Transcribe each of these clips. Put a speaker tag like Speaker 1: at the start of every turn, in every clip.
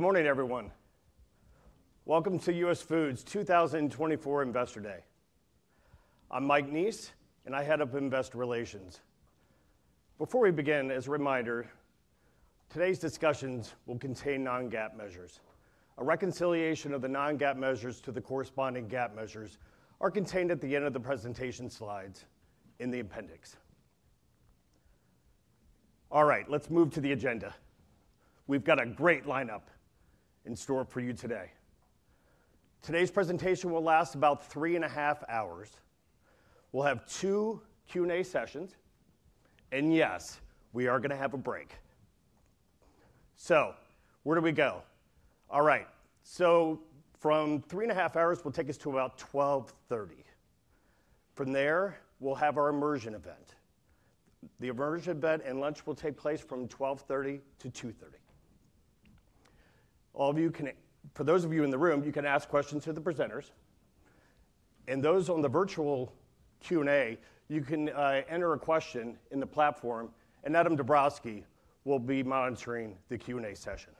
Speaker 1: Good morning, everyone. Welcome to US Foods 2024 Investor Day. I'm Mike Neese, and I head up Investor Relations. Before we begin, as a reminder, today's discussions will contain non-GAAP measures. A reconciliation of the non-GAAP measures to the corresponding GAAP measures are contained at the end of the presentation slides in the appendix. All right, let's move to the agenda. We've got a great lineup in store for you today. Today's presentation will last about 3.5 hours. We'll have 2 Q&A sessions, and yes, we are gonna have a break. So where do we go? All right. So from 3.5 hours will take us to about 12:30 P.M. From there, we'll have our immersion event. The immersion event and lunch will take place from 12:30 P.M.-2:30 P.M. For those of you in the room, you can ask questions to the presenters, and those on the virtual Q&A, you can enter a question in the platform, and Adam Dabrowski will be monitoring the Q&A session.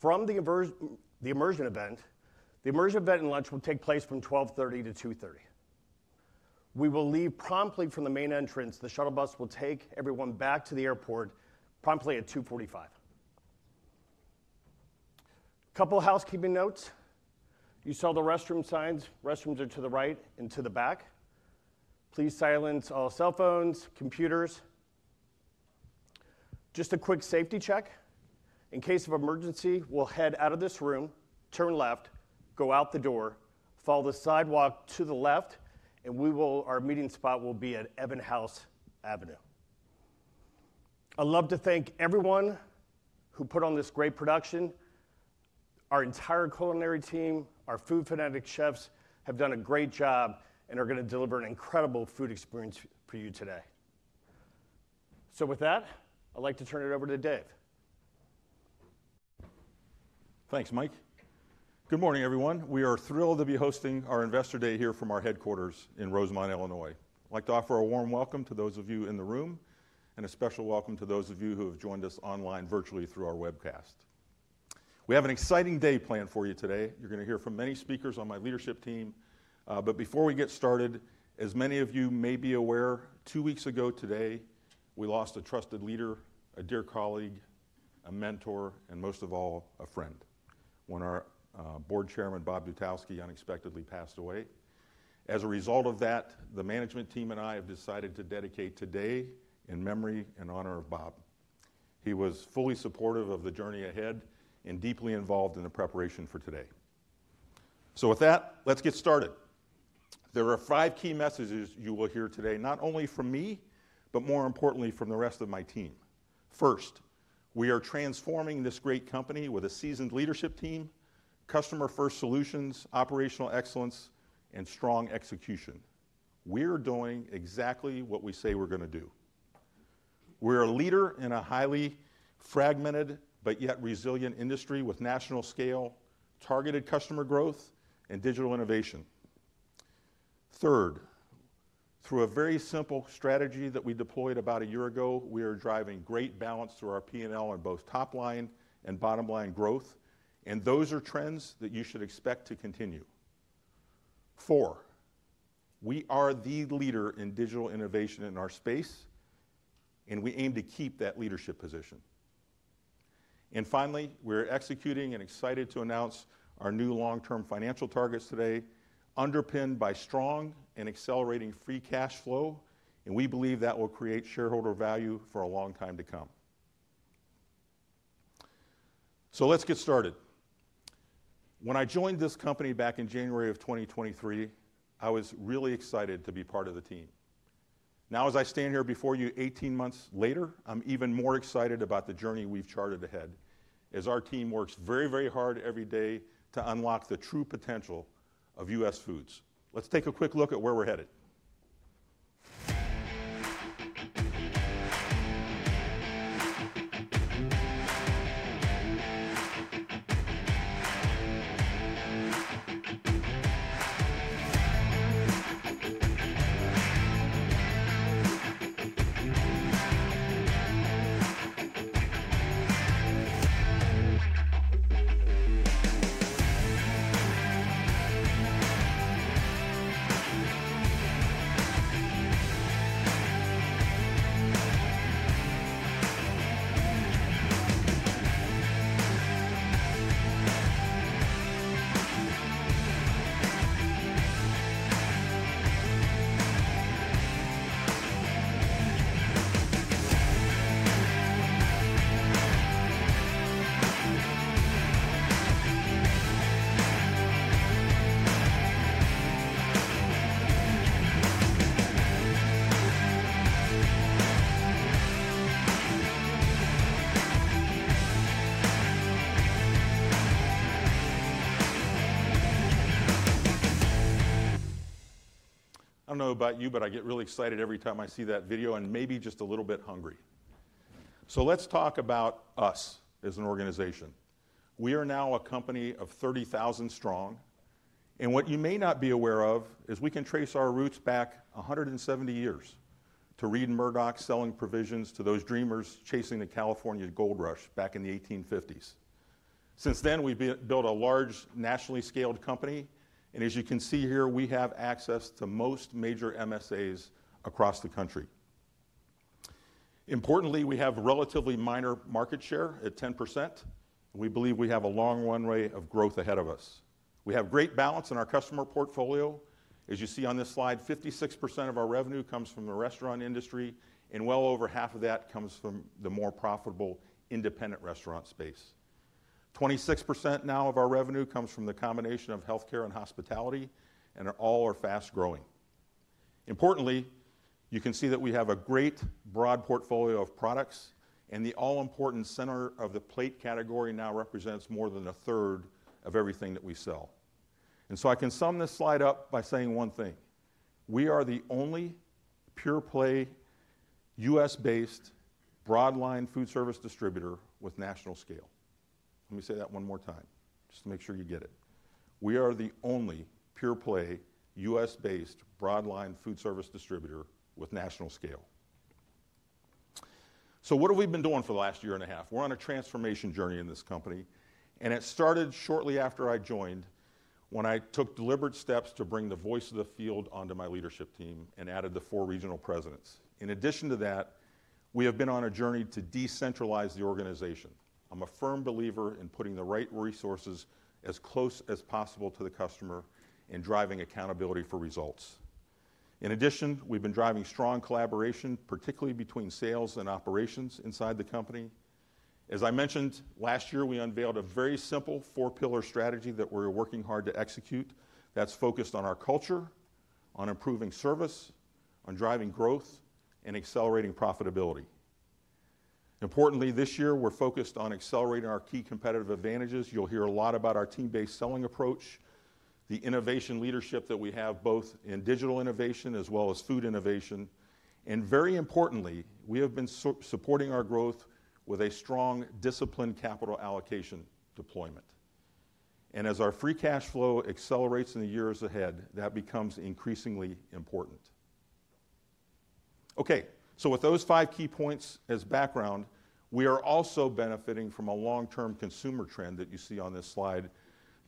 Speaker 1: From the immersion event, the immersion event and lunch will take place from 12:30 P.M.-2:30 P.M. We will leave promptly from the main entrance. The shuttle bus will take everyone back to the airport promptly at 2:45 P.M. A couple of housekeeping notes: You saw the restroom signs. Restrooms are to the right and to the back. Please silence all cell phones, computers. Just a quick safety check. In case of emergency, we'll head out of this room, turn left, go out the door, follow the sidewalk to the left, and our meeting spot will be at Evenhouse Avenue. I'd love to thank everyone who put on this great production. Our entire culinary team, our food fanatic chefs, have done a great job and are gonna deliver an incredible food experience for you today. So with that, I'd like to turn it over to Dave.
Speaker 2: Thanks, Mike. Good morning, everyone. We are thrilled to be hosting our Investor Day here from our headquarters in Rosemont, Illinois. I'd like to offer a warm welcome to those of you in the room, and a special welcome to those of you who have joined us online virtually through our webcast. We have an exciting day planned for you today. You're gonna hear from many speakers on my leadership team. But before we get started, as many of you may be aware, two weeks ago today, we lost a trusted leader, a dear colleague, a mentor, and most of all, a friend, when our board chairman, Bob Dutkowsky, unexpectedly passed away. As a result of that, the management team and I have decided to dedicate today in memory and honor of Bob. He was fully supportive of the journey ahead and deeply involved in the preparation for today. With that, let's get started. There are five key messages you will hear today, not only from me, but more importantly, from the rest of my team. First, we are transforming this great company with a seasoned leadership team, customer-first solutions, operational excellence, and strong execution. We're doing exactly what we say we're gonna do. We're a leader in a highly fragmented but yet resilient industry with national scale, targeted customer growth, and digital innovation. Third, through a very simple strategy that we deployed about a year ago, we are driving great balance through our P&L on both top line and bottom line growth, and those are trends that you should expect to continue. Four, we are the leader in digital innovation in our space, and we aim to keep that leadership position. And finally, we're executing and excited to announce our new long-term financial targets today, underpinned by strong and accelerating free cash flow, and we believe that will create shareholder value for a long time to come. So let's get started. When I joined this company back in January of 2023, I was really excited to be part of the team. Now, as I stand here before you 18 months later, I'm even more excited about the journey we've charted ahead as our team works very, very hard every day to unlock the true potential of US Foods. Let's take a quick look at where we're headed. I don't know about you, but I get really excited every time I see that video, and maybe just a little bit hungry. So let's talk about us as an organization. We are now a company of 30,000 strong.... What you may not be aware of is we can trace our roots back 170 years to Reid Murdoch selling provisions to those dreamers chasing the California Gold Rush back in the 1850s. Since then, we've built a large, nationally scaled company, and as you can see here, we have access to most major MSAs across the country. Importantly, we have relatively minor market share at 10%, and we believe we have a long runway of growth ahead of us. We have great balance in our customer portfolio. As you see on this slide, 56% of our revenue comes from the restaurant industry, and well over half of that comes from the more profitable independent restaurant space. 26% now of our revenue comes from the combination of healthcare and hospitality, and all are fast-growing. Importantly, you can see that we have a great broad portfolio of products, and the all-important center of the plate category now represents more than a third of everything that we sell. So I can sum this slide up by saying one thing: we are the only pure-play, U.S.-based, broadline foodservice distributor with national scale. Let me say that one more time, just to make sure you get it. We are the only pure-play, U.S.-based, broadline foodservice distributor with national scale. So what have we been doing for the last year and a half? We're on a transformation journey in this company, and it started shortly after I joined, when I took deliberate steps to bring the voice of the field onto my leadership team and added the four regional presidents. In addition to that, we have been on a journey to decentralize the organization. I'm a firm believer in putting the right resources as close as possible to the customer and driving accountability for results. In addition, we've been driving strong collaboration, particularly between sales and operations inside the company. As I mentioned, last year, we unveiled a very simple four-pillar strategy that we're working hard to execute. That's focused on our culture, on improving service, on driving growth, and accelerating profitability. Importantly, this year, we're focused on accelerating our key competitive advantages. You'll hear a lot about our team-based selling approach, the innovation leadership that we have, both in digital innovation as well as food innovation, and very importantly, we have been supporting our growth with a strong, disciplined capital allocation deployment. And as our free cash flow accelerates in the years ahead, that becomes increasingly important. Okay, so with those five key points as background, we are also benefiting from a long-term consumer trend that you see on this slide,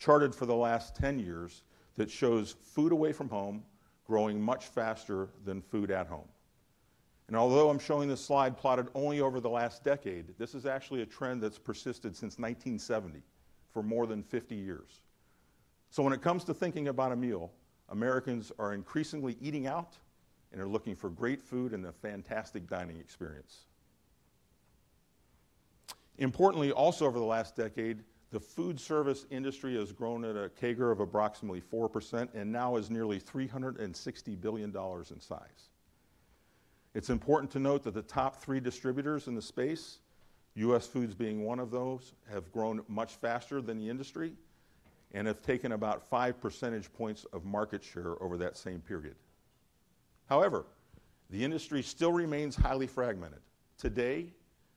Speaker 2: charted for the last 10 years, that shows food away from home growing much faster than food at home. Although I'm showing this slide plotted only over the last decade, this is actually a trend that's persisted since 1970, for more than 50 years. So when it comes to thinking about a meal, Americans are increasingly eating out and are looking for great food and a fantastic dining experience. Importantly, also over the last decade, the food service industry has grown at a CAGR of approximately 4% and now is nearly $360 billion in size. It's important to note that the top three distributors in the space, US Foods being one of those, have grown much faster than the industry and have taken about 5 percentage points of market share over that same period. However, the industry still remains highly fragmented. Today,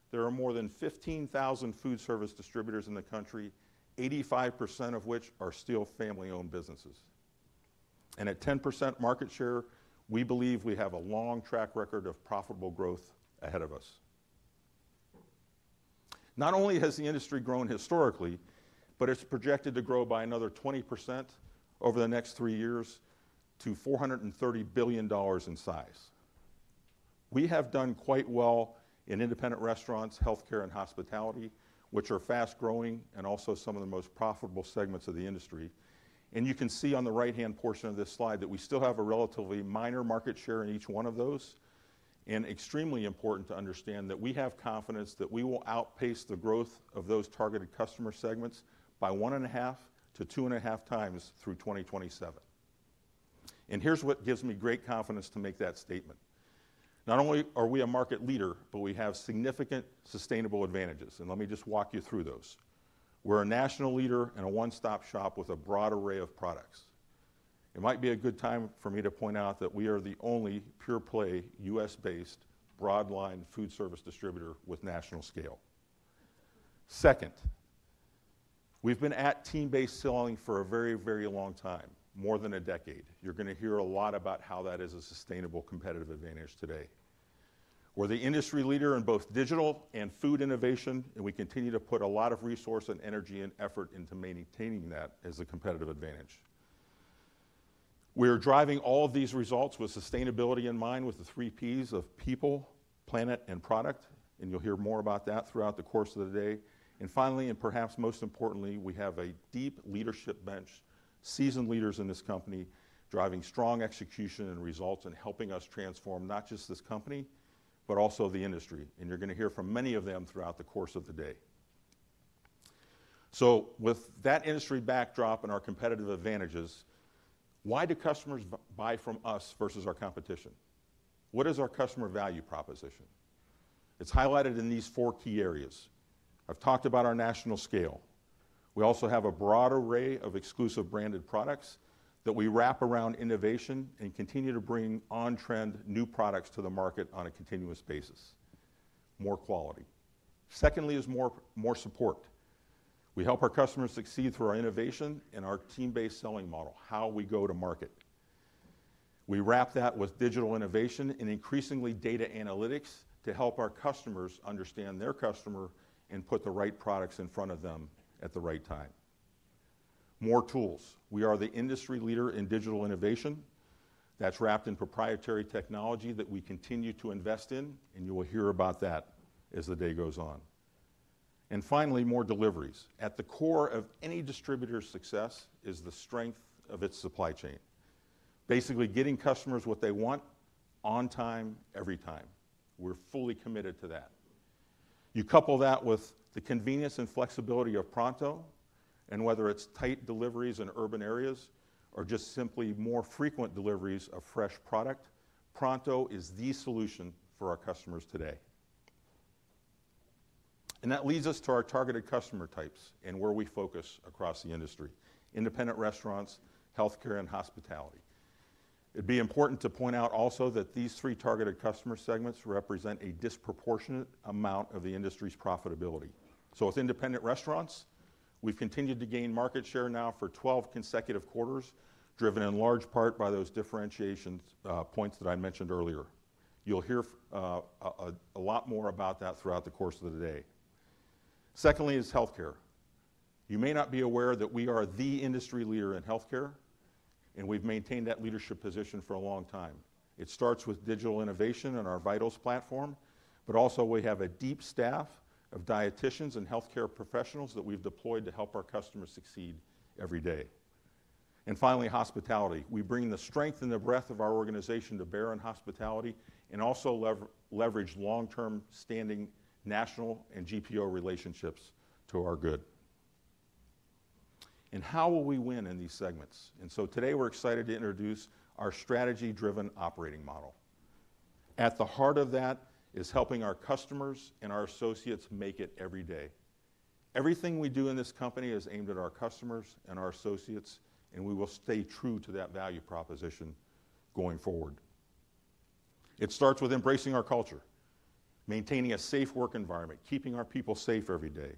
Speaker 2: there are more than 15,000 food service distributors in the country, 85% of which are still family-owned businesses. And at 10% market share, we believe we have a long track record of profitable growth ahead of us. Not only has the industry grown historically, but it's projected to grow by another 20% over the next three years to $430 billion in size. We have done quite well in independent restaurants, healthcare, and hospitality, which are fast-growing and also some of the most profitable segments of the industry. You can see on the right-hand portion of this slide that we still have a relatively minor market share in each one of those. It is extremely important to understand that we have confidence that we will outpace the growth of those targeted customer segments by 1.5x-2.5x through 2027. Here's what gives me great confidence to make that statement: Not only are we a market leader, but we have significant sustainable advantages, and let me just walk you through those. We're a national leader and a one-stop shop with a broad array of products. It might be a good time for me to point out that we are the only pure-play, U.S.-based, broadline foodservice distributor with national scale. Second, we've been at team-based selling for a very, very long time, more than a decade. You're gonna hear a lot about how that is a sustainable competitive advantage today. We're the industry leader in both digital and food innovation, and we continue to put a lot of resource and energy and effort into maintaining that as a competitive advantage. We are driving all of these results with sustainability in mind, with the three Ps of people, planet, and product, and you'll hear more about that throughout the course of the day. And finally, and perhaps most importantly, we have a deep leadership bench, seasoned leaders in this company, driving strong execution and results and helping us transform not just this company, but also the industry. And you're gonna hear from many of them throughout the course of the day. So with that industry backdrop and our competitive advantages, why do customers buy from us versus our competition? What is our customer value proposition? It's highlighted in these four key areas. I've talked about our national scale. We also have a broad array of exclusive branded products that we wrap around innovation and continue to bring on-trend new products to the market on a continuous basis. More quality. Secondly is more support. We help our customers succeed through our innovation and our team-based selling model, how we go to market. We wrap that with digital innovation and increasingly, data analytics, to help our customers understand their customer and put the right products in front of them at the right time. More tools. We are the industry leader in digital innovation. That's wrapped in proprietary technology that we continue to invest in, and you will hear about that as the day goes on. And finally, more deliveries. At the core of any distributor's success is the strength of its supply chain. Basically, getting customers what they want on time, every time. We're fully committed to that. You couple that with the convenience and flexibility of Pronto, and whether it's tight deliveries in urban areas or just simply more frequent deliveries of fresh product, Pronto is the solution for our customers today. And that leads us to our targeted customer types and where we focus across the industry: independent restaurants, healthcare, and hospitality. It'd be important to point out also that these three targeted customer segments represent a disproportionate amount of the industry's profitability. So with independent restaurants, we've continued to gain market share now for 12 consecutive quarters, driven in large part by those differentiations, points that I mentioned earlier. You'll hear a lot more about that throughout the course of the day. Secondly is healthcare. You may not be aware that we are the industry leader in healthcare, and we've maintained that leadership position for a long time. It starts with digital innovation and our VITALS platform, but also we have a deep staff of dieticians and healthcare professionals that we've deployed to help our customers succeed every day. Finally, hospitality. We bring the strength and the breadth of our organization to bear on hospitality, and also leverage long-term standing national and GPO relationships to our good. How will we win in these segments? So today, we're excited to introduce our strategy-driven operating model. At the heart of that is helping our customers and our associates make it every day. Everything we do in this company is aimed at our customers and our associates, and we will stay true to that value proposition going forward. It starts with embracing our culture, maintaining a safe work environment, keeping our people safe every day.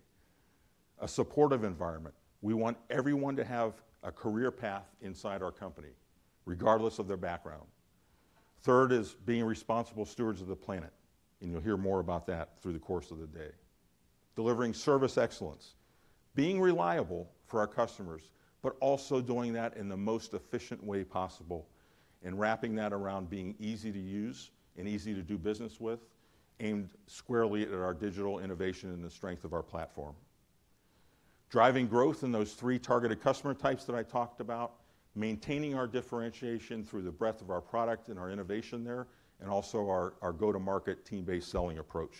Speaker 2: A supportive environment. We want everyone to have a career path inside our company, regardless of their background. Third is being responsible stewards of the planet, and you'll hear more about that through the course of the day. Delivering service excellence. Being reliable for our customers, but also doing that in the most efficient way possible, and wrapping that around being easy to use and easy to do business with, aimed squarely at our digital innovation and the strength of our platform. Driving growth in those three targeted customer types that I talked about, maintaining our differentiation through the breadth of our product and our innovation there, and also our, our go-to-market, team-based selling approach.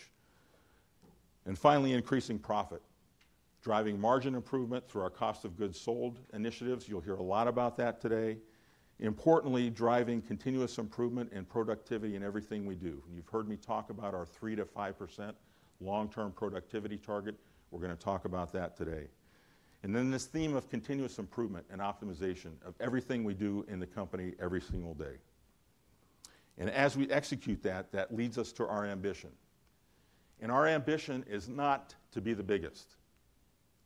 Speaker 2: And finally, increasing profit. Driving margin improvement through our cost of goods sold initiatives. You'll hear a lot about that today. Importantly, driving continuous improvement and productivity in everything we do. You've heard me talk about our 3%-5% long-term productivity target. We're gonna talk about that today. Then this theme of continuous improvement and optimization of everything we do in the company every single day. And as we execute that, that leads us to our ambition. Our ambition is not to be the biggest,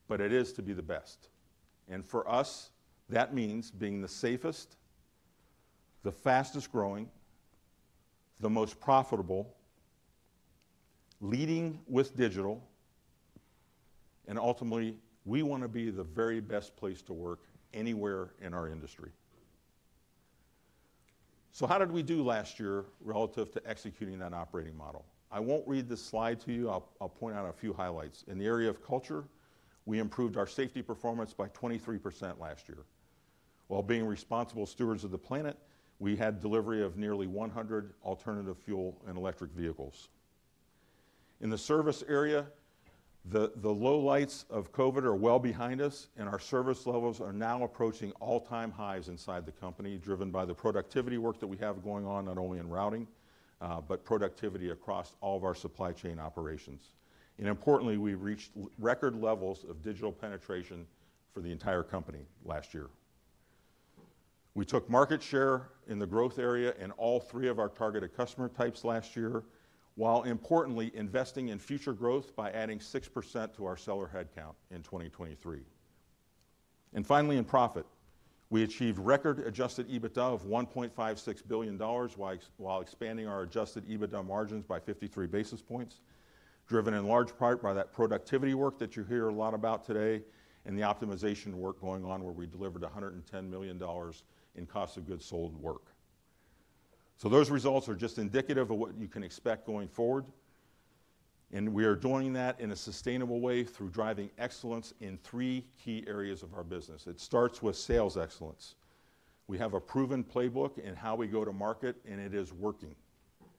Speaker 2: but it is to be the best. For us, that means being the safest, the fastest growing, the most profitable, leading with digital, and ultimately, we wanna be the very best place to work anywhere in our industry. So how did we do last year relative to executing that operating model? I won't read this slide to you. I'll, I'll point out a few highlights. In the area of culture, we improved our safety performance by 23% last year. While being responsible stewards of the planet, we had delivery of nearly 100 alternative fuel and electric vehicles. In the service area, the lowlights of COVID are well behind us, and our service levels are now approaching all-time highs inside the company, driven by the productivity work that we have going on, not only in routing, but productivity across all of our supply chain operations. Importantly, we reached record levels of digital penetration for the entire company last year. We took market share in the growth area in all three of our targeted customer types last year, while importantly investing in future growth by adding 6% to our seller headcount in 2023. Finally, in profit, we achieved record Adjusted EBITDA of $1.56 billion, while expanding our Adjusted EBITDA margins by 53 basis points, driven in large part by that productivity work that you'll hear a lot about today, and the optimization work going on, where we delivered $110 million in cost of goods sold work. So those results are just indicative of what you can expect going forward, and we are doing that in a sustainable way through driving excellence in three key areas of our business. It starts with sales excellence. We have a proven playbook in how we go to market, and it is working,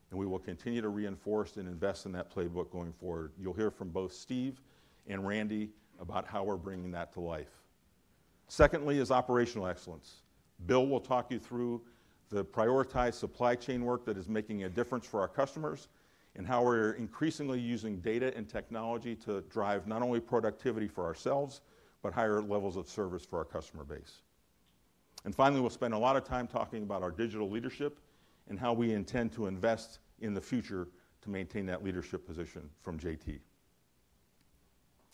Speaker 2: and we will continue to reinforce and invest in that playbook going forward. You'll hear from both Steve and Randy about how we're bringing that to life. Secondly is operational excellence. Bill will talk you through the prioritized supply chain work that is making a difference for our customers, and how we're increasingly using data and technology to drive not only productivity for ourselves, but higher levels of service for our customer base... And finally, we'll spend a lot of time talking about our digital leadership and how we intend to invest in the future to maintain that leadership position from JT.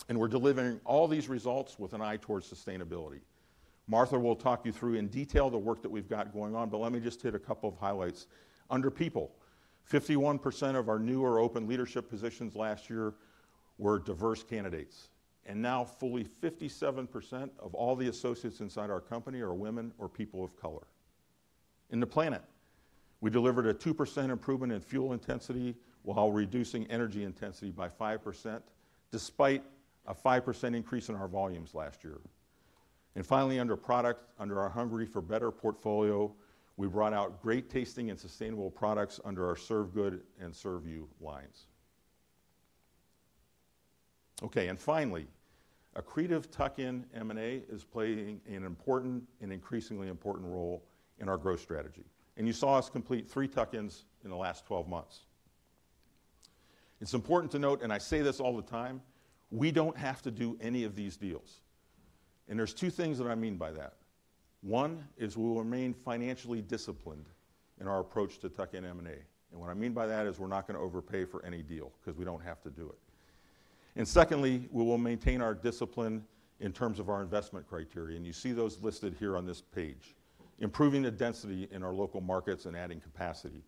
Speaker 2: And we're delivering all these results with an eye towards sustainability. Martha will talk you through in detail the work that we've got going on, but let me just hit a couple of highlights. Under people, 51% of our new or open leadership positions last year were diverse candidates, and now fully 57% of all the associates inside our company are women or people of color. In the planet, we delivered a 2% improvement in fuel intensity while reducing energy intensity by 5%, despite a 5% increase in our volumes last year. And finally, under product, under our Hungry for Better portfolio, we brought out great-tasting and sustainable products under our Serve Good and Serve U lines. Okay, and finally, accretive tuck-in M&A is playing an important and increasingly important role in our growth strategy, and you saw us complete three tuck-ins in the last 12 months. It's important to note, and I say this all the time: we don't have to do any of these deals, and there's two things that I mean by that. One is we will remain financially disciplined in our approach to tuck-in M&A, and what I mean by that is we're not gonna overpay for any deal 'cause we don't have to do it. Secondly, we will maintain our discipline in terms of our investment criteria, and you see those listed here on this page. Improving the density in our local markets and adding capacity.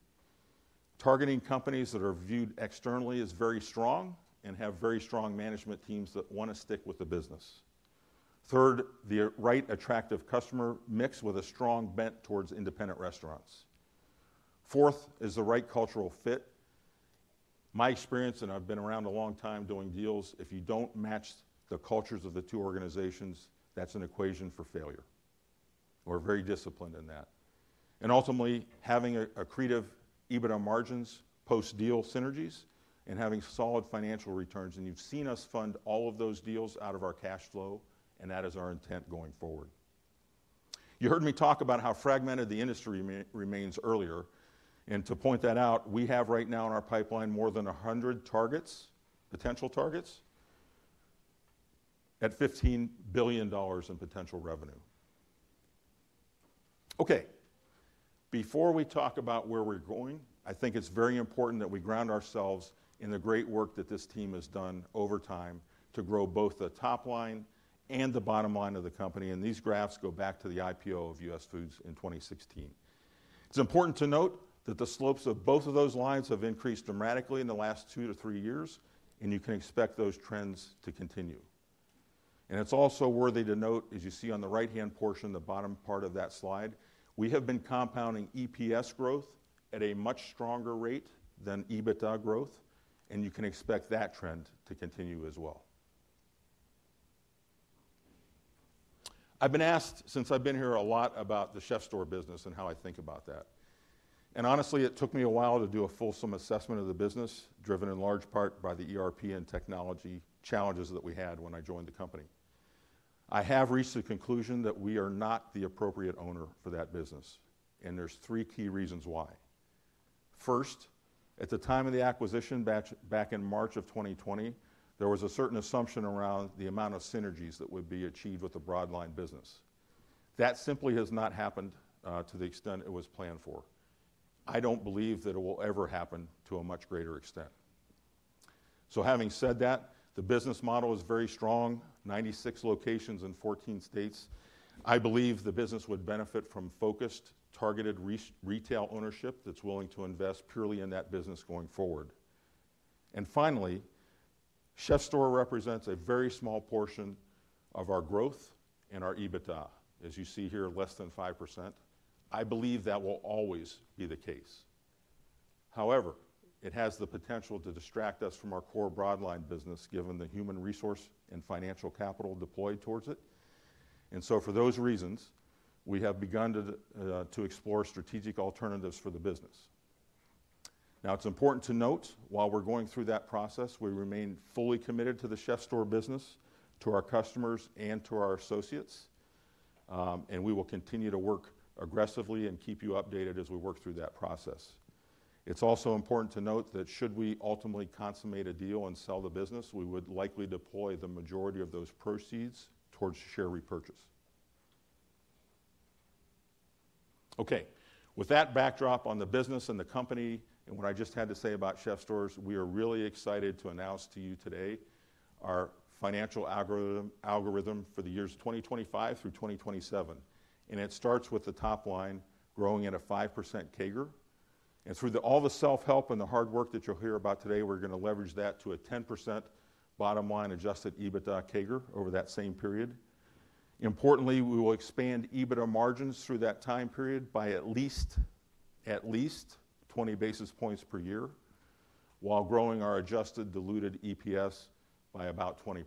Speaker 2: Targeting companies that are viewed externally as very strong and have very strong management teams that wanna stick with the business. Third, the right attractive customer mix with a strong bent towards independent restaurants. Fourth is the right cultural fit. My experience, and I've been around a long time doing deals, if you don't match the cultures of the two organizations, that's an equation for failure. We're very disciplined in that. And ultimately, having a, accretive EBITDA margins, post-deal synergies, and having solid financial returns, and you've seen us fund all of those deals out of our cash flow, and that is our intent going forward. You heard me talk about how fragmented the industry remains earlier, and to point that out, we have right now in our pipeline more than 100 targets, potential targets, at $15 billion in potential revenue. Okay, before we talk about where we're going, I think it's very important that we ground ourselves in the great work that this team has done over time to grow both the top line and the bottom line of the company, and these graphs go back to the IPO of US Foods in 2016. It's important to note that the slopes of both of those lines have increased dramatically in the last two-three years, and you can expect those trends to continue. It's also worthy to note, as you see on the right-hand portion, the bottom part of that slide, we have been compounding EPS growth at a much stronger rate than EBITDA growth, and you can expect that trend to continue as well. I've been asked, since I've been here, a lot about the CHEF'STORE business and how I think about that. Honestly, it took me a while to do a fulsome assessment of the business, driven in large part by the ERP and technology challenges that we had when I joined the company. I have reached the conclusion that we are not the appropriate owner for that business, and there's three key reasons why. First, at the time of the acquisition batch, back in March of 2020, there was a certain assumption around the amount of synergies that would be achieved with the Broadline business. That simply has not happened to the extent it was planned for. I don't believe that it will ever happen to a much greater extent. So having said that, the business model is very strong, 96 locations in 14 states. I believe the business would benefit from focused, targeted retail ownership that's willing to invest purely in that business going forward. And finally, CHEF'STORE represents a very small portion of our growth and our EBITDA. As you see here, less than 5%. I believe that will always be the case. However, it has the potential to distract us from our core Broadline business, given the human resource and financial capital deployed towards it. And so for those reasons, we have begun to explore strategic alternatives for the business. Now, it's important to note, while we're going through that process, we remain fully committed to the CHEF'STORE business, to our customers, and to our associates, and we will continue to work aggressively and keep you updated as we work through that process. It's also important to note that should we ultimately consummate a deal and sell the business, we would likely deploy the majority of those proceeds towards share repurchase. Okay, with that backdrop on the business and the company and what I just had to say about CHEF'STORE, we are really excited to announce to you today our financial algorithm for the years 2025 through 2027, and it starts with the top line growing at a 5% CAGR. Through all the self-help and the hard work that you'll hear about today, we're gonna leverage that to a 10% bottom line adjusted EBITDA CAGR over that same period. Importantly, we will expand EBITDA margins through that time period by at least 20 basis points per year, while growing our adjusted diluted EPS by about 20%.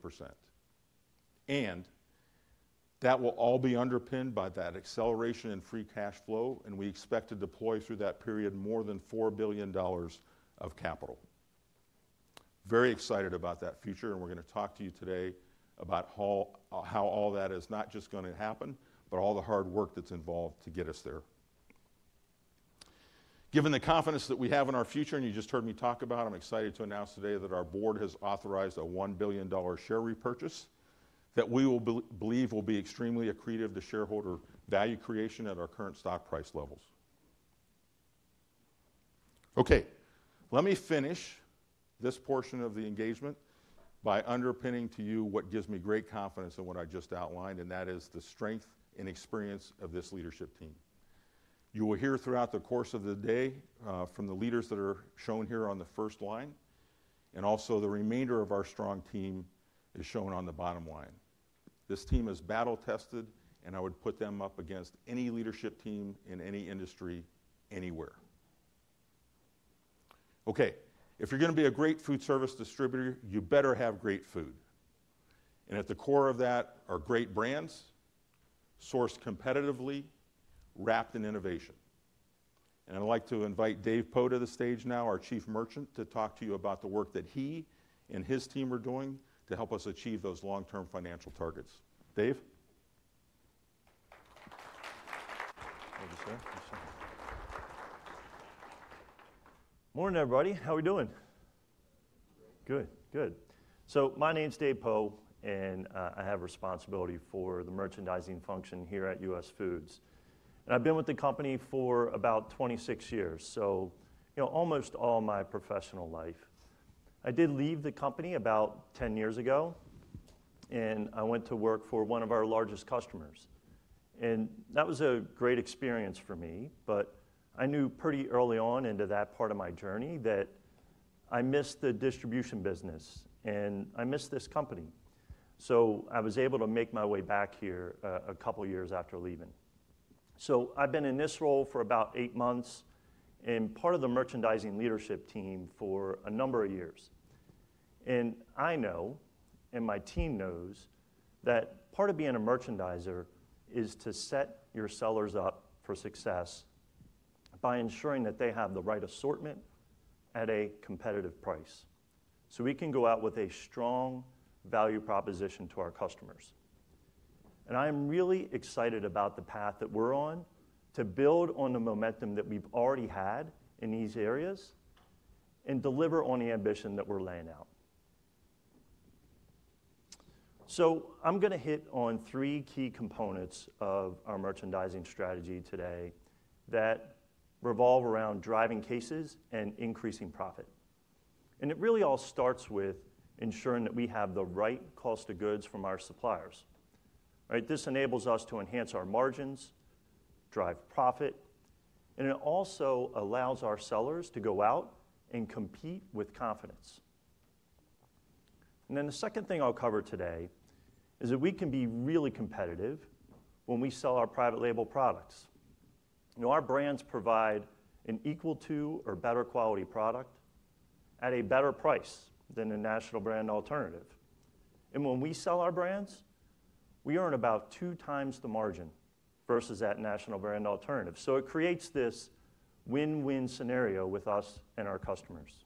Speaker 2: And that will all be underpinned by that acceleration in free cash flow, and we expect to deploy through that period more than $4 billion of capital. Very excited about that future, and we're gonna talk to you today about how all that is not just gonna happen, but all the hard work that's involved to get us there. Given the confidence that we have in our future, and you just heard me talk about, I'm excited to announce today that our board has authorized a $1 billion share repurchase, that we will believe will be extremely accretive to shareholder value creation at our current stock price levels. Okay, let me finish this portion of the engagement by underpinning to you what gives me great confidence in what I just outlined, and that is the strength and experience of this leadership team. You will hear throughout the course of the day from the leaders that are shown here on the first line, and also the remainder of our strong team is shown on the bottom line. This team is battle-tested, and I would put them up against any leadership team in any industry, anywhere. Okay, if you're gonna be a great food service distributor, you better have great food. At the core of that are great brands, sourced competitively, wrapped in innovation. I'd like to invite Dave Poe to the stage now, our Chief Merchant, to talk to you about the work that he and his team are doing to help us achieve those long-term financial targets. Dave?
Speaker 3: Thank you, sir. Morning, everybody. How we doing?
Speaker 2: Great.
Speaker 3: Good. Good. So my name's Dave Poe, and, I have responsibility for the merchandising function here at US Foods. And I've been with the company for about 26 years, so, you know, almost all my professional life. I did leave the company about 10 years ago, and I went to work for one of our largest customers. And that was a great experience for me, but I knew pretty early on into that part of my journey that I missed the distribution business, and I missed this company. So I was able to make my way back here, a couple of years after leaving. So I've been in this role for about 8 months, and part of the merchandising leadership team for a number of years. And I know, and my team knows, that part of being a merchandiser is to set your sellers up for success by ensuring that they have the right assortment at a competitive price. So we can go out with a strong value proposition to our customers. And I am really excited about the path that we're on, to build on the momentum that we've already had in these areas and deliver on the ambition that we're laying out. So I'm gonna hit on three key components of our merchandising strategy today, that revolve around driving cases and increasing profit. And it really all starts with ensuring that we have the right cost of goods from our suppliers. Right, this enables us to enhance our margins, drive profit, and it also allows our sellers to go out and compete with confidence. Then the second thing I'll cover today is that we can be really competitive when we sell our private label products. You know, our brands provide an equal to or better quality product at a better price than a national brand alternative. And when we sell our brands, we earn about two times the margin versus that national brand alternative. So it creates this win-win scenario with us and our customers.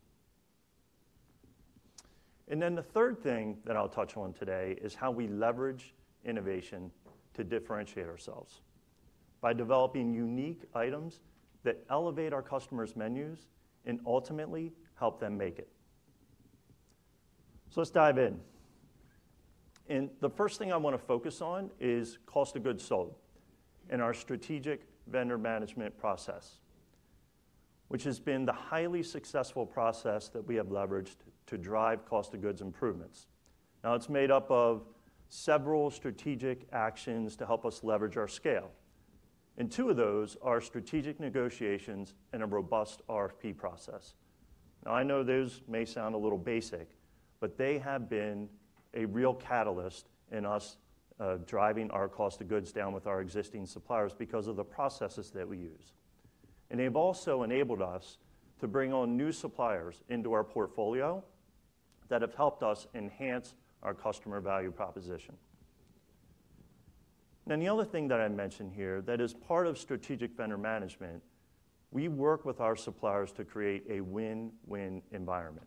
Speaker 3: And then the third thing that I'll touch on today is how we leverage innovation to differentiate ourselves by developing unique items that elevate our customers' menus and ultimately help them make it. So let's dive in. And the first thing I wanna focus on is cost of goods sold and our strategic vendor management process, which has been the highly successful process that we have leveraged to drive cost of goods improvements. Now, it's made up of several strategic actions to help us leverage our scale, and two of those are strategic negotiations and a robust RFP process. Now, I know those may sound a little basic, but they have been a real catalyst in us driving our cost of goods down with our existing suppliers because of the processes that we use. And they've also enabled us to bring on new suppliers into our portfolio that have helped us enhance our customer value proposition. Then the other thing that I mentioned here that is part of strategic vendor management, we work with our suppliers to create a win-win environment.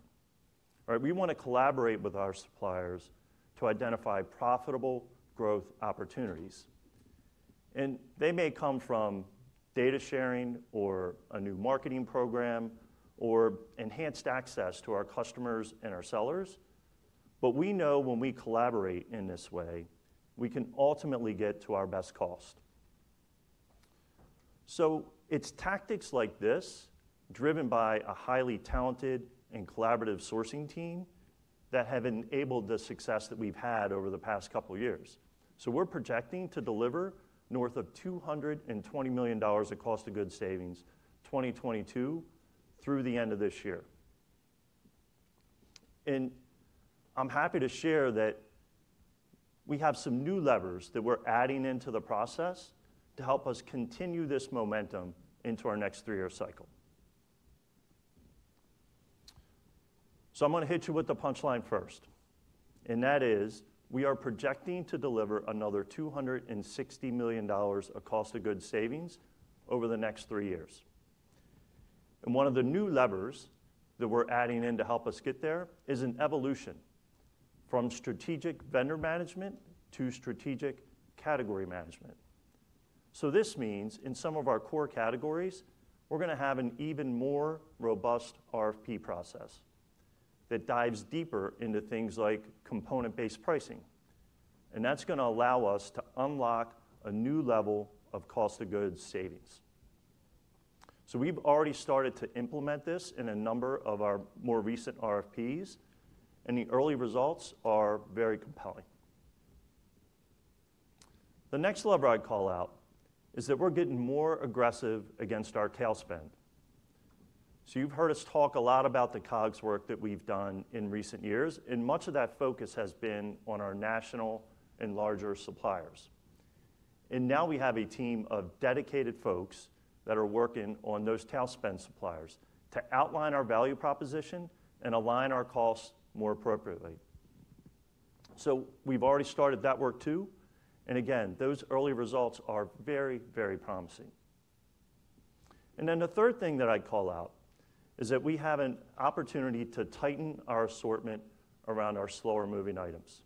Speaker 3: Right, we wanna collaborate with our suppliers to identify profitable growth opportunities, and they may come from data sharing, or a new marketing program, or enhanced access to our customers and our sellers. But we know when we collaborate in this way, we can ultimately get to our best cost. So it's tactics like this, driven by a highly talented and collaborative sourcing team, that have enabled the success that we've had over the past couple of years. So we're projecting to deliver north of $220 million of cost of goods savings, 2022, through the end of this year. And I'm happy to share that we have some new levers that we're adding into the process to help us continue this momentum into our next three-year cycle. So I'm gonna hit you with the punchline first, and that is, we are projecting to deliver another $260 million of cost of goods savings over the next three years. One of the new levers that we're adding in to help us get there is an evolution from strategic vendor management to strategic category management. So this means in some of our core categories, we're gonna have an even more robust RFP process that dives deeper into things like component-based pricing, and that's gonna allow us to unlock a new level of cost of goods savings. So we've already started to implement this in a number of our more recent RFPs, and the early results are very compelling. The next lever I'd call out is that we're getting more aggressive against our tail spend. So you've heard us talk a lot about the COGS work that we've done in recent years, and much of that focus has been on our national and larger suppliers. Now we have a team of dedicated folks that are working on those tail spend suppliers to outline our value proposition and align our costs more appropriately. We've already started that work, too, and again, those early results are very, very promising. Then the third thing that I'd call out is that we have an opportunity to tighten our assortment around our slower-moving items.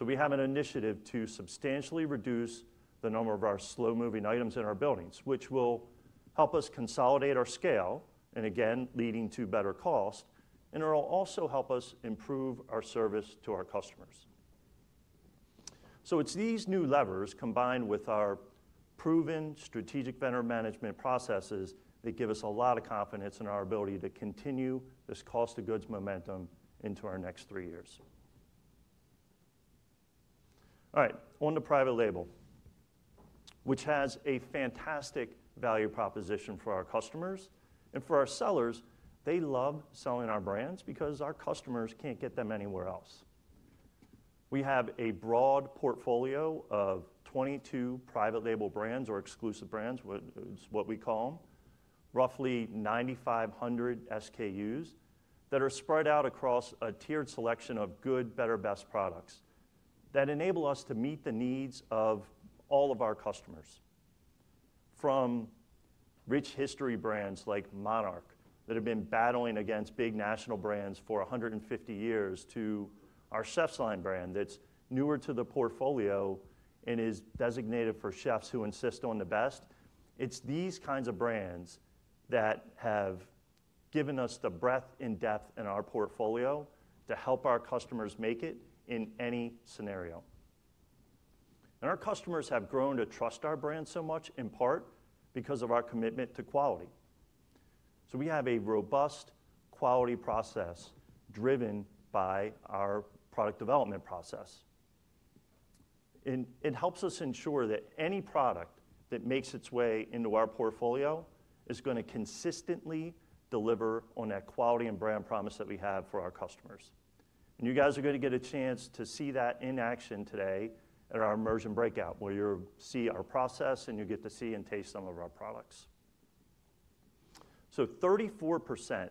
Speaker 3: We have an initiative to substantially reduce the number of our slow-moving items in our buildings, which will help us consolidate our scale, and again, leading to better cost, and it'll also help us improve our service to our customers. It's these new levers, combined with our proven strategic vendor management processes, that give us a lot of confidence in our ability to continue this cost of goods momentum into our next three years. All right, on to private label, which has a fantastic value proposition for our customers and for our sellers. They love selling our brands because our customers can't get them anywhere else. We have a broad portfolio of 22 private label brands or exclusive brands, it's what we call them, roughly 9,500 SKUs that are spread out across a tiered selection of good, better, best products that enable us to meet the needs of all of our customers. From rich history brands like Monarch, that have been battling against big national brands for 150 years, to our Chef's Line brand that's newer to the portfolio and is designated for chefs who insist on the best. It's these kinds of brands that have given us the breadth and depth in our portfolio to help our customers make it in any scenario. Our customers have grown to trust our brand so much, in part, because of our commitment to quality. We have a robust quality process driven by our product development process. It helps us ensure that any product that makes its way into our portfolio is gonna consistently deliver on that quality and brand promise that we have for our customers. You guys are gonna get a chance to see that in action today at our immersion breakout, where you'll see our process, and you'll get to see and taste some of our products. 34%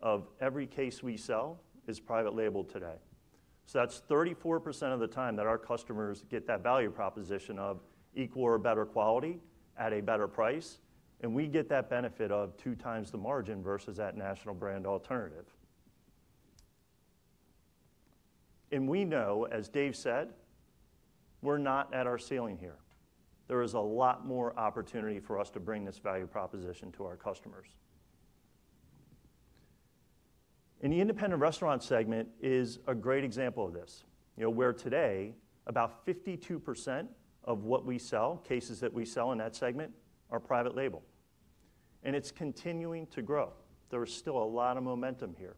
Speaker 3: of every case we sell is private label today. That's 34% of the time that our customers get that value proposition of equal or better quality at a better price, and we get that benefit of two times the margin versus that national brand alternative. And we know, as Dave said, we're not at our ceiling here. There is a lot more opportunity for us to bring this value proposition to our customers. And the independent restaurant segment is a great example of this. You know, where today, about 52% of what we sell, cases that we sell in that segment, are private label, and it's continuing to grow. There is still a lot of momentum here,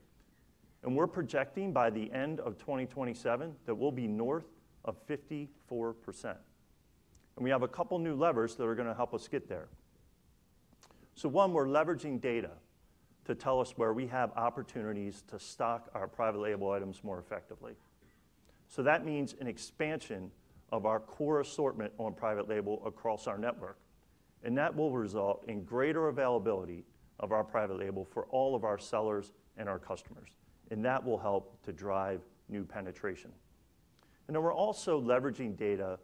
Speaker 3: and we're projecting by the end of 2027 that we'll be north of 54%. And we have a couple new levers that are gonna help us get there. So one, we're leveraging data to tell us where we have opportunities to stock our private label items more effectively. So that means an expansion of our core assortment on private label across our network, and that will result in greater availability of our private label for all of our sellers and our customers, and that will help to drive new penetration. And then we're also leveraging data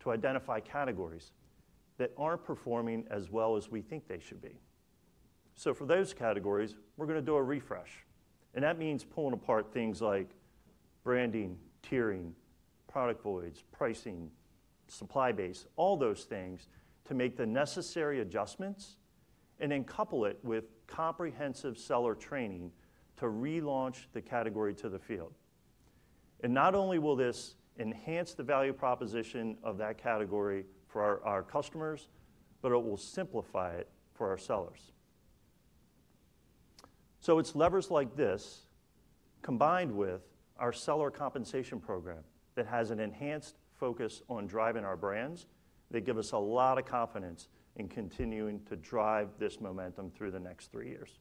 Speaker 3: to identify categories that aren't performing as well as we think they should be. So for those categories, we're gonna do a refresh, and that means pulling apart things like branding, tiering, product voids, pricing, supply base, all those things to make the necessary adjustments and then couple it with comprehensive seller training to relaunch the category to the field. And not only will this enhance the value proposition of that category for our, our customers, but it will simplify it for our sellers. So it's levers like this, combined with our seller compensation program, that has an enhanced focus on driving our brands, that give us a lot of confidence in continuing to drive this momentum through the next three years.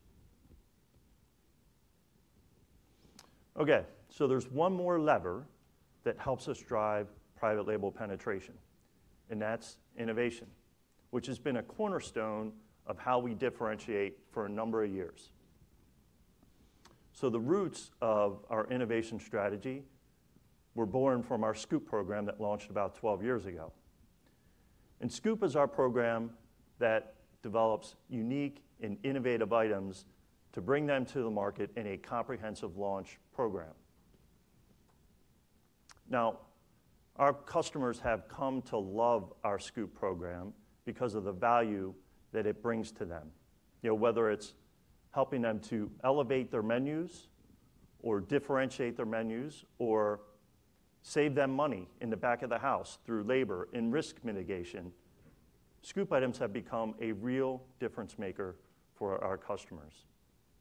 Speaker 3: Okay, so there's one more lever that helps us drive private label penetration, and that's innovation, which has been a cornerstone of how we differentiate for a number of years. So the roots of our innovation strategy were born from our Scoop program that launched about 12 years ago and Scoop is our program that develops unique and innovative items to bring them to the market in a comprehensive launch program. Now, our customers have come to love our Scoop program because of the value that it brings to them. You know, whether it's helping them to elevate their menus, or differentiate their menus, or save them money in the back of the house through labor and risk mitigation, Scoop items have become a real difference-maker for our customers.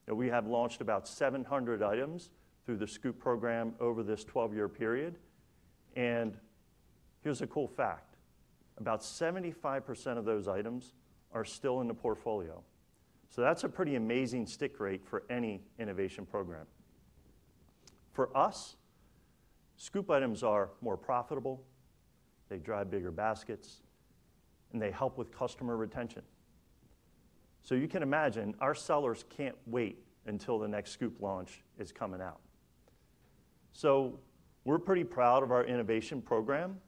Speaker 3: We have launched about 700 items through the Scoop program over this 12-year period, and here's a cool fact: about 75% of those items are still in the portfolio. That's a pretty amazing stick rate for any innovation program. For us, Scoop items are more profitable, they drive bigger baskets, and they help with customer retention. You can imagine, our sellers can't wait until the next Scoop launch is coming out. We're pretty proud of our innovation program,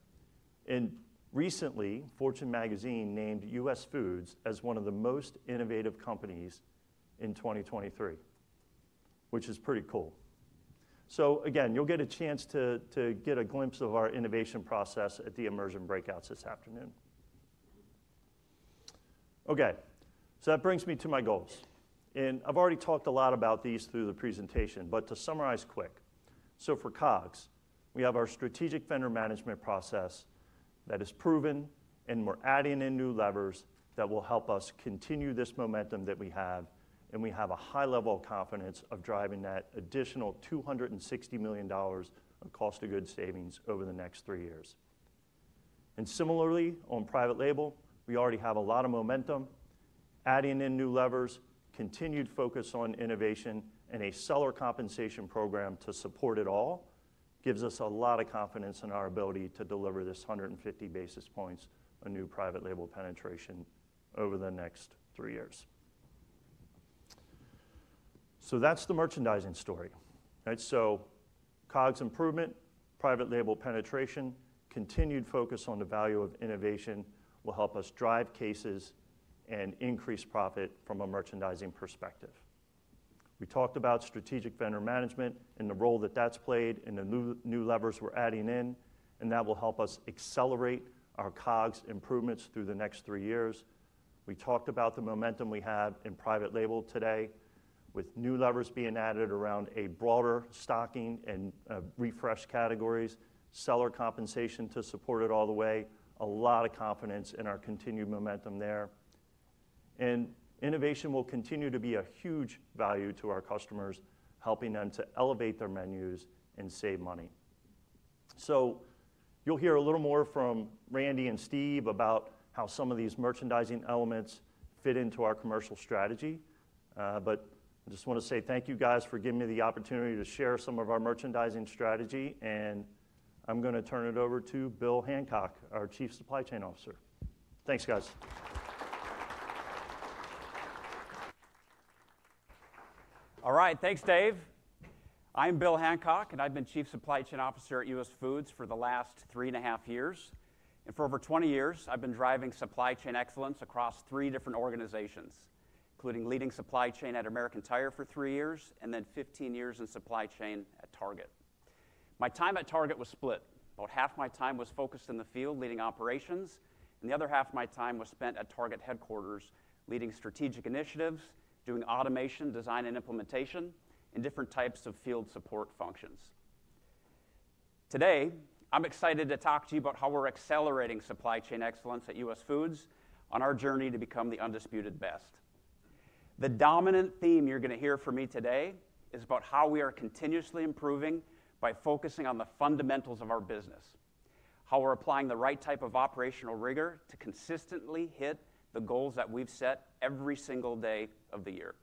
Speaker 3: and recently, Fortune Magazine named US Foods as one of the most innovative companies in 2023, which is pretty cool. So again, you'll get a chance to get a glimpse of our innovation process at the immersion breakouts this afternoon. Okay, so that brings me to my goals, and I've already talked a lot about these through the presentation, but to summarize quick. So for COGS, we have our Strategic Vendor Management process that is proven, and we're adding in new levers that will help us continue this momentum that we have, and we have a high level of confidence of driving that additional $260 million of cost of goods savings over the next three years. And similarly, on private label, we already have a lot of momentum. Adding in new levers, continued focus on innovation, and a seller compensation program to support it all, gives us a lot of confidence in our ability to deliver this 150 basis points of new private label penetration over the next three years. So that's the merchandising story, right? So COGS improvement, private label penetration, continued focus on the value of innovation will help us drive cases and increase profit from a merchandising perspective. We talked about strategic vendor management and the role that that's played, and the new, new levers we're adding in, and that will help us accelerate our COGS improvements through the next three years. We talked about the momentum we have in private label today, with new levers being added around a broader stocking and refreshed categories, seller compensation to support it all the way. A lot of confidence in our continued momentum there. Innovation will continue to be a huge value to our customers, helping them to elevate their menus and save money. So you'll hear a little more from Randy and Steve about how some of these merchandising elements fit into our commercial strategy. But I just wanna say thank you, guys, for giving me the opportunity to share some of our merchandising strategy, and I'm gonna turn it over to Bill Hancock, our Chief Supply Chain Officer. Thanks, guys.
Speaker 4: All right, thanks, Dave. I'm Bill Hancock, and I've been Chief Supply Chain Officer at US Foods for the last three and a half years. For over 20 years, I've been driving supply chain excellence across three different organizations, including leading supply chain at American Tire for three years, and then 15 years in supply chain at Target. My time at Target was split. About half my time was focused in the field, leading operations, and the other half of my time was spent at Target headquarters, leading strategic initiatives, doing automation design and implementation, and different types of field support functions. Today, I'm excited to talk to you about how we're accelerating supply chain excellence at US Foods on our journey to become the undisputed best. The dominant theme you're gonna hear from me today is about how we are continuously improving by focusing on the fundamentals of our business, how we're applying the right type of operational rigor to consistently hit the goals that we've set every single day of the year.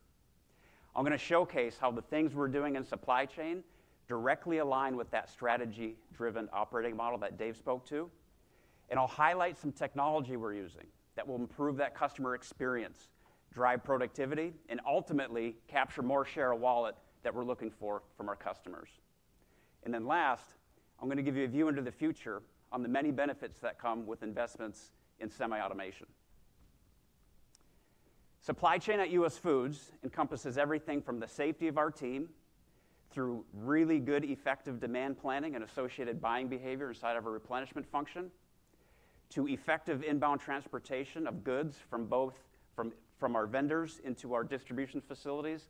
Speaker 4: I'm gonna showcase how the things we're doing in supply chain directly align with that strategy-driven operating model that Dave spoke to. I'll highlight some technology we're using that will improve that customer experience, drive productivity, and ultimately, capture more share of wallet that we're looking for from our customers. Then last, I'm gonna give you a view into the future on the many benefits that come with investments in semi-automation. Supply chain at US Foods encompasses everything from the safety of our team, through really good, effective demand planning and associated buying behavior inside of a replenishment function, to effective inbound transportation of goods from both our vendors into our distribution facilities,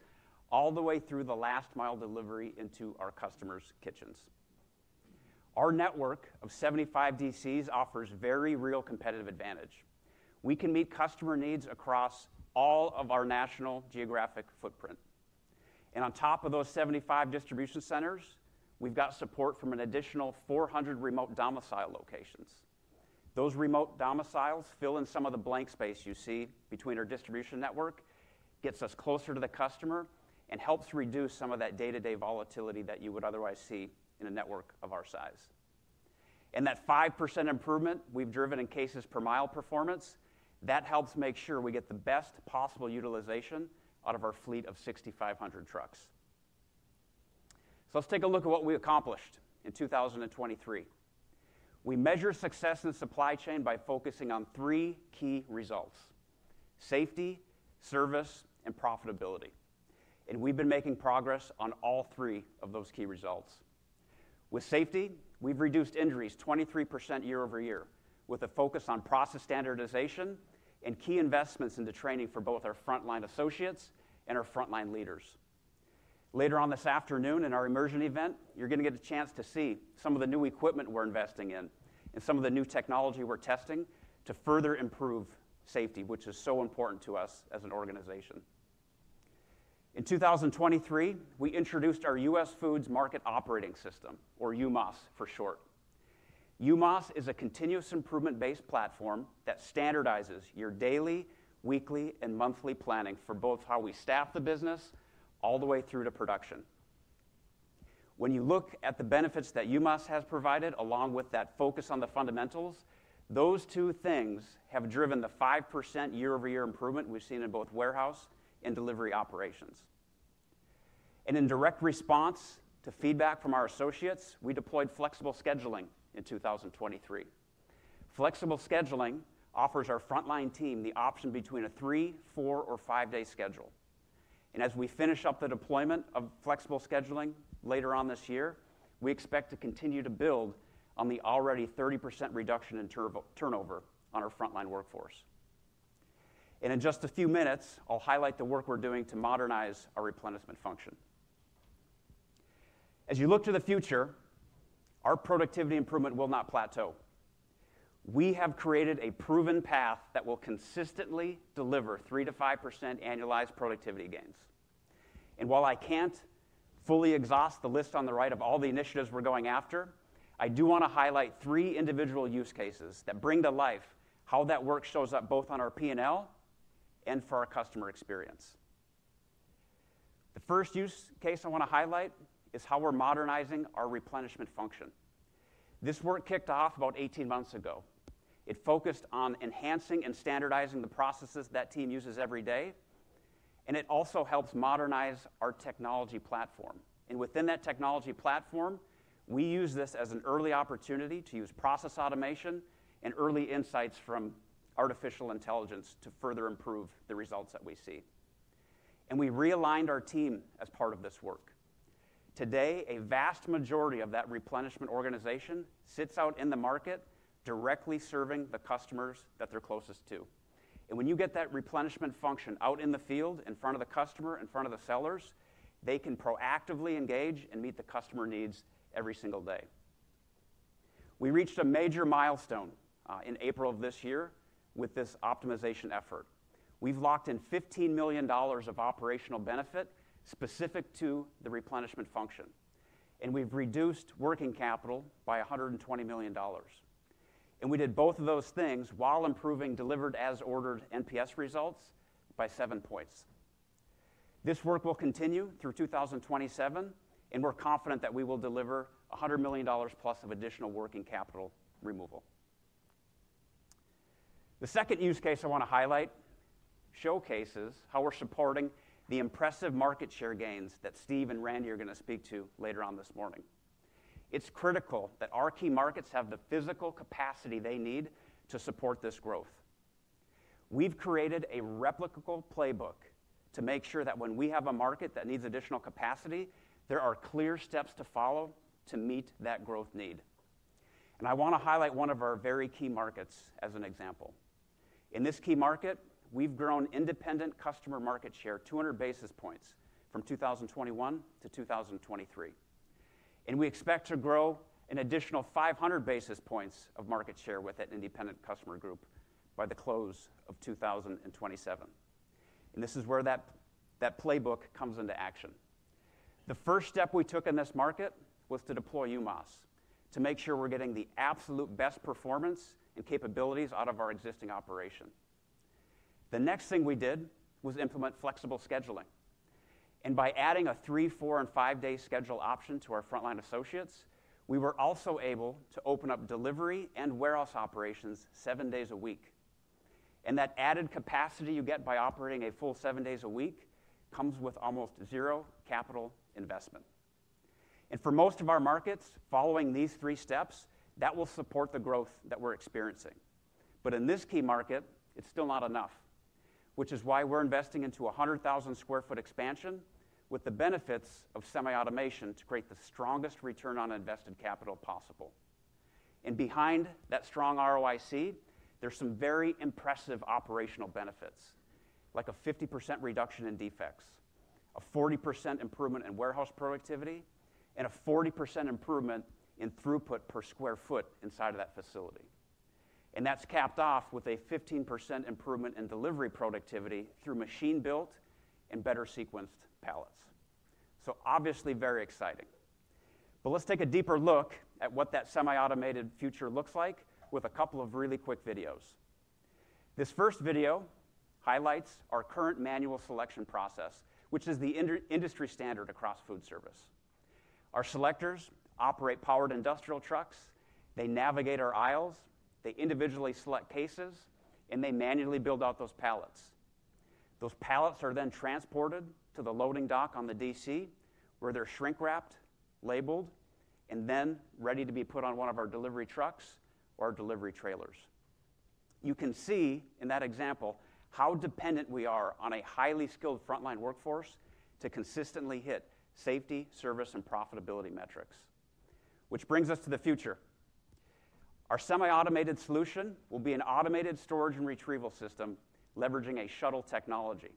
Speaker 4: all the way through the last mile delivery into our customers' kitchens. Our network of 75 DCs offers very real competitive advantage. We can meet customer needs across all of our national geographic footprint. On top of those 75 distribution centers, we've got support from an additional 400 remote domicile locations. Those remote domiciles fill in some of the blank space you see between our distribution network, gets us closer to the customer, and helps reduce some of that day-to-day volatility that you would otherwise see in a network of our size. That 5% improvement we've driven in cases per mile performance, that helps make sure we get the best possible utilization out of our fleet of 6,500 trucks... Let's take a look at what we accomplished in 2023. We measure success in supply chain by focusing on three key results: safety, service, and profitability, and we've been making progress on all three of those key results. With safety, we've reduced injuries 23% year-over-year, with a focus on process standardization and key investments into training for both our frontline associates and our frontline leaders. Later on this afternoon, in our immersion event, you're gonna get a chance to see some of the new equipment we're investing in and some of the new technology we're testing to further improve safety, which is so important to us as an organization. In 2023, we introduced our US Foods Market Operating System, or UMAS for short. UMAS is a continuous improvement-based platform that standardizes your daily, weekly, and monthly planning for both how we staff the business all the way through to production. When you look at the benefits that UMAS has provided, along with that focus on the fundamentals, those two things have driven the 5% year-over-year improvement we've seen in both warehouse and delivery operations. In direct response to feedback from our associates, we deployed flexible scheduling in 2023. Flexible scheduling offers our frontline team the option between a three, four, or five day schedule. As we finish up the deployment of flexible scheduling later on this year, we expect to continue to build on the already 30% reduction in turnover on our frontline workforce. In just a few minutes, I'll highlight the work we're doing to modernize our replenishment function. As you look to the future, our productivity improvement will not plateau. We have created a proven path that will consistently deliver 3%-5% annualized productivity gains. While I can't fully exhaust the list on the right of all the initiatives we're going after, I do wanna highlight three individual use cases that bring to life how that work shows up both on our P&L and for our customer experience. The first use case I wanna highlight is how we're modernizing our replenishment function. This work kicked off about 18 months ago. It focused on enhancing and standardizing the processes that team uses every day, and it also helps modernize our technology platform. Within that technology platform, we use this as an early opportunity to use process automation and early insights from artificial intelligence to further improve the results that we see. We realigned our team as part of this work. Today, a vast majority of that replenishment organization sits out in the market, directly serving the customers that they're closest to. When you get that replenishment function out in the field, in front of the customer, in front of the sellers, they can proactively engage and meet the customer needs every single day. We reached a major milestone in April of this year with this optimization effort. We've locked in $15 million of operational benefit specific to the replenishment function, and we've reduced working capital by $120 million. We did both of those things while improving delivered as ordered NPS results by seven points. This work will continue through 2027, and we're confident that we will deliver $100 million plus of additional working capital removal. The second use case I wanna highlight showcases how we're supporting the impressive market share gains that Steve and Randy are gonna speak to later on this morning. It's critical that our key markets have the physical capacity they need to support this growth. We've created a replicable playbook to make sure that when we have a market that needs additional capacity, there are clear steps to follow to meet that growth need. I wanna highlight one of our very key markets as an example. In this key market, we've grown independent customer market share 200 basis points from 2021 to 2023, and we expect to grow an additional 500 basis points of market share with that independent customer group by the close of 2027. This is where that, that playbook comes into action. The first step we took in this market was to deploy UMAS, to make sure we're getting the absolute best performance and capabilities out of our existing operation. The next thing we did was implement flexible scheduling, and by adding a three, four, and five day schedule option to our frontline associates, we were also able to open up delivery and warehouse operations seven days a week. That added capacity you get by operating a full seven days a week comes with almost zero capital investment. For most of our markets, following these three steps, that will support the growth that we're experiencing. In this key market, it's still not enough, which is why we're investing into a 100,000 sq ft expansion with the benefits of semi-automation to create the strongest return on invested capital possible. Behind that strong ROIC, there's some very impressive operational benefits, like a 50% reduction in defects, a 40% improvement in warehouse productivity, and a 40% improvement in throughput per sq ft inside of that facility. That's capped off with a 15% improvement in delivery productivity through machine-built and better sequenced pallets. Obviously, very exciting. Let's take a deeper look at what that semi-automated future looks like with a couple of really quick videos. This first video highlights our current manual selection process, which is the industry standard across food service. Our selectors operate powered industrial trucks, they navigate our aisles, they individually select cases, and they manually build out those pallets. Those pallets are then transported to the loading dock on the DC, where they're shrink-wrapped, labeled, and then ready to be put on one of our delivery trucks or delivery trailers. You can see in that example, how dependent we are on a highly skilled frontline workforce to consistently hit safety, service, and profitability metrics. Which brings us to the future. Our semi-automated solution will be an automated storage and retrieval system, leveraging a shuttle technology.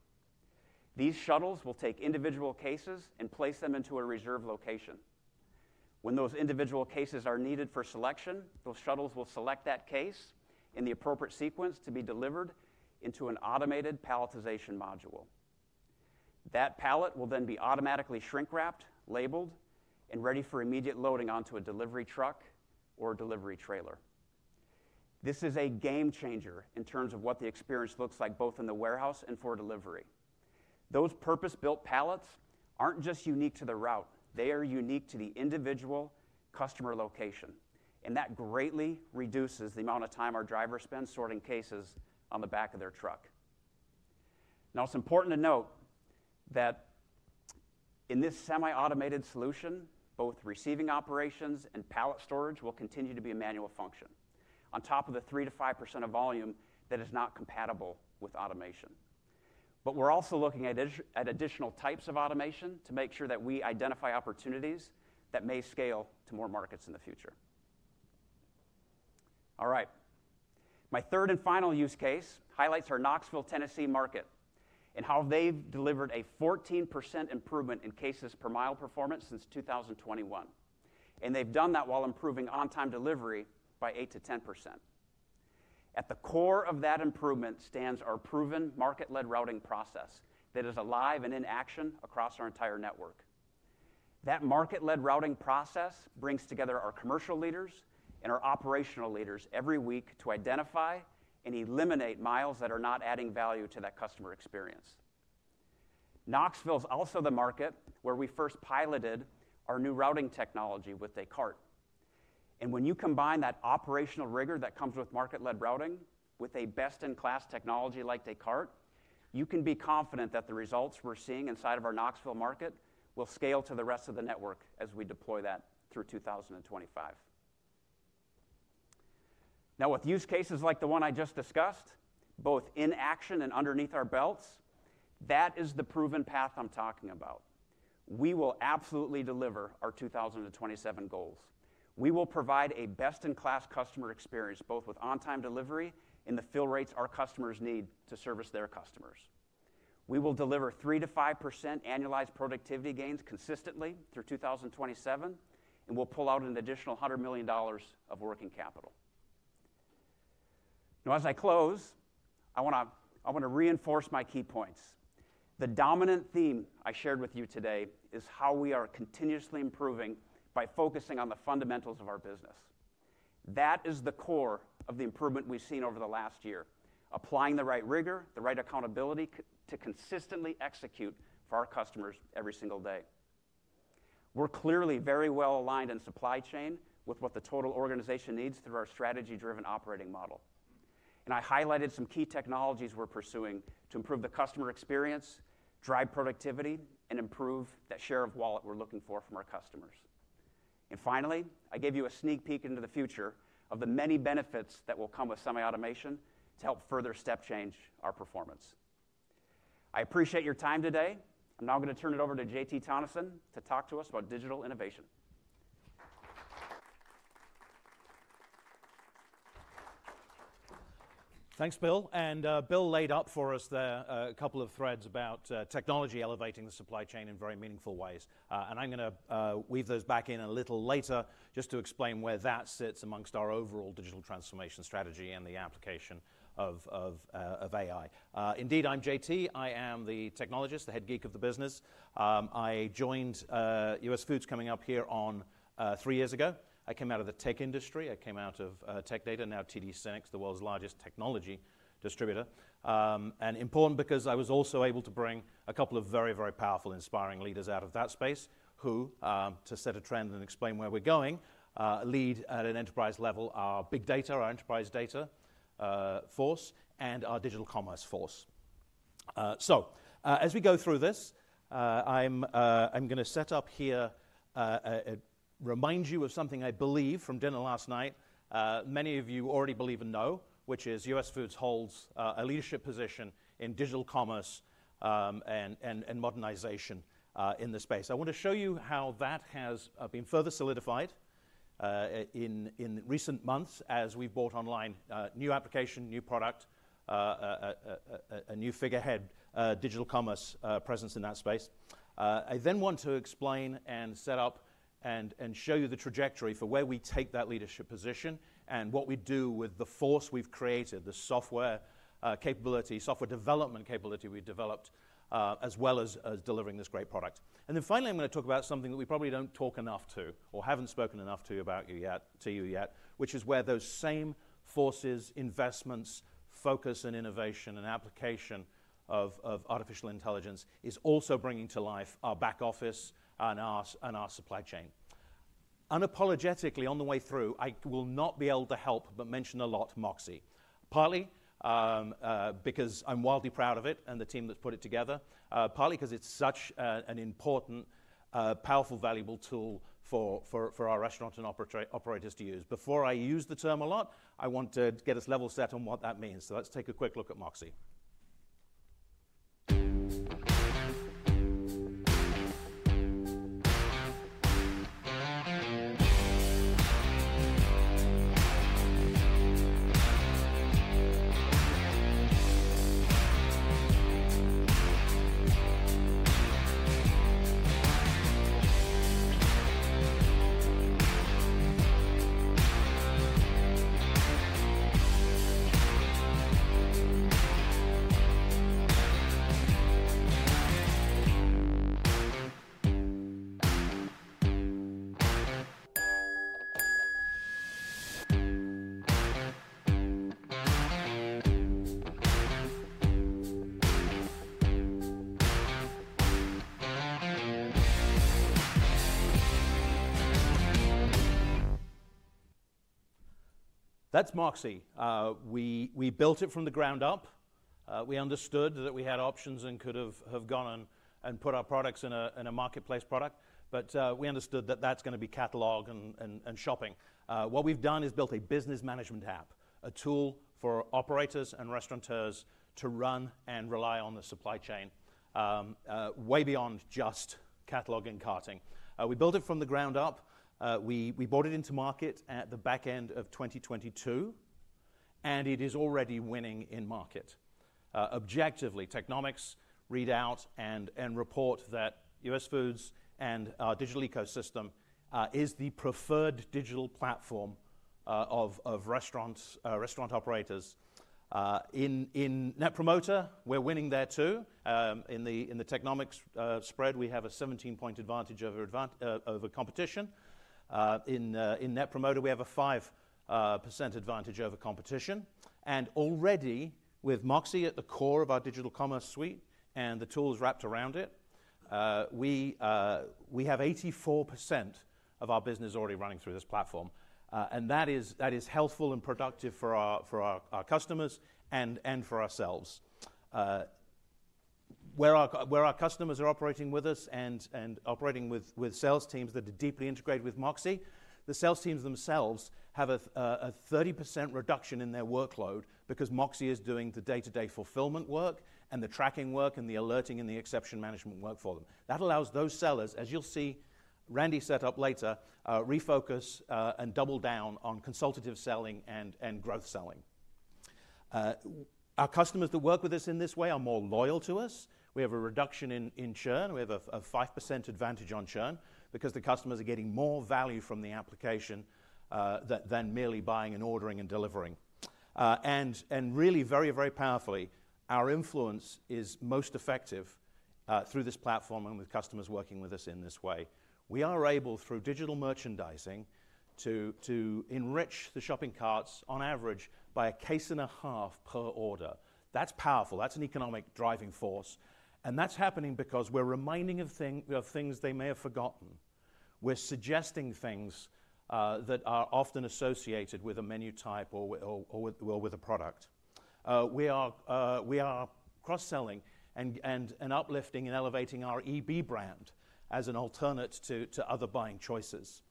Speaker 4: These shuttles will take individual cases and place them into a reserve location. When those individual cases are needed for selection, those shuttles will select that case in the appropriate sequence to be delivered into an automated palletization module. That pallet will then be automatically shrink-wrapped, labeled, and ready for immediate loading onto a delivery truck or delivery trailer. This is a game changer in terms of what the experience looks like, both in the warehouse and for delivery. Those purpose-built pallets aren't just unique to the route, they are unique to the individual customer location, and that greatly reduces the amount of time our drivers spend sorting cases on the back of their truck. Now, it's important to note that in this semi-automated solution, both receiving operations and pallet storage will continue to be a manual function on top of the 3%-5% of volume that is not compatible with automation. But we're also looking at additional types of automation to make sure that we identify opportunities that may scale to more markets in the future. All right. My third and final use case highlights our Knoxville, Tennessee, market, and how they've delivered a 14% improvement in cases per mile performance since 2021. And they've done that while improving on-time delivery by 8%-10%. At the core of that improvement stands our proven market-led routing process that is alive and in action across our entire network. That market-led routing process brings together our commercial leaders and our operational leaders every week to identify and eliminate miles that are not adding value to that customer experience. Knoxville is also the market where we first piloted our new routing technology with Descartes. When you combine that operational rigor that comes with market-led routing with a best-in-class technology like Descartes, you can be confident that the results we're seeing inside of our Knoxville market will scale to the rest of the network as we deploy that through 2025. Now, with use cases like the one I just discussed, both in action and underneath our belts, that is the proven path I'm talking about. We will absolutely deliver our 2027 goals. We will provide a best-in-class customer experience, both with on-time delivery and the fill rates our customers need to service their customers. We will deliver 3%-5% annualized productivity gains consistently through 2027, and we'll pull out an additional $100 million of working capital. Now, as I close, I wanna, I wanna reinforce my key points. The dominant theme I shared with you today is how we are continuously improving by focusing on the fundamentals of our business. That is the core of the improvement we've seen over the last year. Applying the right rigor, the right accountability, to consistently execute for our customers every single day. We're clearly very well aligned in supply chain with what the total organization needs through our strategy-driven operating model. I highlighted some key technologies we're pursuing to improve the customer experience, drive productivity, and improve that share of wallet we're looking for from our customers. Finally, I gave you a sneak peek into the future of the many benefits that will come with semi-automation to help further step change our performance. I appreciate your time today. I'm now gonna turn it over to JT Thomison, to talk to us about digital innovation.
Speaker 5: Thanks, Bill. And, Bill laid out for us there, a couple of threads about, technology elevating the supply chain in very meaningful ways. And I'm gonna, weave those back in a little later just to explain where that sits amongst our overall digital transformation strategy and the application of, of, AI. Indeed, I'm JT. I am the technologist, the head geek of the business. I joined, US Foods coming up here on, three years ago. I came out of the tech industry. I came out of, Tech Data, now TD SYNNEX, the world's largest technology distributor. And important because I was also able to bring a couple of very, very powerful, inspiring leaders out of that space who to set a trend and explain where we're going, lead at an enterprise level, our big data, our enterprise data force, and our digital commerce force. So, as we go through this, I'm gonna set up here, remind you of something I believe from dinner last night, many of you already believe and know, which is US Foods holds a leadership position in digital commerce and modernization in this space. I want to show you how that has been further solidified in recent months as we've brought online new application, new product, a new figurehead, digital commerce presence in that space. I then want to explain and set up and show you the trajectory for where we take that leadership position and what we do with the force we've created, the software capability, software development capability we've developed, as well as delivering this great product. Then finally, I'm gonna talk about something that we probably don't talk enough about or haven't spoken enough to you about yet, which is where those same forces, investments, focus and innovation and application of artificial intelligence is also bringing to life our back office and our supply chain. Unapologetically on the way through, I will not be able to help but mention a lot MOXē. Partly, because I'm wildly proud of it and the team that's put it together, partly 'cause it's such an important, powerful, valuable tool for our restaurant and operators to use. Before I use the term a lot, I want to get us level set on what that means. So let's take a quick look at MOXē. That's MOXē. We built it from the ground up. We understood that we had options and could have gone and put our products in a marketplace product, but, we understood that that's gonna be catalog and shopping. What we've done is built a business management app, a tool for operators and restaurateurs to run and rely on the supply chain, way beyond just catalog and carting. We built it from the ground up. We brought it into market at the back end of 2022, and it is already winning in market. Objectively, Technomic readout and report that US Foods and our digital ecosystem is the preferred digital platform of restaurant operators. In the Technomic spread, we have a 17-point advantage over competition. In Net Promoter, we have a 5% advantage over competition. Already, with MOXē at the core of our digital commerce suite and the tools wrapped around it, we have 84% of our business already running through this platform. And that is healthful and productive for our customers and for ourselves. Where our customers are operating with us and operating with sales teams that are deeply integrated with MOXē, the sales teams themselves have a 30% reduction in their workload because MOXē is doing the day-to-day fulfillment work and the tracking work and the alerting and the exception management work for them. That allows those sellers, as you'll see Randy set up later, refocus and double down on consultative selling and growth selling. Our customers that work with us in this way are more loyal to us. We have a reduction in churn. We have a 5% advantage on churn because the customers are getting more value from the application than merely buying and ordering and delivering. And really, very, very powerfully, our influence is most effective through this platform and with customers working with us in this way. We are able, through digital merchandising, to enrich the shopping carts on average by a case and a half per order. That's powerful. That's an economic driving force, and that's happening because we're reminding of things they may have forgotten. We're suggesting things that are often associated with a menu type or with a product. We are cross-selling and uplifting and elevating our EB brand as an alternate to other buying choices.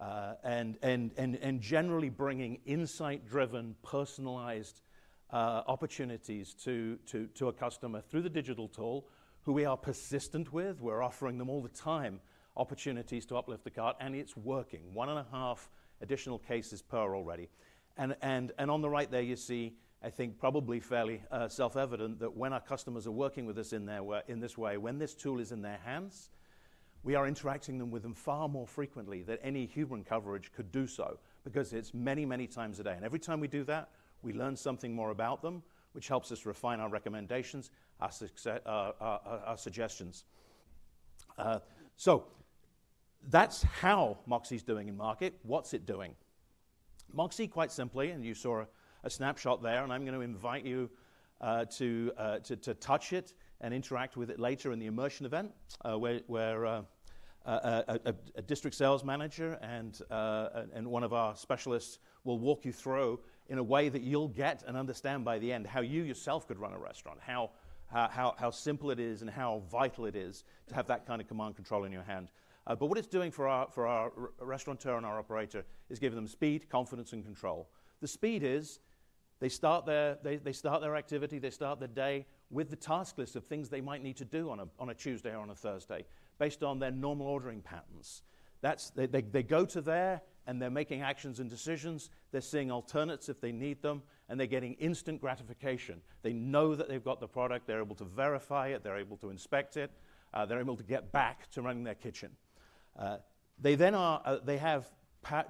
Speaker 5: And generally bringing insight-driven, personalized opportunities to a customer through the digital tool who we are persistent with. We're offering them all the time, opportunities to uplift the cart, and it's working. 1.5 additional cases per order. And on the right there, you see, I think, probably fairly self-evident, that when our customers are working with us in this way, when this tool is in their hands, we are interacting with them far more frequently than any human coverage could do so, because it's many times a day. Every time we do that, we learn something more about them, which helps us refine our recommendations, our suggestions. So that's how MOXē's doing in market. What's it doing? MOXē, quite simply, and you saw a snapshot there, and I'm gonna invite you to touch it and interact with it later in the immersion event, where a district sales manager and one of our specialists will walk you through in a way that you'll get and understand by the end, how you yourself could run a restaurant, how simple it is, and how vital it is to have that kind of command control in your hand. But what it's doing for our restaurateur and our operator is giving them speed, confidence, and control. The speed is, they start their activity, they start their day with the task list of things they might need to do on a Tuesday or on a Thursday, based on their normal ordering patterns. That's. They go to there, and they're making actions and decisions, they're seeing alternates if they need them, and they're getting instant gratification. They know that they've got the product, they're able to verify it, they're able to inspect it, they're able to get back to running their kitchen. They then are. They have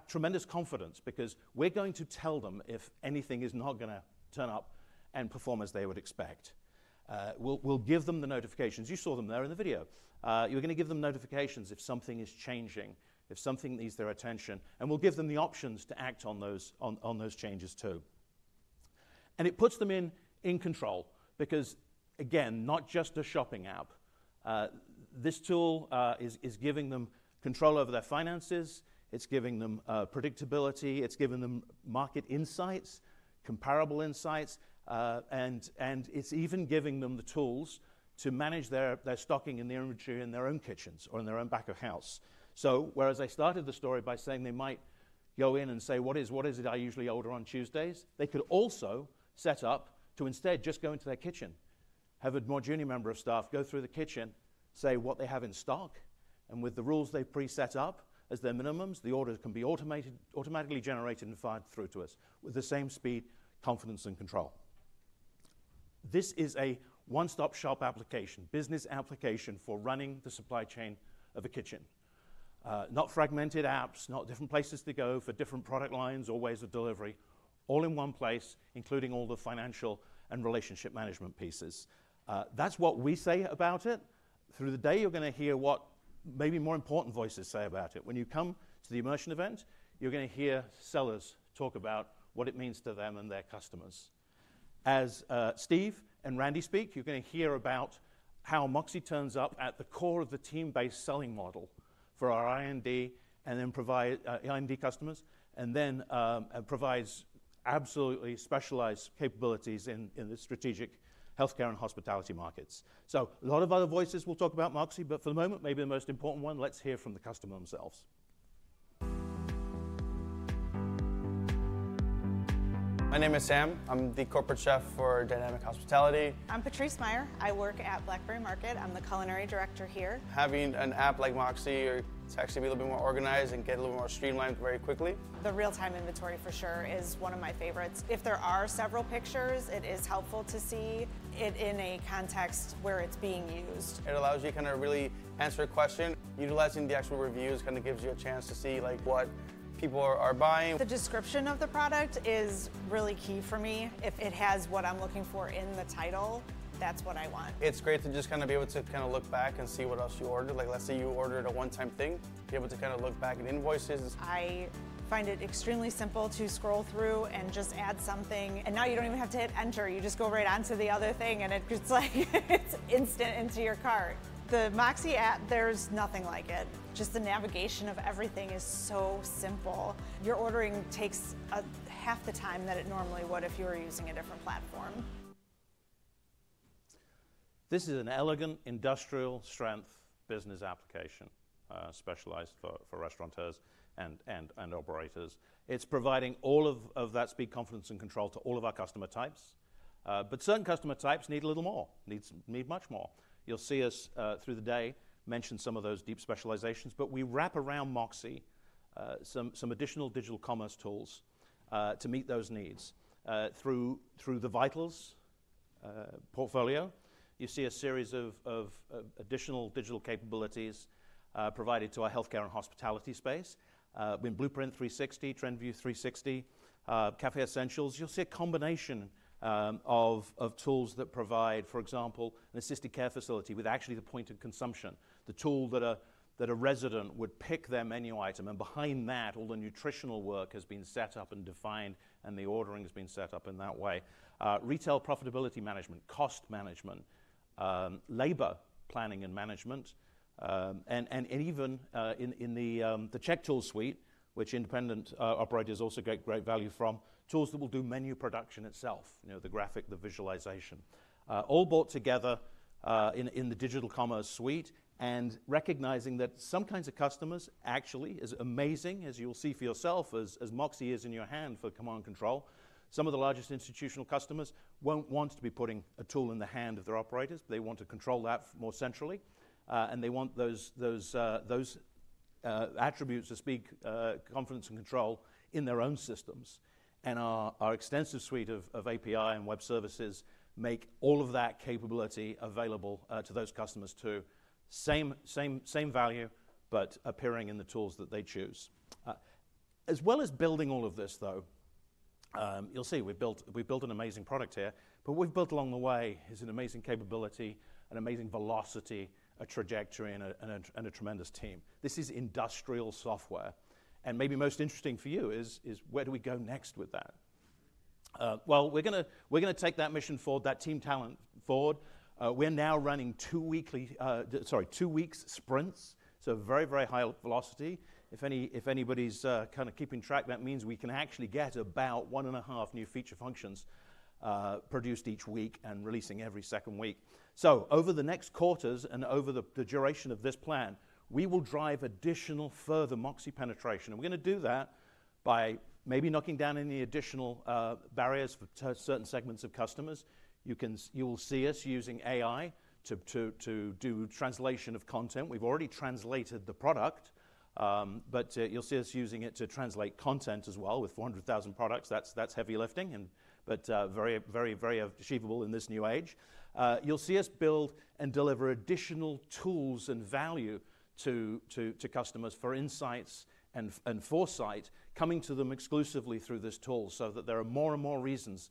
Speaker 5: tremendous confidence because we're going to tell them if anything is not gonna turn up and perform as they would expect. We'll give them the notifications. You saw them there in the video. You're gonna give them notifications if something is changing, if needs their attention, and we'll give them the options to act on those changes, too. And it puts them in control, because, again, not just a shopping app. This tool is giving them control over their finances. It's giving them predictability. It's giving them market insights, comparable insights, and it's even giving them the tools to manage their stocking and their inventory in their own kitchens or in their own back-of-house. So whereas I started the story by saying they might go in and say, "What is it I usually order on Tuesdays?" They could also set up to instead just go into their kitchen, have a more junior member of staff go through the kitchen, say what they have in stock, and with the rules they've pre-set up as their minimums, the orders can be automatically generated and fired through to us with the same speed, confidence, and control. This is a one-stop-shop application, business application for running the supply chain of a kitchen. Not fragmented apps, not different places to go for different product lines or ways of delivery, all in one place, including all the financial and relationship management pieces. That's what we say about it. Through the day, you're gonna hear what maybe more important voices say about it. When you come to the immersion event, you're gonna hear sellers talk about what it means to them and their customers. As Steve and Randy speak, you're gonna hear about how MOXē turns up at the core of the team-based selling model for our IND, and then provides IND customers absolutely specialized capabilities in the strategic healthcare and hospitality markets. So a lot of other voices will talk about MOXē, but for the moment, maybe the most important one, let's hear from the customer themselves.
Speaker 6: My name is Sam. I'm the corporate chef for Dynamic Hospitality.
Speaker 7: I'm Patrice Meyer. I work at Blackberry Market. I'm the Culinary Director here.
Speaker 6: Having an app like MOXē, you're actually a little bit more organized and get a little more streamlined very quickly.
Speaker 7: The real-time inventory, for sure, is one of my favorites. If there are several pictures, it is helpful to see it in a context where it's being used.
Speaker 6: It allows you to kinda really answer a question. Utilizing the actual reviews kinda gives you a chance to see, like, what people are buying.
Speaker 7: The description of the product is really key for me. If it has what I'm looking for in the title, that's what I want.
Speaker 6: It's great to just kinda be able to kinda look back and see what else you ordered. Like, let's say you ordered a one-time thing, be able to kinda look back at invoices.
Speaker 7: I find it extremely simple to scroll through and just add something, and now you don't even have to hit Enter. You just go right on to the other thing, and it's just like, it's instant into your cart. The MOXē app, there's nothing like it. Just the navigation of everything is so simple. Your ordering takes half the time than it normally would if you were using a different platform.
Speaker 5: This is an elegant, industrial-strength business application specialized for restaurateurs and operators. It's providing all of that speed, confidence, and control to all of our customer types. But certain customer types need a little more, need much more. You'll see us through the day mention some of those deep specializations, but we wrap around MOXē some additional digital commerce tools to meet those needs. Through the VITALS portfolio, you see a series of additional digital capabilities provided to our healthcare and hospitality space. With Blueprint 360, TrendView 360, Café Essentials, you'll see a combination of tools that provide, for example, an assisted care facility with actually the point of consumption, the tool that a resident would pick their menu item, and behind that, all the nutritional work has been set up and defined, and the ordering has been set up in that way. Retail profitability management, cost management, labor planning and management, and even in the Check Tool suite, which independent operators also get great value from, tools that will do menu production itself, you know, the graphic, the visualization. All brought together in the Digital Commerce Suite and recognizing that some kinds of customers actually, as amazing as you'll see for yourself, as MOXē is in your hand for command and control, some of the largest institutional customers won't want to be putting a tool in the hand of their operators. They want to control that more centrally, and they want those attributes to speak confidence and control in their own systems. And our extensive suite of API and web services make all of that capability available to those customers, too. Same value, but appearing in the tools that they choose. As well as building all of this, though, you'll see we've built, we've built an amazing product here, but we've built along the way is an amazing capability, an amazing velocity, a trajectory, and a, and a, and a tremendous team. This is industrial software, and maybe most interesting for you is where do we go next with that? Well, we're gonna- we're gonna take that mission forward, that team talent forward. We're now running two-week sprints, so very, very high velocity. If anybody's kinda keeping track, that means we can actually get about one and a half new feature functions produced each week and releasing every second week. So over the next quarters and over the duration of this plan, we will drive additional further MOXē penetration. We're gonna do that by maybe knocking down any additional barriers for to certain segments of customers. You will see us using AI to do translation of content. We've already translated the product, but you'll see us using it to translate content as well. With 400,000 products, that's heavy lifting and but very, very, very achievable in this new age. You'll see us build and deliver additional tools and value to customers for insights and foresight, coming to them exclusively through this tool, so that there are more and more reasons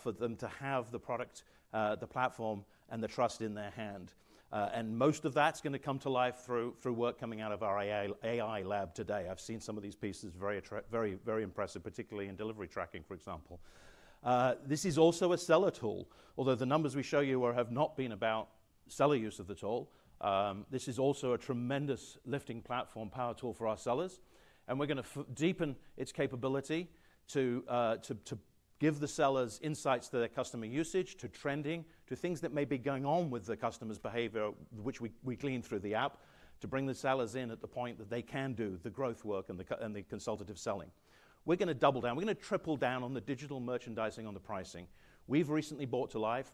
Speaker 5: for them to have the product, the platform, and the trust in their hand. And most of that's gonna come to life through work coming out of our AI lab today. I've seen some of these pieces, very attractive, very, very impressive, particularly in delivery tracking, for example. This is also a seller tool, although the numbers we show you have not been about seller use of the tool. This is also a tremendous lifting platform, power tool for our sellers, and we're gonna further deepen its capability to give the sellers insights to their customer usage, to trending, to things that may be going on with the customer's behavior, which we glean through the app, to bring the sellers in at the point that they can do the growth work and the consultative selling. We're gonna double down, we're gonna triple down on the digital merchandising, on the pricing. We've recently brought to life,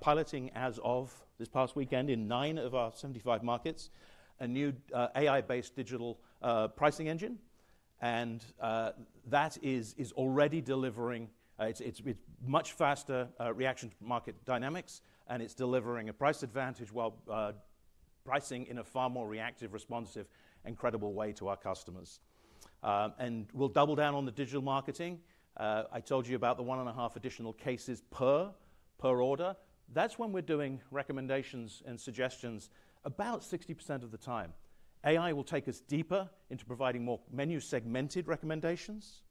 Speaker 5: piloting as of this past weekend in nine of our 75 markets, a new, AI-based digital, pricing engine. And, that is already delivering. It's much faster reaction to market dynamics, and it's delivering a price advantage while pricing in a far more reactive, responsive, and credible way to our customers. And we'll double down on the digital marketing. I told you about the one and a half additional cases per order. That's when we're doing recommendations and suggestions about 60% of the time. AI will take us deeper into providing more menu-segmented recommendations,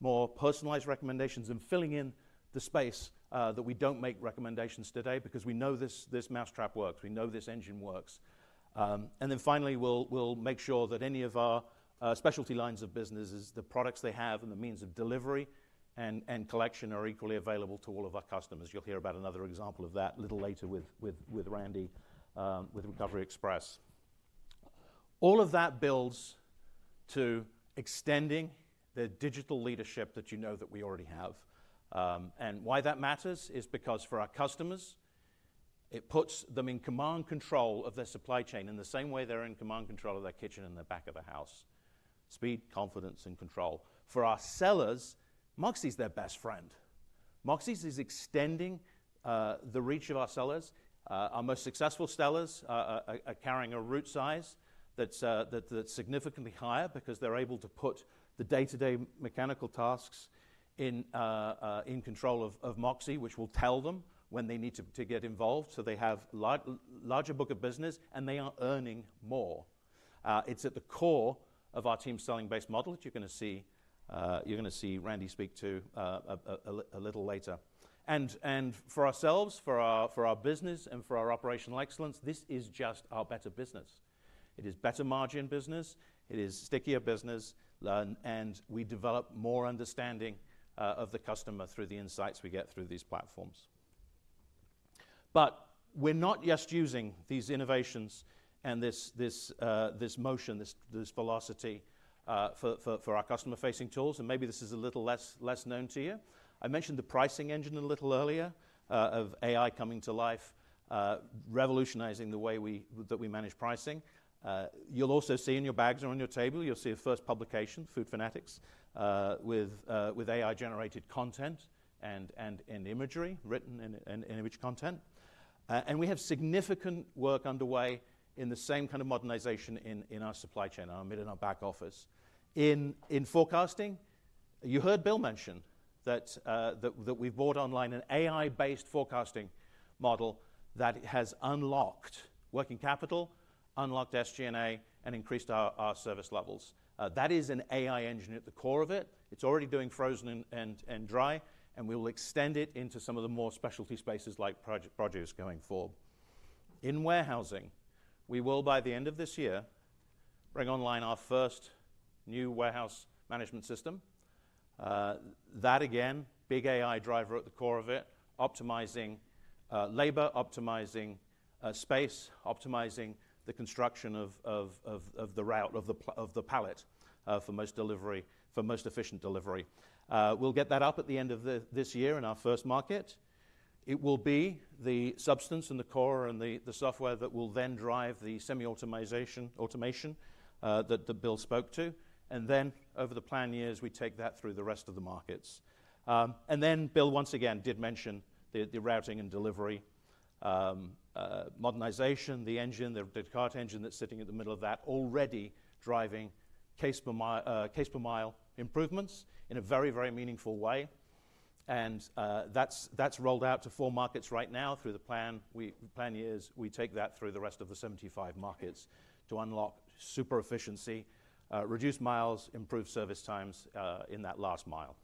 Speaker 5: more personalized recommendations, and filling in the space that we don't make recommendations today because we know this mousetrap works, we know this engine works. And then finally, we'll make sure that any of our specialty lines of businesses, the products they have and the means of delivery and, and collection are equally available to all of our customers. You'll hear about another example of that a little later with Randy with Recovery Express. All of that builds to extending the digital leadership that you know that we already have. And why that matters is because for our customers, it puts them in command control of their supply chain, in the same way they're in command control of their kitchen and the back of the house. Speed, confidence, and control. For our sellers, MOXē's their best friend. MOXē's is extending the reach of our sellers. Our most successful sellers are carrying a route size that's significantly higher because they're able to put the day-to-day mechanical tasks in control of MOXē, which will tell them when they need to get involved. So they have larger book of business, and they are earning more. It's at the core of our team-based selling model that you're gonna see Randy speak to a little later. And for ourselves, for our business, and for our operational excellence, this is just our better business. It is better margin business, it is stickier business, and we develop more understanding of the customer through the insights we get through these platforms. But we're not just using these innovations and this motion, this velocity, for our customer-facing tools, and maybe this is a little less known to you. I mentioned the pricing engine a little earlier, of AI coming to life, revolutionizing the way that we manage pricing. You'll also see in your bags or on your table, you'll see a first publication, Food Fanatics, with AI-generated content and imagery, written and image content. And we have significant work underway in the same kind of modernization in our supply chain, our mid and our back office. In forecasting, you heard Bill mention that, that we've brought online an AI-based forecasting model that has unlocked working capital, unlocked SG&A, and increased our service levels. That is an AI engine at the core of it. It's already doing frozen and dry, and we will extend it into some of the more specialty spaces like produce going forward. In warehousing, we will, by the end of this year, bring online our first new warehouse management system. That again, big AI driver at the core of it, optimizing labor, optimizing space, optimizing the construction of the pallet for most efficient delivery. We'll get that up at the end of this year in our first market. It will be the substance and the core and the software that will then drive the semi-automation that Bill spoke to. And then over the plan years, we take that through the rest of the markets. And then Bill, once again, did mention the routing and delivery modernization, the engine, the Descartes engine that's sitting in the middle of that, already driving case per mile improvements in a very, very meaningful way. And that's rolled out to four markets right now through the plan. Plan years, we take that through the rest of the 75 markets to unlock super efficiency, reduce miles, improve service times in that last mile.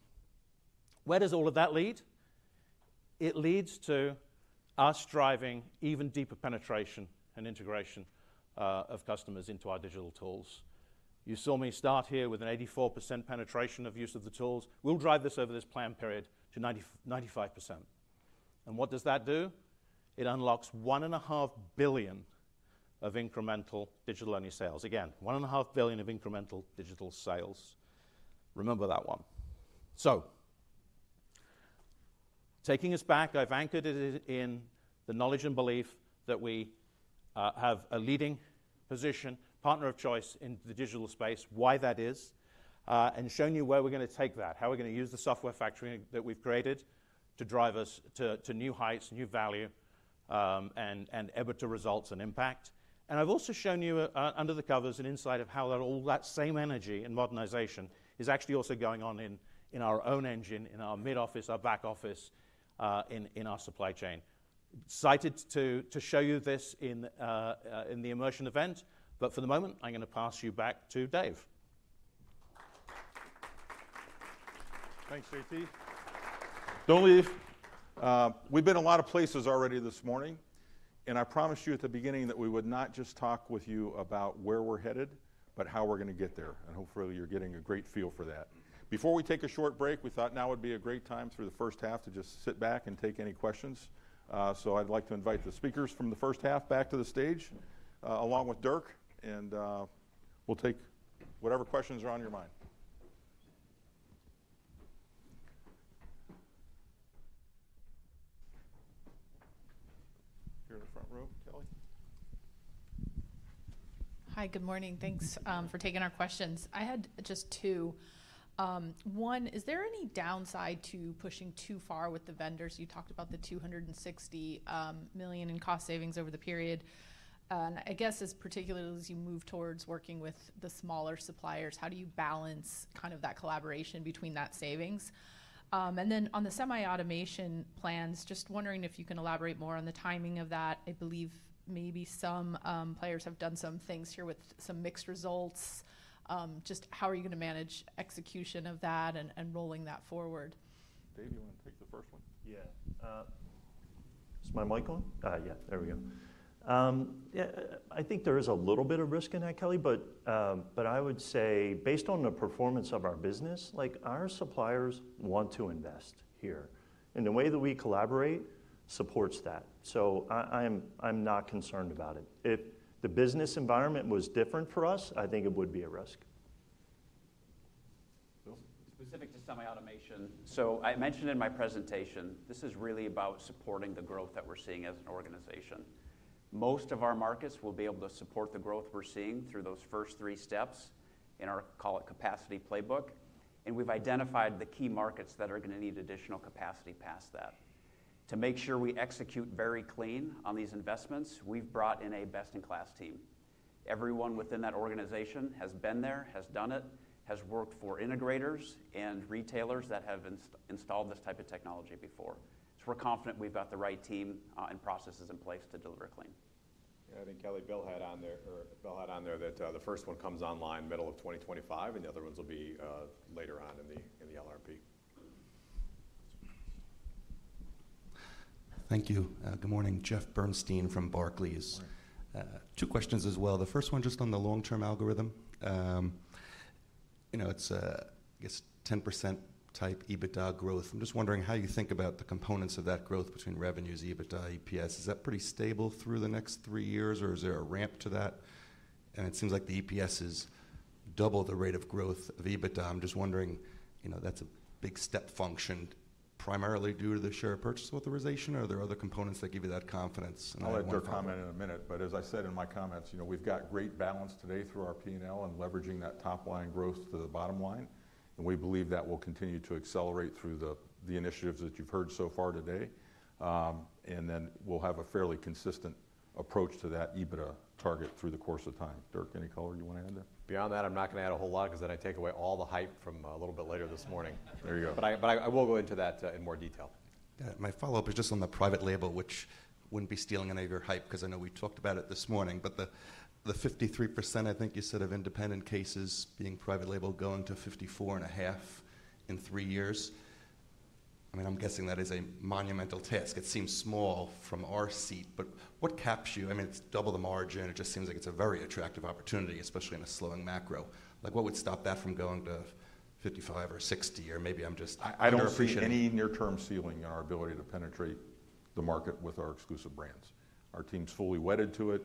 Speaker 5: Where does all of that lead? It leads to us driving even deeper penetration and integration of customers into our digital tools. You saw me start here with an 84% penetration of use of the tools. We'll drive this over this plan period to 95%. And what does that do? It unlocks $1.5 billion of incremental digital-only sales. Again, $1.5 billion of incremental digital sales. Remember that one. So, taking us back, I've anchored it in the knowledge and belief that we have a leading position, partner of choice in the digital space, why that is, and shown you where we're gonna take that, how we're gonna use the software factory that we've created to drive us to new heights, new value, and EBITDA results and impact. And I've also shown you under the covers, an insight of how that all that same energy and modernization is actually also going on in our own engine, in our mid-office, our back office, in our supply chain. Excited to show you this in the immersion event, but for the moment, I'm gonna pass you back to Dave.
Speaker 2: Thanks, JT. Don't leave. We've been a lot of places already this morning, and I promised you at the beginning that we would not just talk with you about where we're headed, but how we're gonna get there. And hopefully, you're getting a great feel for that. Before we take a short break, we thought now would be a great time through the first half to just sit back and take any questions. So I'd like to invite the speakers from the first half back to the stage, along with Dirk, and we'll take whatever questions are on your mind. Here in the front row, Kelly?
Speaker 8: Hi, good morning. Thanks for taking our questions. I had just two. One, is there any downside to pushing too far with the vendors? You talked about the $260 million in cost savings over the period. And I guess as particularly as you move towards working with the smaller suppliers, how do you balance kind of that collaboration between that savings? And then on the semi-automation plans, just wondering if you can elaborate more on the timing of that. I believe maybe some players have done some things here with some mixed results. Just how are you going to manage execution of that and rolling that forward?
Speaker 9: Dave, you want to take the first one?
Speaker 3: Yeah. Is my mic on? Yeah, there we go. Yeah, I think there is a little bit of risk in that, Kelly, but, but I would say based on the performance of our business, like, our suppliers want to invest here, and the way that we collaborate supports that. So I, I'm, I'm not concerned about it. If the business environment was different for us, I think it would be a risk.
Speaker 5: Bill?
Speaker 4: Specific to semi-automation. So I mentioned in my presentation, this is really about supporting the growth that we're seeing as an organization. Most of our markets will be able to support the growth we're seeing through those first three steps in our, call it, capacity playbook, and we've identified the key markets that are going to need additional capacity past that. To make sure we execute very clean on these investments, we've brought in a best-in-class team. Everyone within that organization has been there, has done it, has worked for integrators and retailers that have installed this type of technology before. So we're confident we've got the right team and processes in place to deliver clean.
Speaker 5: Yeah, I think, Kelly, Bill had on there, or Bill had on there that the first one comes online middle of 2025, and the other ones will be later on in the LRP.
Speaker 10: Thank you. Good morning, Jeff Bernstein from Barclays.
Speaker 5: Morning.
Speaker 10: Two questions as well. The first one, just on the long-term algorithm. You know, it's a guess, 10% type EBITDA growth. I'm just wondering how you think about the components of that growth between revenues, EBITDA, EPS. Is that pretty stable through the next three years, or is there a ramp to that? And it seems like the EPS is double the rate of growth of EBITDA. I'm just wondering, you know, that's a big step function, primarily due to the share purchase authorization, or are there other components that give you that confidence? And I-
Speaker 9: I'll let Dirk comment in a minute, but as I said in my comments, you know, we've got great balance today through our P&L and leveraging that top-line growth to the bottom line, and we believe that will continue to accelerate through the initiatives that you've heard so far today. And then we'll have a fairly consistent approach to that EBITDA target through the course of time. Dirk, any color you want to add there?
Speaker 11: Beyond that, I'm not going to add a whole lot 'cause then I take away all the hype from a little bit later this morning.
Speaker 9: There you go.
Speaker 11: But I will go into that in more detail.
Speaker 10: Yeah. My follow-up is just on the private label, which wouldn't be stealing any of your hype, 'cause I know we talked about it this morning. But the 53%, I think you said, of independent cases being private label, going to 54.5% in three years. I mean, I'm guessing that is a monumental task. It seems small from our seat, but what caps you? I mean, it's double the margin. It just seems like it's a very attractive opportunity, especially in a slowing macro. Like, what would stop that from going to 55 or 60? Or maybe I'm just underappreciated.
Speaker 5: I don't see any near-term ceiling in our ability to penetrate the market with our Exclusive Brands. Our team's fully wedded to it.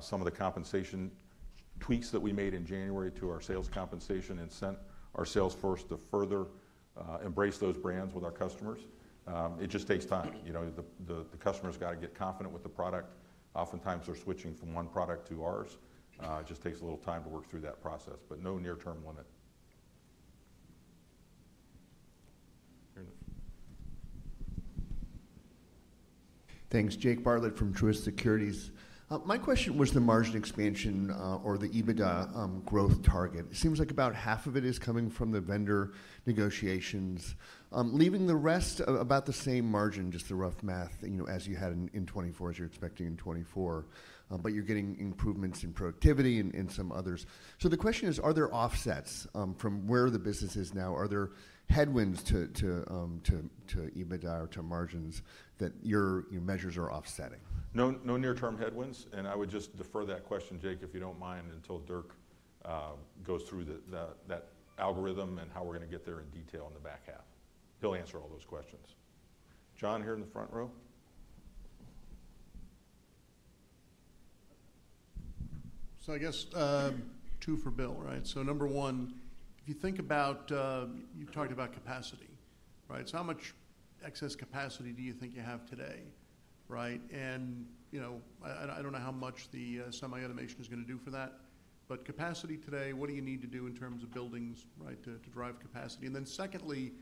Speaker 5: Some of the compensation tweaks that we made in January to our sales compensation incentive are sales first to further embrace those brands with our customers. It just takes time. You know, the customer's got to get confident with the product. Oftentimes, they're switching from one product to ours. It just takes a little time to work through that process, but no near-term limit. Here.
Speaker 12: Thanks. Jake Bartlett from Truist Securities. My question was the margin expansion, or the EBITDA, growth target. It seems like about half of it is coming from the vendor negotiations, leaving the rest about the same margin, just the rough math, you know, as you had in 2024, as you're expecting in 2024. But you're getting improvements in productivity and in some others. So the question is, are there offsets, from where the business is now? Are there headwinds to EBITDA or to margins that your measures are offsetting?
Speaker 9: No, no near-term headwinds, and I would just defer that question, Jake, if you don't mind, until Dirk goes through that algorithm and how we're going to get there in detail on the back half. He'll answer all those questions. John, here in the front row.
Speaker 12: So I guess, two for Bill, right? So number one, if you think about, you talked about capacity, right? So how much excess capacity do you think you have today, right? And, you know, I, I don't know how much the, semi-automation is going to do for that, but capacity today, what do you need to do in terms of buildings, right, to, to drive capacity? And then secondly,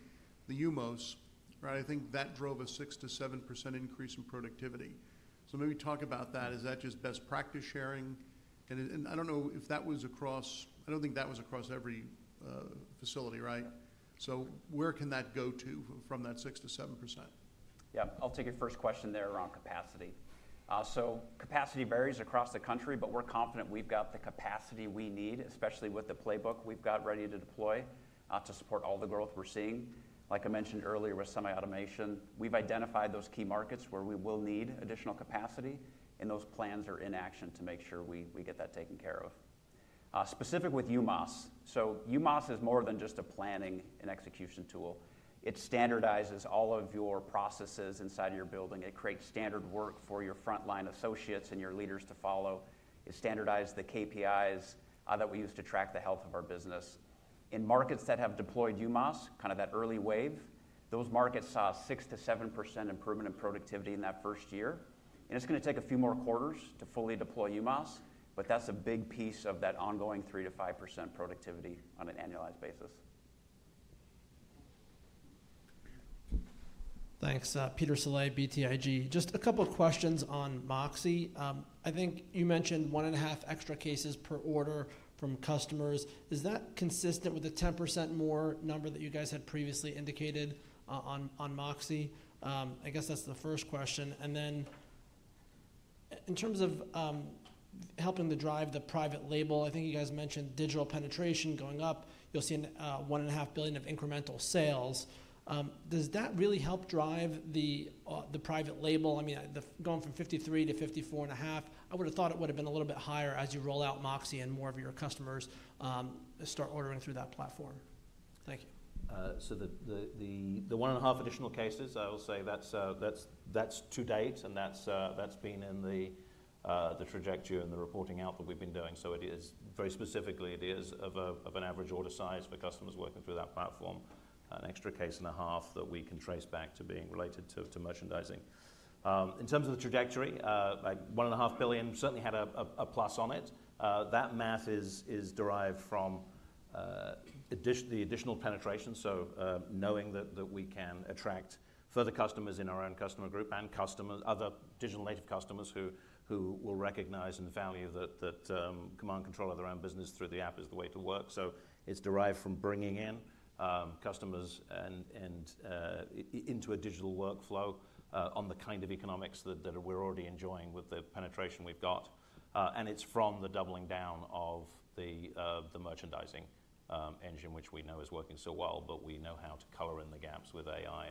Speaker 12: the UMAS, right? I think that drove a 6%-7% increase in productivity. So maybe talk about that. Is that just best practice sharing? And, and I don't know if that was across-- I don't think that was across every, facility, right?
Speaker 3: Yeah.
Speaker 8: Where can that go to from that 6%-7%?
Speaker 3: Yeah, I'll take your first question there around capacity. So capacity varies across the country, but we're confident we've got the capacity we need, especially with the playbook we've got ready to deploy to support all the growth we're seeing. Like I mentioned earlier with semi-automation, we've identified those key markets where we will need additional capacity, and those plans are in action to make sure we get that taken care of. Specific with UMAS. So UMAS is more than just a planning and execution tool. It standardizes all of your processes inside of your building. It creates standard work for your frontline associates and your leaders to follow. It standardizes the KPIs that we use to track the health of our business.... in markets that have deployed UMAS, kind of that early wave, those markets saw 6%-7% improvement in productivity in that first year. And it's gonna take a few more quarters to fully deploy UMAS, but that's a big piece of that ongoing 3%-5% productivity on an annualized basis.
Speaker 13: Thanks. Peter Saleh, BTIG. Just a couple of questions on MOXē. I think you mentioned 1.5 extra cases per order from customers. Is that consistent with the 10% more number that you guys had previously indicated on MOXē? I guess that's the first question. And then in terms of helping to drive the private label, I think you guys mentioned digital penetration going up. You'll see a $1.5 billion of incremental sales. Does that really help drive the private label? I mean, the—going from 53%-54.5%, I would've thought it would've been a little bit higher as you roll out MOXē, and more of your customers start ordering through that platform. Thank you.
Speaker 5: So the 1.5 additional cases, I will say that's to date, and that's been in the trajectory and the reporting out that we've been doing. So it is... very specifically, it is of an average order size for customers working through that platform, an extra 1.5 cases that we can trace back to being related to merchandising. In terms of the trajectory, like, $1.5 billion certainly had a plus on it. That math is derived from addition—the additional penetration, so knowing that we can attract further customers in our own customer group and customers—other digital-native customers who will recognize and value that command and control of their own business through the app is the way to work. So it's derived from bringing in customers and into a digital workflow on the kind of economics that we're already enjoying with the penetration we've got. And it's from the doubling down of the merchandising engine, which we know is working so well. But we know how to color in the gaps with AI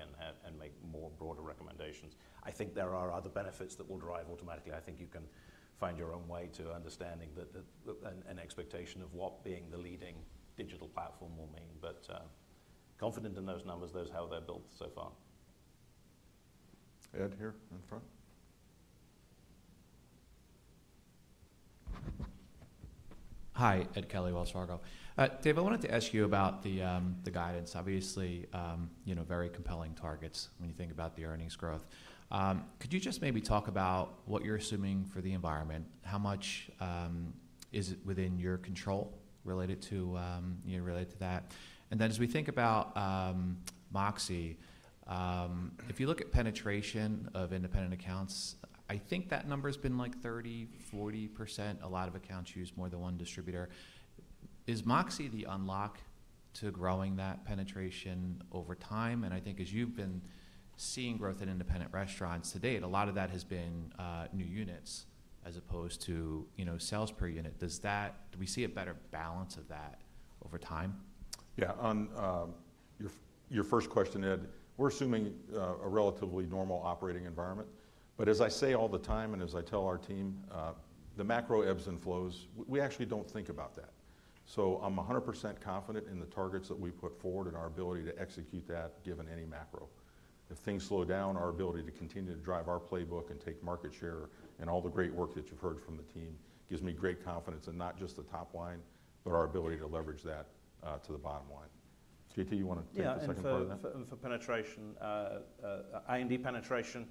Speaker 5: and make more broader recommendations. I think there are other benefits that will derive automatically. I think you can find your own way to understanding the expectation of what being the leading digital platform will mean. But, confident in those numbers, those are how they're built so far.
Speaker 2: Ed, here in the front.
Speaker 14: Hi. Ed Kelly, Wells Fargo. Dave, I wanted to ask you about the guidance. Obviously, you know, very compelling targets when you think about the earnings growth. Could you just maybe talk about what you're assuming for the environment? How much is it within your control, related to, you know, related to that? And then as we think about MOXē, if you look at penetration of independent accounts, I think that number's been, like, 30%-40%. A lot of accounts use more than one distributor. Is MOXē the unlock to growing that penetration over time? And I think as you've been seeing growth in independent restaurants to date, a lot of that has been new units as opposed to, you know, sales per unit. Do we see a better balance of that over time?
Speaker 3: Yeah. On your first question, Ed, we're assuming a relatively normal operating environment. But as I say all the time, and as I tell our team, the macro ebbs and flows. We actually don't think about that. So I'm 100% confident in the targets that we put forward and our ability to execute that, given any macro. If things slow down, our ability to continue to drive our playbook and take market share and all the great work that you've heard from the team, gives me great confidence in not just the top line, but our ability to leverage that to the bottom line. KT, you wanna take the second part of that?
Speaker 5: Yeah, and for penetration, I&D penetration,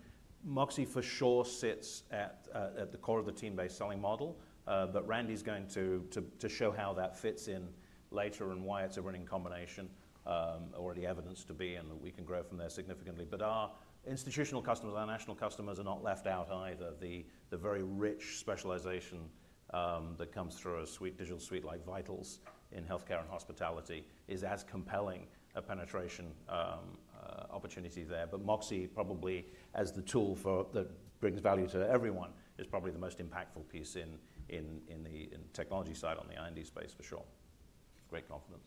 Speaker 5: MOXē for sure sits at the core of the team-based selling model. But Randy's going to show how that fits in later and why it's a winning combination, or the evidence to be, and we can grow from there significantly. But our institutional customers, our national customers, are not left out either. The very rich specialization that comes through a suite, digital suite like VITALS in healthcare and hospitality is as compelling a penetration opportunity there. But MOXē probably, as the tool that brings value to everyone, is probably the most impactful piece in the technology side on the I&D space, for sure. Great confidence.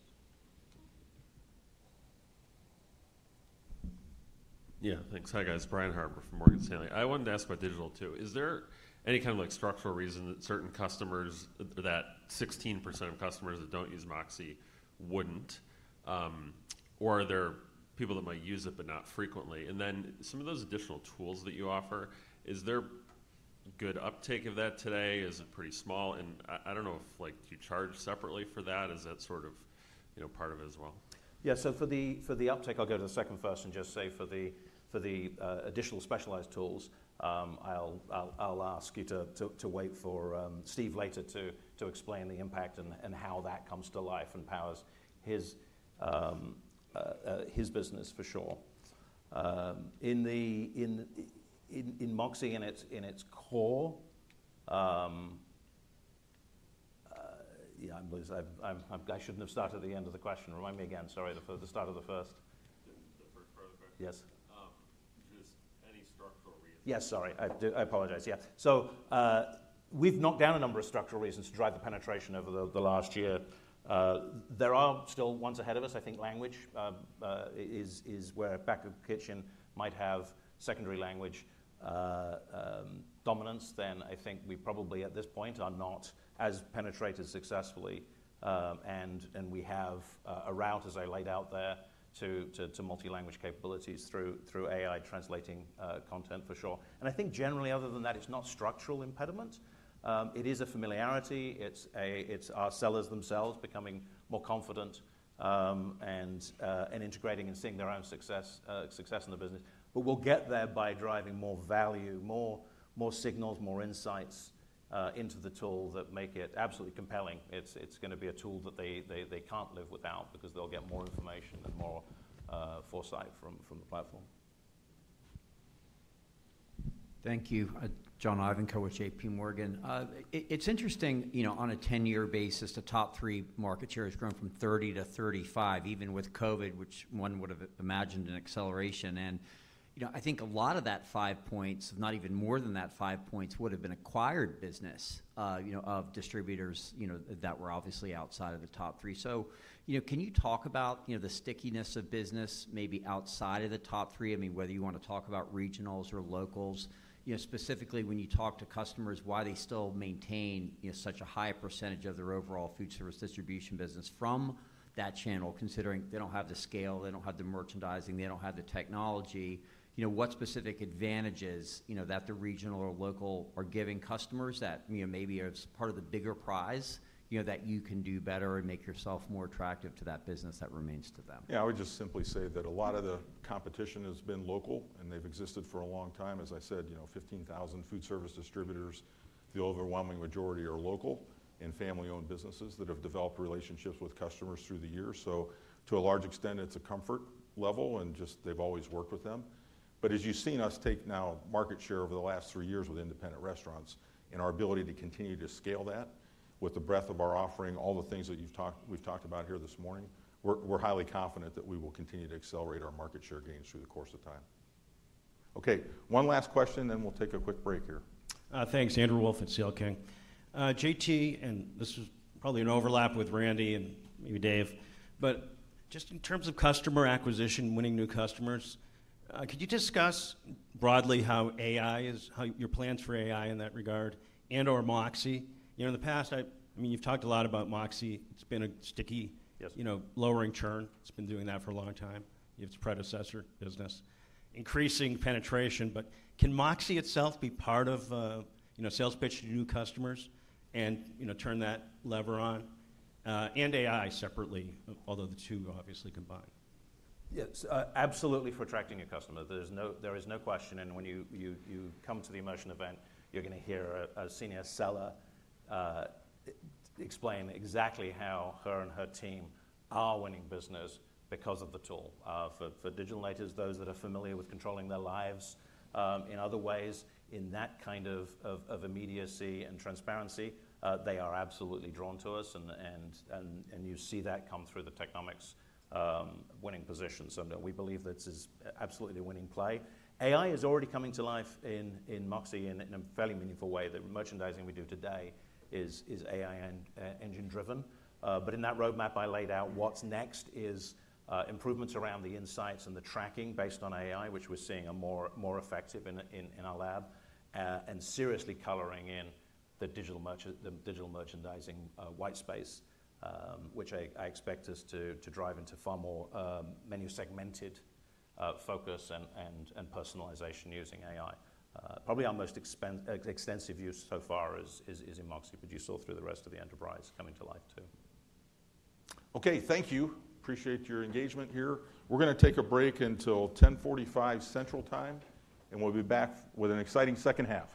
Speaker 15: Yeah. Thanks. Hi, guys. Brian Harbour from Morgan Stanley. I wanted to ask about digital, too. Is there any kind of, like, structural reason that certain customers, that 16% of customers that don't use MOXē, wouldn't? Or are there people that might use it, but not frequently? And then some of those additional tools that you offer, is there good uptake of that today? Is it pretty small? And I, I don't know if, like, do you charge separately for that? Is that sort of, you know, part of it as well?
Speaker 5: Yeah, so for the uptake, I'll go to the second first and just say for the additional specialized tools, I'll ask you to wait for Steve later to explain the impact and how that comes to life and powers his business for sure. In MOXē, in its core... Yeah, I believe I shouldn't have started at the end of the question. Remind me again. Sorry, the start of the first.
Speaker 15: The first part of the question?
Speaker 5: Yes.
Speaker 15: Is any structural reason?
Speaker 5: Yes, sorry. I do, I apologize. Yeah. So, we've knocked down a number of structural reasons to drive the penetration over the last year. There are still ones ahead of us. I think language is where back-of-the-kitchen might have secondary language dominance, then I think we probably, at this point, are not as penetrated successfully. And we have a route, as I laid out there, to multi-language capabilities through AI translating content, for sure. And I think generally, other than that, it's not structural impediment. It is a familiarity. It's our sellers themselves becoming more confident, and integrating and seeing their own success in the business. But we'll get there by driving more value, more, more signals, more insights into the tool that make it absolutely compelling. It's, it's gonna be a tool that they, they, they can't live without because they'll get more information and more, foresight from, from the platform....
Speaker 16: Thank you. John Ivanko with J.P. Morgan. It's interesting, you know, on a 10-year basis, the top three market share has grown from 30-35, even with COVID, which one would have imagined an acceleration. And, you know, I think a lot of that 5 points, if not even more than that 5 points, would have been acquired business, you know, of distributors, you know, that were obviously outside of the top three. So, you know, can you talk about, you know, the stickiness of business, maybe outside of the top three? I mean, whether you want to talk about regionals or locals. You know, specifically when you talk to customers, why they still maintain, you know, such a high percentage of their overall food service distribution business from that channel, considering they don't have the scale, they don't have the merchandising, they don't have the technology. You know, what specific advantages, you know, that the regional or local are giving customers that, you know, maybe are part of the bigger prize, you know, that you can do better and make yourself more attractive to that business that remains to them?
Speaker 9: Yeah, I would just simply say that a lot of the competition has been local, and they've existed for a long time. As I said, you know, 15,000 food service distributors, the overwhelming majority are local and family-owned businesses that have developed relationships with customers through the years. So to a large extent, it's a comfort level, and just they've always worked with them. But as you've seen us take now market share over the last three years with independent restaurants and our ability to continue to scale that with the breadth of our offering, all the things that you've talked-- we've talked about here this morning, we're, we're highly confident that we will continue to accelerate our market share gains through the course of time. Okay, one last question, then we'll take a quick break here.
Speaker 17: Thanks. Andrew Wolf at CL King. JT, and this is probably an overlap with Randy and maybe Dave, but just in terms of customer acquisition, winning new customers, could you discuss broadly how your plans for AI in that regard and/or MOXē? You know, in the past, I mean, you've talked a lot about MOXē. It's been a sticky-
Speaker 5: Yes.
Speaker 17: you know, lowering churn. It's been doing that for a long time, its predecessor business, increasing penetration. But can MOXē itself be part of a, you know, sales pitch to new customers and, you know, turn that lever on? And AI separately, although the two obviously combine.
Speaker 5: Yes, absolutely, for attracting a customer, there is no question, and when you come to the immersion event, you're gonna hear a senior seller explain exactly how her and her team are winning business because of the tool. For digital natives, those that are familiar with controlling their lives in other ways, in that kind of immediacy and transparency, they are absolutely drawn to us and you see that come through the Technomic winning positions. And we believe this is absolutely a winning play. AI is already coming to life in MOXē in a fairly meaningful way, the merchandising we do today is AI and engine driven. But in that roadmap I laid out, what's next is improvements around the insights and the tracking based on AI, which we're seeing are more effective in our lab, and seriously coloring in the digital merchandising white space, which I expect us to drive into far more, menu segmented focus and personalization using AI. Probably our most extensive use so far is in MOXē, but you saw through the rest of the enterprise coming to life, too.
Speaker 9: Okay, thank you. Appreciate your engagement here. We're gonna take a break until 10:45 Central Time, and we'll be back with an exciting second half.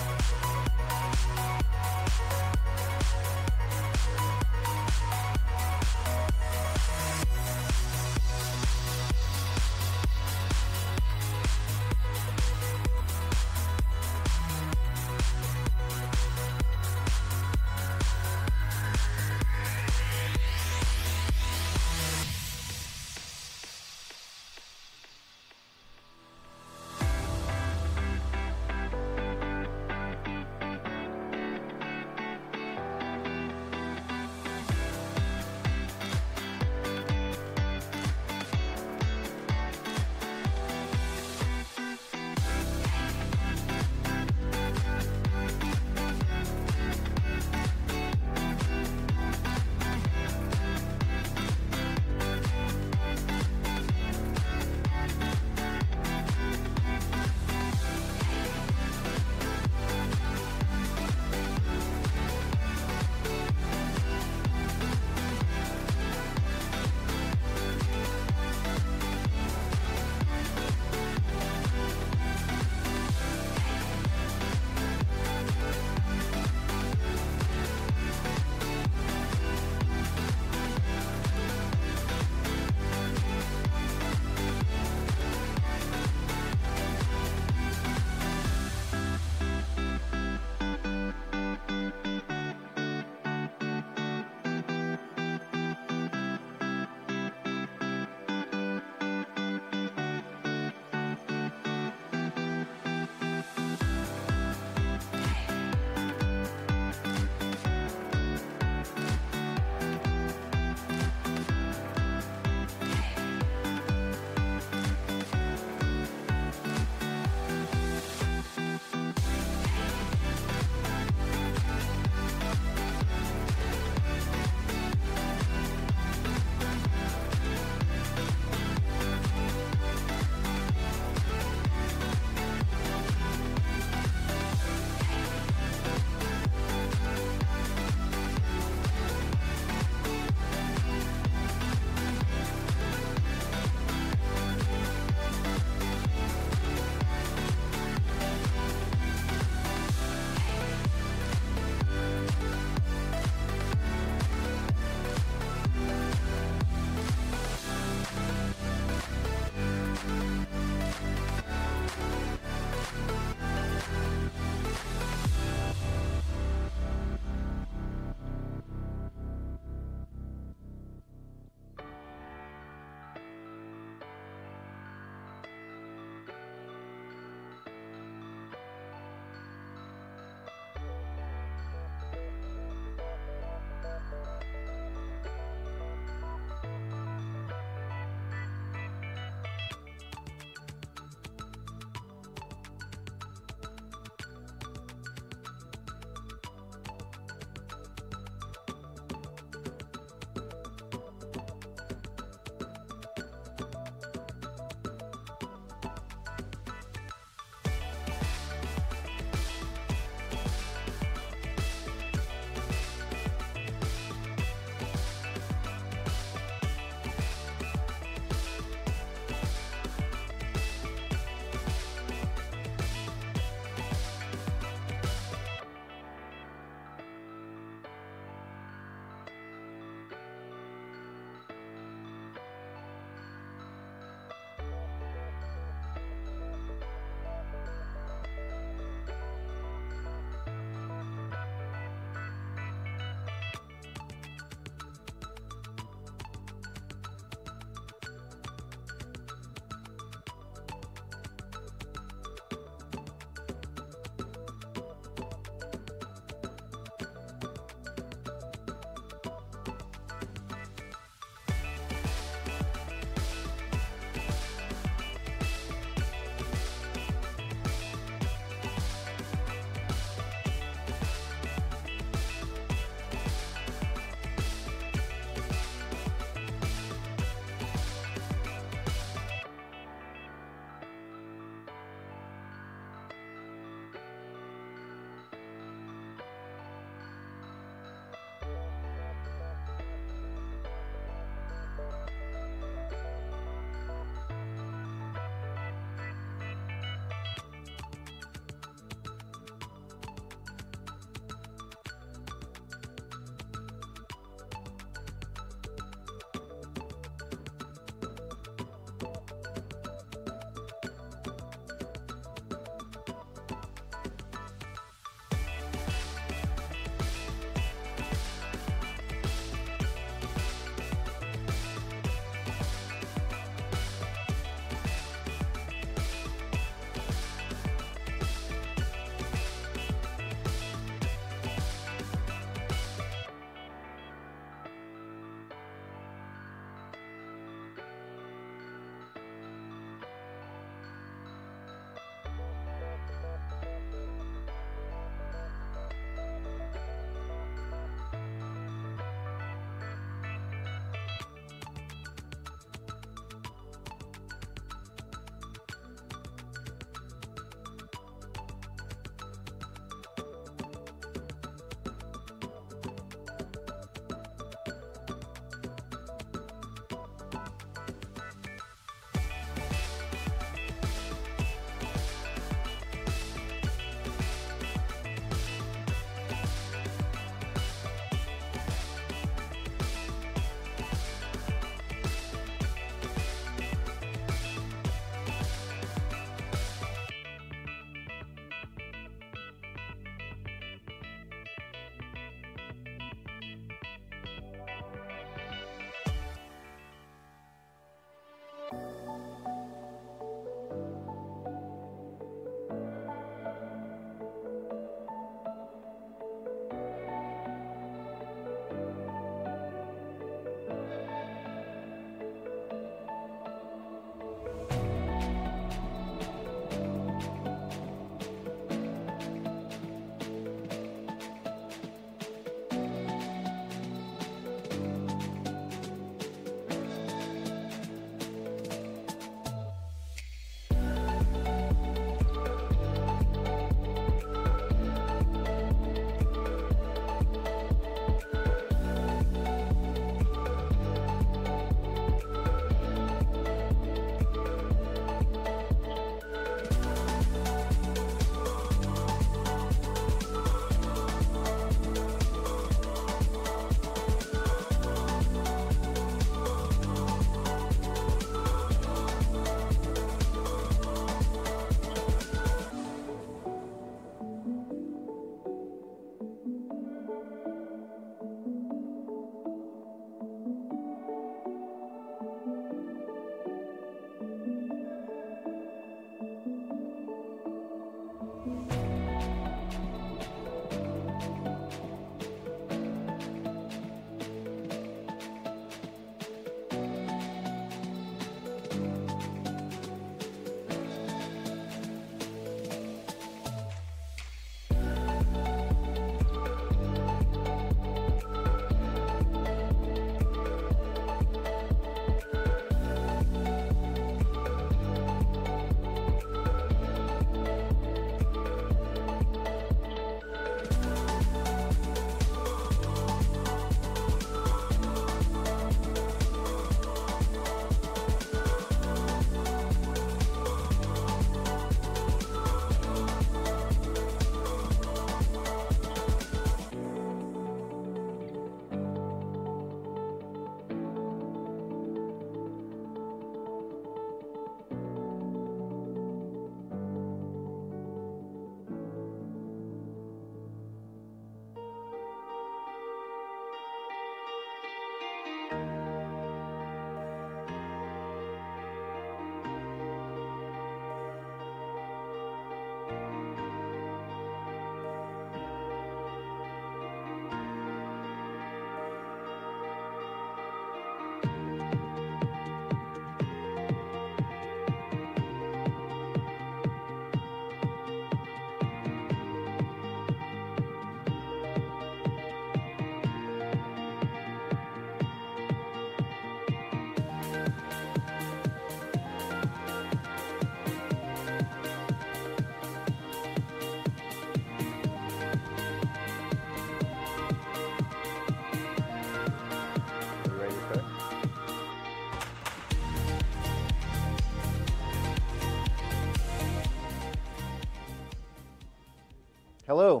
Speaker 9: Hello.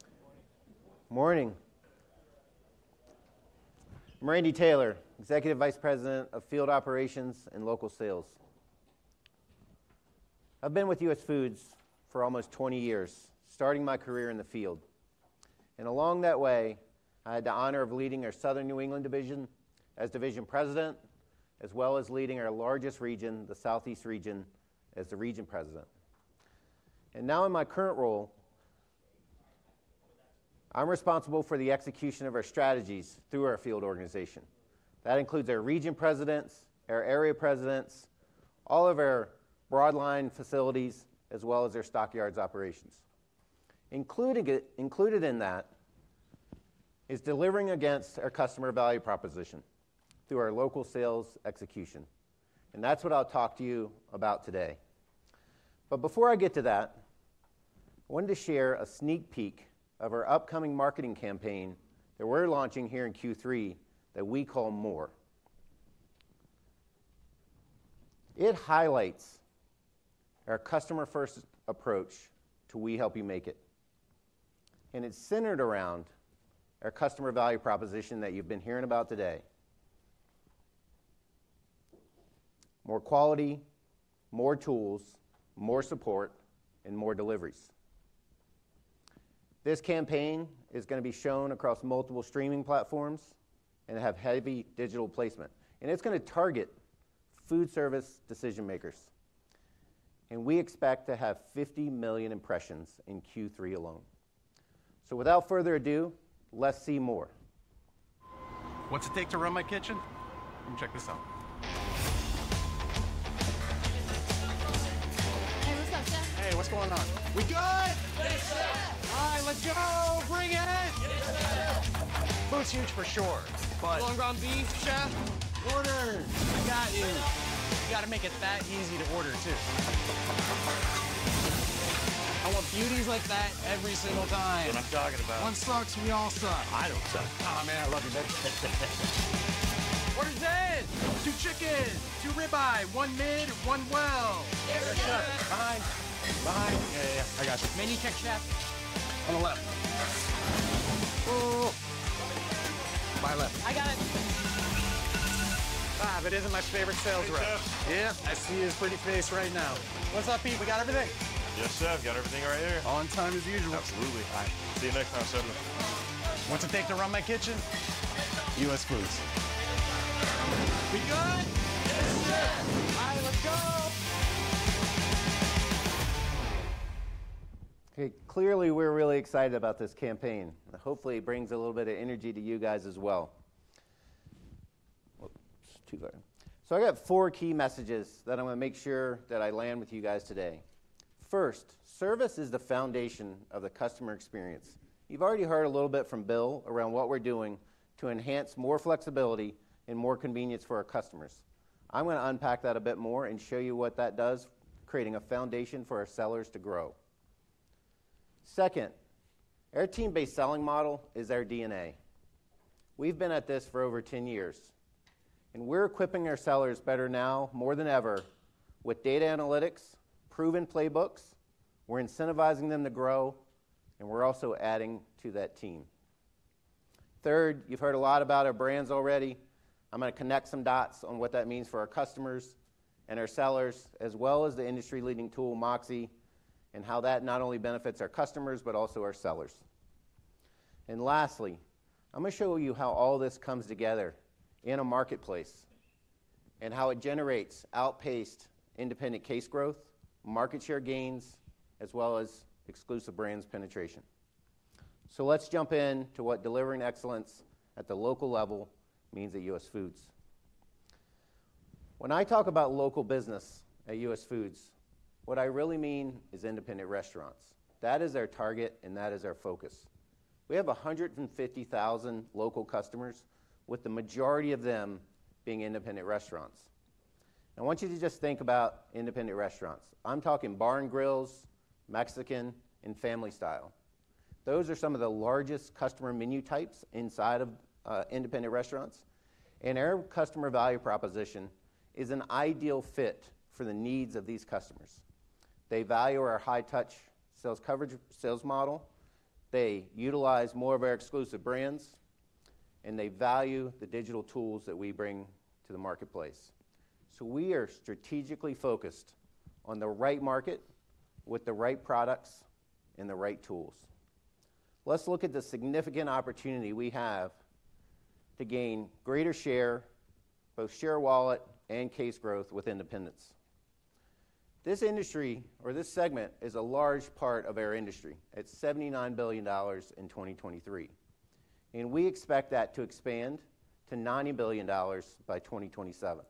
Speaker 9: Good morning.
Speaker 18: Morning. I'm Randy Taylor, Executive Vice President of Field Operations and Local Sales. I've been with US Foods for almost 20 years, starting my career in the field. Along that way, I had the honor of leading our Southern New England division as division president, as well as leading our largest region, the Southeast region, as the region president. Now in my current role, I'm responsible for the execution of our strategies through our field organization. That includes our region presidents, our area presidents, all of our broadline facilities, as well as their Stock Yards operations. Included in that is delivering against our customer value proposition through our local sales execution, and that's what I'll talk to you about today. But before I get to that, I wanted to share a sneak peek of our upcoming marketing campaign that we're launching here in Q3, that we call More. It highlights our customer-first approach to, "We help you make it," and it's centered around our customer value proposition that you've been hearing about today. More quality, more tools, more support, and more deliveries. This campaign is going to be shown across multiple streaming platforms and have heavy digital placement, and it's going to target foodservice decision makers. And we expect to have 50 million impressions in Q3 alone. So without further ado, let's see More.
Speaker 19: What's it take to run my kitchen? Come check this out. Hey, what's up, chef? Hey, what's going on? We good? Yes, chef. All right, let's go! Bring it in. Yes, chef. Food's huge for sure, but- Long ground beef, chef. Order. I got you. You got to make it that easy to order, too. I want beauties like that every single time. That's what I'm talking about. One sucks, we all suck. I don't suck. Oh, man, I love you, man. Orders in! two chicken, two rib eye, one mid, one well. Yes, chef. Behind. Behind. Yeah, yeah, I got you. Menu check, chef. On the left. Oh, my left. I got it. Ah, if it isn't my favorite sales rep. Hey, chef. Yeah, I see your pretty face right now. What's up, Pete? We got everything? Yes, chef. Got everything right here. On time, as usual. Absolutely. All right. See you next time, Sully. What's it take to run my kitchen? US Foods. We good? Yes, chef. All right, let's go!
Speaker 18: Okay, clearly, we're really excited about this campaign. Hopefully, it brings a little bit of energy to you guys as well. So I got four key messages that I want to make sure that I land with you guys today. First, service is the foundation of the customer experience. You've already heard a little bit from Bill around what we're doing to enhance more flexibility and more convenience for our customers. I'm going to unpack that a bit more and show you what that does, creating a foundation for our sellers to grow.... Second, our team-based selling model is our DNA. We've been at this for over 10 years, and we're equipping our sellers better now, more than ever, with data analytics, proven playbooks, we're incentivizing them to grow, and we're also adding to that team. Third, you've heard a lot about our brands already. I'm gonna connect some dots on what that means for our customers and our sellers, as well as the industry-leading tool, MOXē, and how that not only benefits our customers, but also our sellers. Lastly, I'm gonna show you how all this comes together in a marketplace and how it generates outpaced independent case growth, market share gains, as well as exclusive brands penetration. Let's jump into what delivering excellence at the local level means at US Foods. When I talk about local business at US Foods, what I really mean is independent restaurants. That is our target, and that is our focus. We have 150,000 local customers, with the majority of them being independent restaurants. I want you to just think about independent restaurants. I'm talking bar and grills, Mexican, and family style. Those are some of the largest customer menu types inside of independent restaurants. Our customer value proposition is an ideal fit for the needs of these customers. They value our high-touch sales coverage sales model, they utilize more of our exclusive brands, and they value the digital tools that we bring to the marketplace. We are strategically focused on the right market, with the right products and the right tools. Let's look at the significant opportunity we have to gain greater share, both share wallet and case growth with independents. This industry, or this segment, is a large part of our industry. It's $79 billion in 2023, and we expect that to expand to $90 billion by 2027.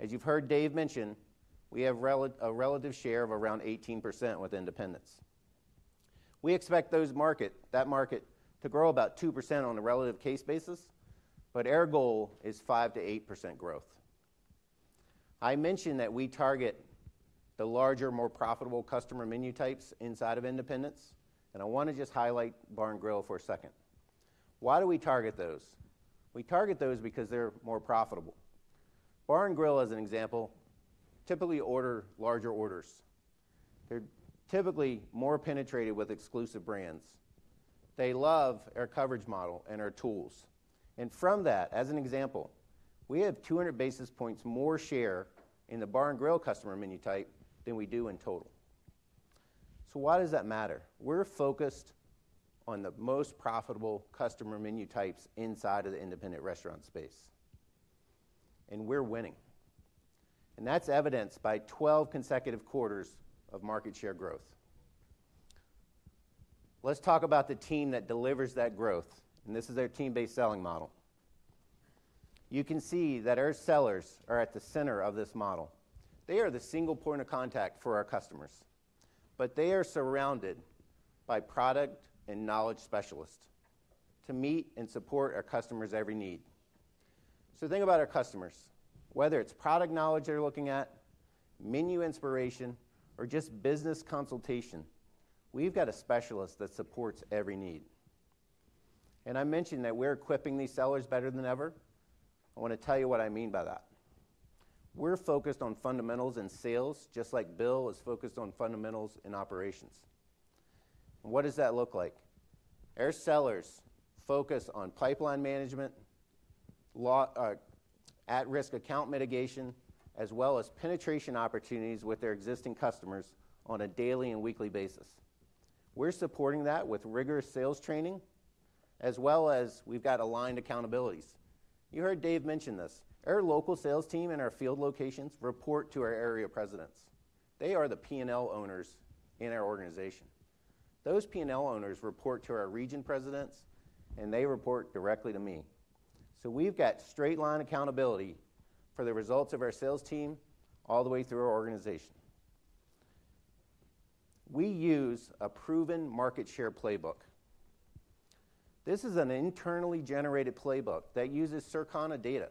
Speaker 18: As you've heard Dave mention, we have a relative share of around 18% with independents. We expect those market, that market to grow about 2% on a relative case basis, but our goal is 5%-8% growth. I mentioned that we target the larger, more profitable customer menu types inside of independents, and I want to just highlight bar and grill for a second. Why do we target those? We target those because they're more profitable. Bar and grill, as an example, typically order larger orders. They're typically more penetrated with exclusive brands. They love our coverage model and our tools. And from that, as an example, we have 200 basis points more share in the bar and grill customer menu type than we do in total. So why does that matter? We're focused on the most profitable customer menu types inside of the independent restaurant space, and we're winning. And that's evidenced by 12 consecutive quarters of market share growth. Let's talk about the team that delivers that growth, and this is our team-based selling model. You can see that our sellers are at the center of this model. They are the single point of contact for our customers, but they are surrounded by product and knowledge specialists to meet and support our customers' every need. So think about our customers. Whether it's product knowledge they're looking at, menu inspiration, or just business consultation, we've got a specialist that supports every need. And I mentioned that we're equipping these sellers better than ever. I want to tell you what I mean by that. We're focused on fundamentals and sales, just like Bill is focused on fundamentals and operations. What does that look like? Our sellers focus on pipeline management, at-risk account mitigation, as well as penetration opportunities with their existing customers on a daily and weekly basis. We're supporting that with rigorous sales training, as well as we've got aligned accountabilities. You heard Dave mention this. Our local sales team and our field locations report to our area presidents. They are the P&L owners in our organization. Those P&L owners report to our region presidents, and they report directly to me. So we've got straight-line accountability for the results of our sales team all the way through our organization. We use a proven market share playbook. This is an internally generated playbook that uses Circana data,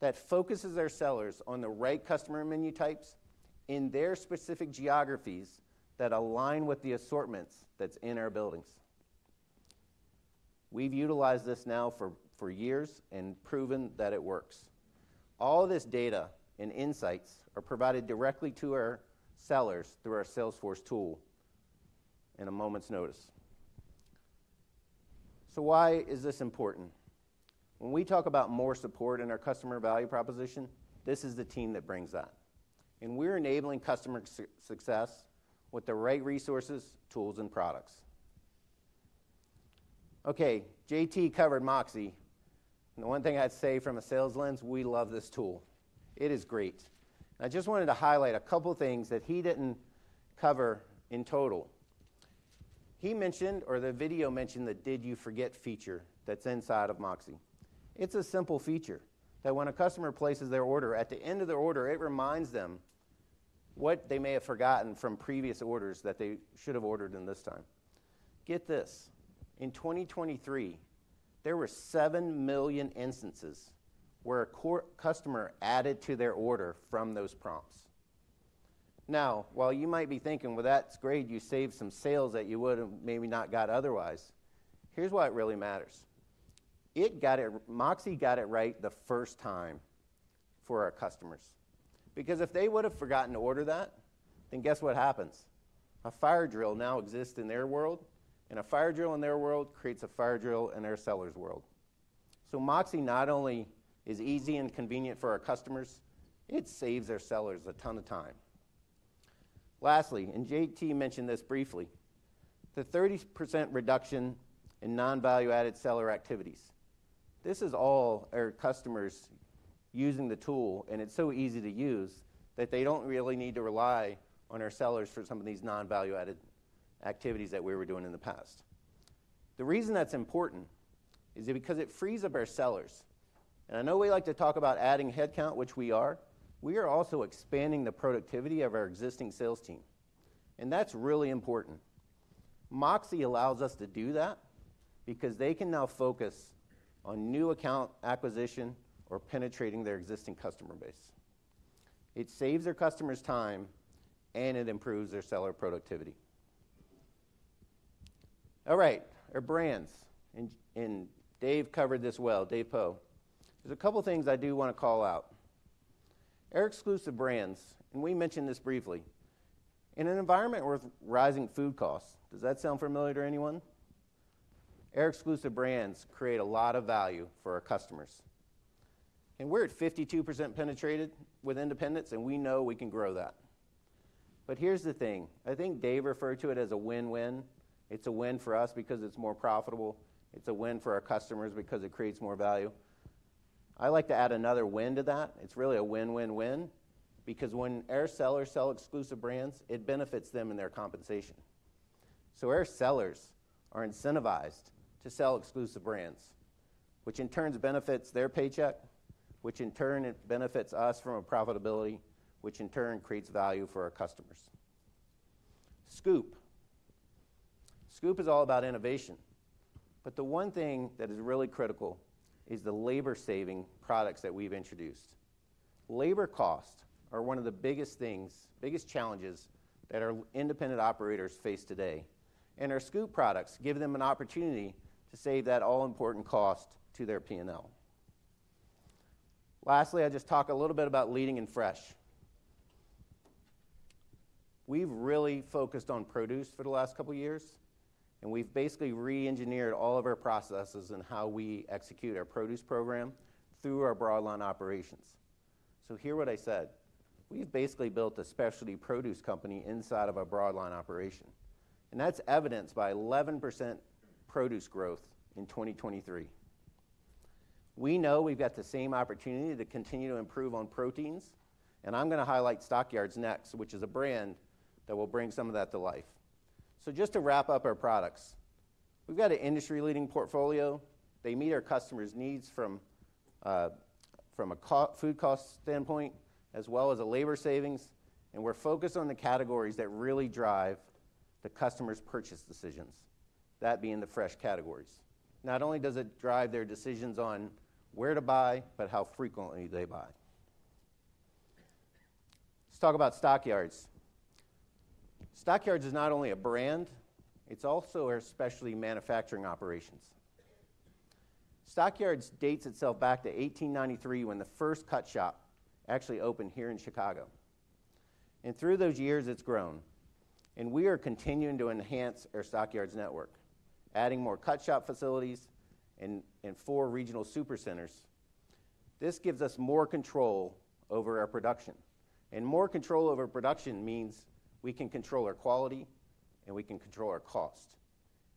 Speaker 18: that focuses our sellers on the right customer menu types in their specific geographies that align with the assortments that's in our buildings. We've utilized this now for years and proven that it works. All this data and insights are provided directly to our sellers through our Salesforce tool in a moment's notice. So why is this important? When we talk about more support in our customer value proposition, this is the team that brings that, and we're enabling customer success with the right resources, tools, and products. Okay, JT covered MOXē, and the one thing I'd say from a sales lens, we love this tool. It is great. I just wanted to highlight a couple of things that he didn't cover in total. He mentioned, or the video mentioned, the Did You Forget feature that's inside of MOXē. It's a simple feature that when a customer places their order, at the end of their order, it reminds them what they may have forgotten from previous orders that they should have ordered in this time. Get this: in 2023, there were 7 million instances where a customer added to their order from those prompts. Now, while you might be thinking, "Well, that's great, you saved some sales that you would've maybe not got otherwise," here's why it really matters. MOXē got it right the first time for our customers. Because if they would've forgotten to order that, then guess what happens? A fire drill now exists in their world, and a fire drill in their world creates a fire drill in their seller's world. So MOXē not only is easy and convenient for our customers, it saves their sellers a ton of time. Lastly, and JT mentioned this briefly, the 30% reduction in non-value-added seller activities. This is all our customers using the tool, and it's so easy to use, that they don't really need to rely on our sellers for some of these non-value-added activities that we were doing in the past. The reason that's important is because it frees up our sellers. I know we like to talk about adding headcount, which we are; we are also expanding the productivity of our existing sales team. That's really important. MOXē allows us to do that because they can now focus on new account acquisition or penetrating their existing customer base. It saves their customers time, and it improves their seller productivity. All right, our brands, Dave covered this well, Dave Poe. There's a couple of things I do wanna call out. Our exclusive brands, we mentioned this briefly. In an environment with rising food costs, does that sound familiar to anyone? Our exclusive brands create a lot of value for our customers. We're at 52% penetrated with independents, and we know we can grow that. But here's the thing: I think Dave referred to it as a win-win. It's a win for us because it's more profitable. It's a win for our customers because it creates more value. I like to add another win to that. It's really a win-win-win, because when our sellers sell Exclusive Brands, it benefits them in their compensation. So our sellers are incentivized to sell Exclusive Brands, which in turn benefits their paycheck, which in turn benefits us from a profitability, which in turn creates value for our customers. Scoop. Scoop is all about innovation, but the one thing that is really critical is the labor-saving products that we've introduced. Labor costs are one of the biggest things, biggest challenges that our independent operators face today, and our Scoop products give them an opportunity to save that all-important cost to their P&L. Lastly, I'll just talk a little bit about leading and fresh. We've really focused on produce for the last couple of years, and we've basically reengineered all of our processes and how we execute our produce program through our broad line operations. So hear what I said: we've basically built a specialty produce company inside of a broad line operation, and that's evidenced by 11% produce growth in 2023. We know we've got the same opportunity to continue to improve on proteins, and I'm gonna highlight Stock Yards next, which is a brand that will bring some of that to life. So just to wrap up our products, we've got an industry-leading portfolio. They meet our customers' needs from a food cost standpoint, as well as a labor savings, and we're focused on the categories that really drive the customer's purchase decisions, that being the fresh categories. Not only does it drive their decisions on where to buy, but how frequently they buy. Let's talk about Stock Yards. Stock Yards is not only a brand, it's also our specialty manufacturing operations. Stock Yards dates itself back to 1893, when the first cut shop actually opened here in Chicago. And through those years, it's grown, and we are continuing to enhance our Stock Yards network, adding more cut shop facilities and four regional super centers. This gives us more control over our production, and more control over production means we can control our quality, and we can control our cost.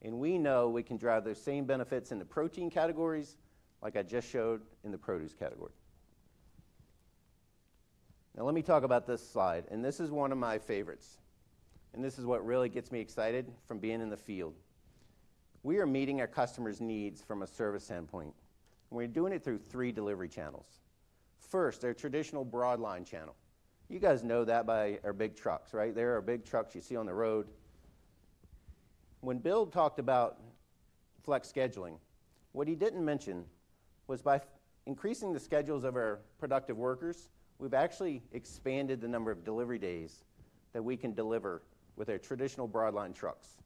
Speaker 18: We know we can drive those same benefits in the protein categories, like I just showed in the produce category. Now, let me talk about this slide, and this is one of my favorites, and this is what really gets me excited from being in the field. We are meeting our customers' needs from a service standpoint, and we're doing it through three delivery channels. First, our traditional broad line channel. You guys know that by our big trucks, right? They're our big trucks you see on the road. When Bill talked about flex scheduling, what he didn't mention was by increasing the schedules of our productive workers, we've actually expanded the number of delivery days that we can deliver with our traditional broad line trucks.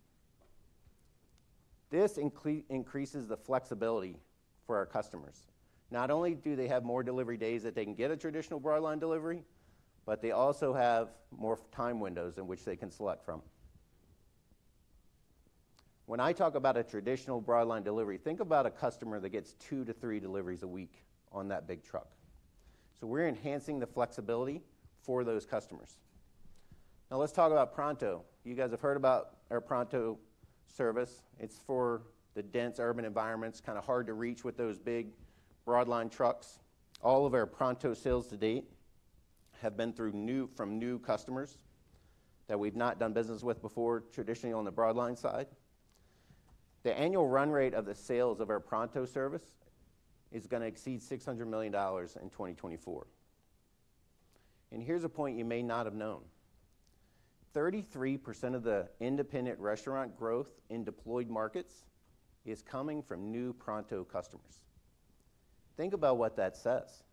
Speaker 18: This increases the flexibility for our customers. Not only do they have more delivery days that they can get a traditional broad line delivery, but they also have more time windows in which they can select from. When I talk about a traditional broad line delivery, think about a customer that gets two-three deliveries a week on that big truck. So we're enhancing the flexibility for those customers. Now let's talk about Pronto. You guys have heard about our Pronto service. It's for the dense urban environments, kinda hard to reach with those big broad line trucks. All of our Pronto sales to date have been from new customers that we've not done business with before, traditionally on the broad line side. The annual run rate of the sales of our Pronto service is gonna exceed $600 million in 2024. Here's a point you may not have known: 33% of the independent restaurant growth in deployed markets is coming from new Pronto customers. Think about what that says.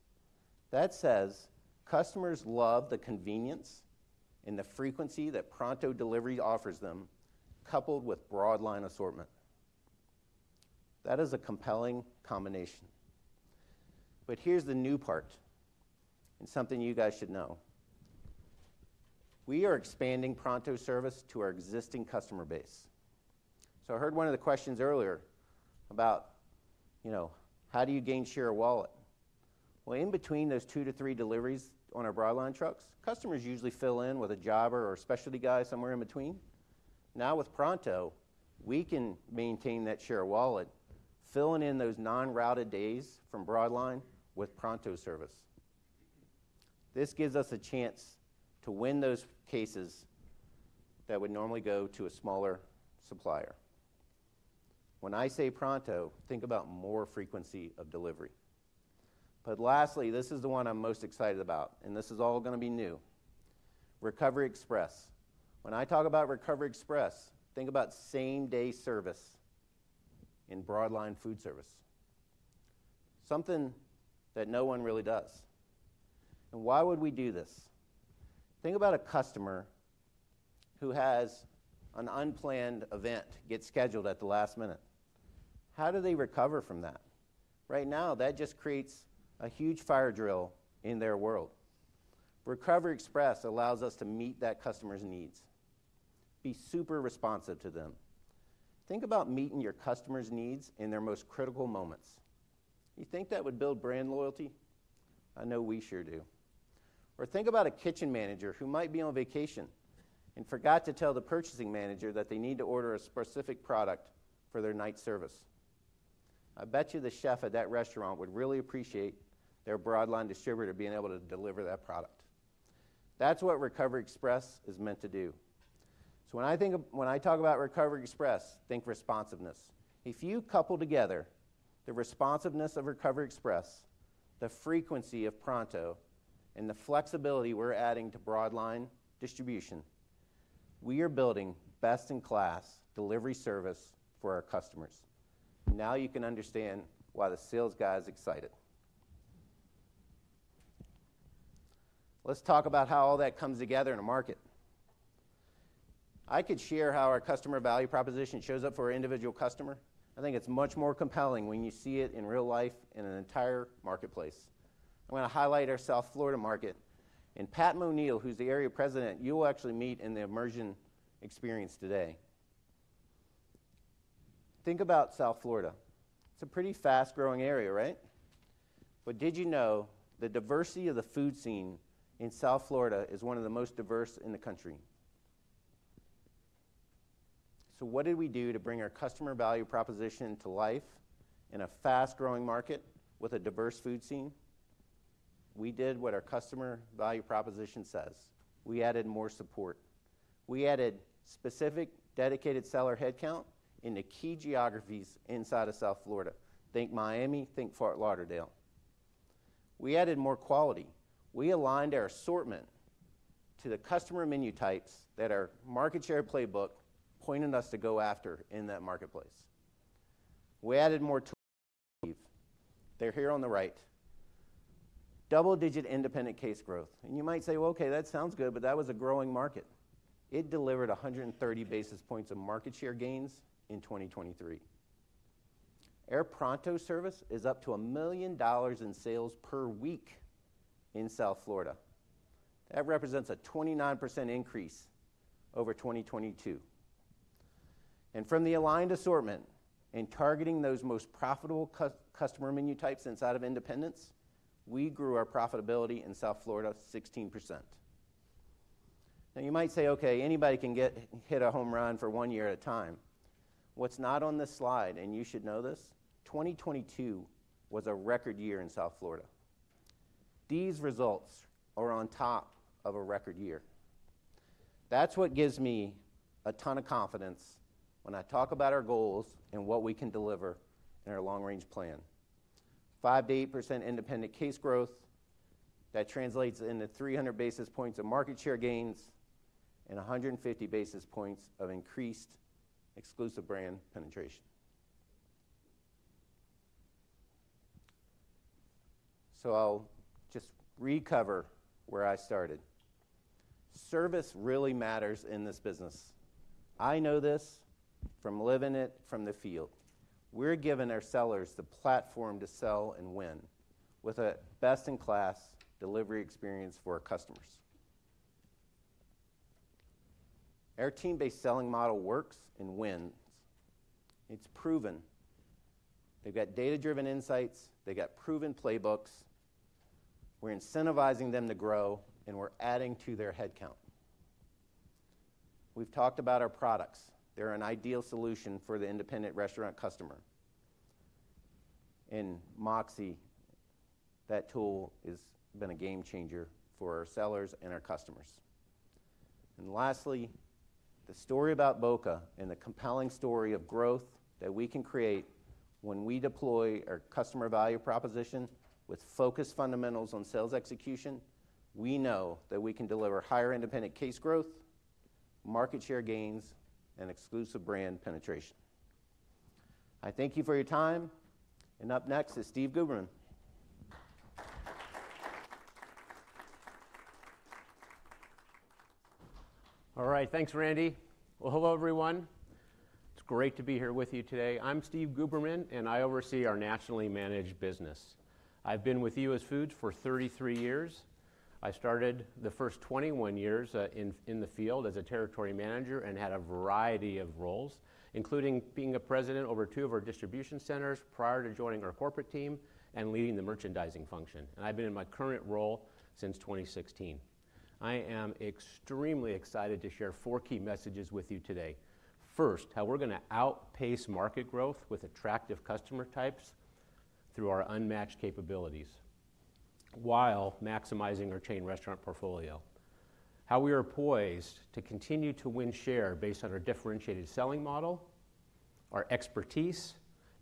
Speaker 18: That says customers love the convenience and the frequency that Pronto Delivery offers them, coupled with broadline assortment. That is a compelling combination. But here's the new part, and something you guys should know. We are expanding Pronto service to our existing customer base. So I heard one of the questions earlier about, you know, how do you gain share of wallet? Well, in between those two-three deliveries on our broadline trucks, customers usually fill in with a jobber or a specialty guy somewhere in between. Now, with Pronto, we can maintain that share of wallet, filling in those non-routed days from broadline with Pronto service. This gives us a chance to win those cases that would normally go to a smaller supplier. When I say Pronto, think about more frequency of delivery. But lastly, this is the one I'm most excited about, and this is all gonna be new: Recovery Express. When I talk about Recovery Express, think about same-day service in broadline foodservice, something that no one really does. And why would we do this? Think about a customer who has an unplanned event get scheduled at the last minute. How do they recover from that? Right now, that just creates a huge fire drill in their world. Recovery Express allows us to meet that customer's needs, be super responsive to them. Think about meeting your customer's needs in their most critical moments. You think that would build brand loyalty? I know we sure do. Think about a kitchen manager who might be on vacation and forgot to tell the purchasing manager that they need to order a specific product for their night service. I bet you the chef at that restaurant would really appreciate their broadline distributor being able to deliver that product. That's what Recovery Express is meant to do. So when I talk about Recovery Express, think responsiveness. If you couple together the responsiveness of Recovery Express, the frequency of Pronto, and the flexibility we're adding to broadline distribution, we are building best-in-class delivery service for our customers. Now you can understand why the sales guy is excited. Let's talk about how all that comes together in a market. I could share how our customer value proposition shows up for our individual customer. I think it's much more compelling when you see it in real life in an entire marketplace. I'm gonna highlight our South Florida market, and Pat O'Neill, who's the Area President, you will actually meet in the immersion experience today. Think about South Florida. It's a pretty fast-growing area, right? But did you know the diversity of the food scene in South Florida is one of the most diverse in the country? So what did we do to bring our customer value proposition to life in a fast-growing market with a diverse food scene? We did what our customer value proposition says: we added more support. We added specific, dedicated seller headcount into key geographies inside of South Florida. Think Miami, think Fort Lauderdale. We added more quality. We aligned our assortment to the customer menu types that our market share playbook pointed us to go after in that marketplace. We added more tools. They're here on the right. Double-digit independent case growth. And you might say, "Well, okay, that sounds good, but that was a growing market." It delivered 130 basis points of market share gains in 2023. Our Pronto service is up to $1 million in sales per week in South Florida. That represents a 29% increase over 2022. And from the aligned assortment and targeting those most profitable customer menu types inside of independents, we grew our profitability in South Florida 16%. Now, you might say, "Okay, anybody can get, hit a home run for one year at a time." What's not on this slide, and you should know this, 2022 was a record year in South Florida. These results are on top of a record year. That's what gives me a ton of confidence when I talk about our goals and what we can deliver in our long-range plan. 5%-8% independent case growth, that translates into 300 basis points of market share gains and 150 basis points of increased exclusive brand penetration. So I'll just recover where I started. Service really matters in this business. I know this from living it from the field. We're giving our sellers the platform to sell and win with a best-in-class delivery experience for our customers. Our team-based selling model works and wins. It's proven. They've got data-driven insights, they've got proven playbooks, we're incentivizing them to grow, and we're adding to their headcount. We've talked about our products. They're an ideal solution for the independent restaurant customer. And MOXē, that tool has been a game changer for our sellers and our customers. And lastly, the story about Boca and the compelling story of growth that we can create when we deploy our customer value proposition with focused fundamentals on sales execution, we know that we can deliver higher independent case growth, market share gains, and exclusive brand penetration. I thank you for your time, and up next is Steve Guberman.
Speaker 20: All right, Randy. Well, hello, everyone. It's great to be here with you today. I'm Steve Guberman, and I oversee our nationally managed business. I've been with US Foods for 33 years. I started the first 21 years in the field as a territory manager and had a variety of roles, including being a president over two of our distribution centers prior to joining our corporate team and leading the merchandising function. I've been in my current role since 2016. I am extremely excited to share four key messages with you today. First, how we're gonna outpace market growth with attractive customer types through our unmatched capabilities while maximizing our chain restaurant portfolio. How we are poised to continue to win share based on our differentiated selling model, our expertise,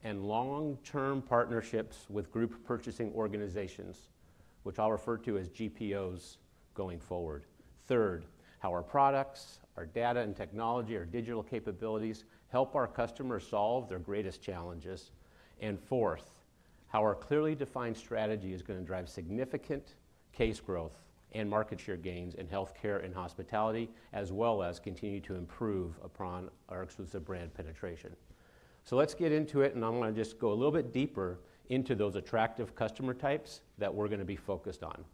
Speaker 20: and long-term partnerships with group purchasing organizations, which I'll refer to as GPOs going forward. Third, how our products, our data and technology, our digital capabilities, help our customers solve their greatest challenges. And fourth, how our clearly defined strategy is gonna drive significant case growth and market share gains in healthcare and hospitality, as well as continue to improve upon our exclusive brand penetration. So let's get into it, and I'm gonna just go a little bit deeper into those attractive customer types that we're gonna be focused on.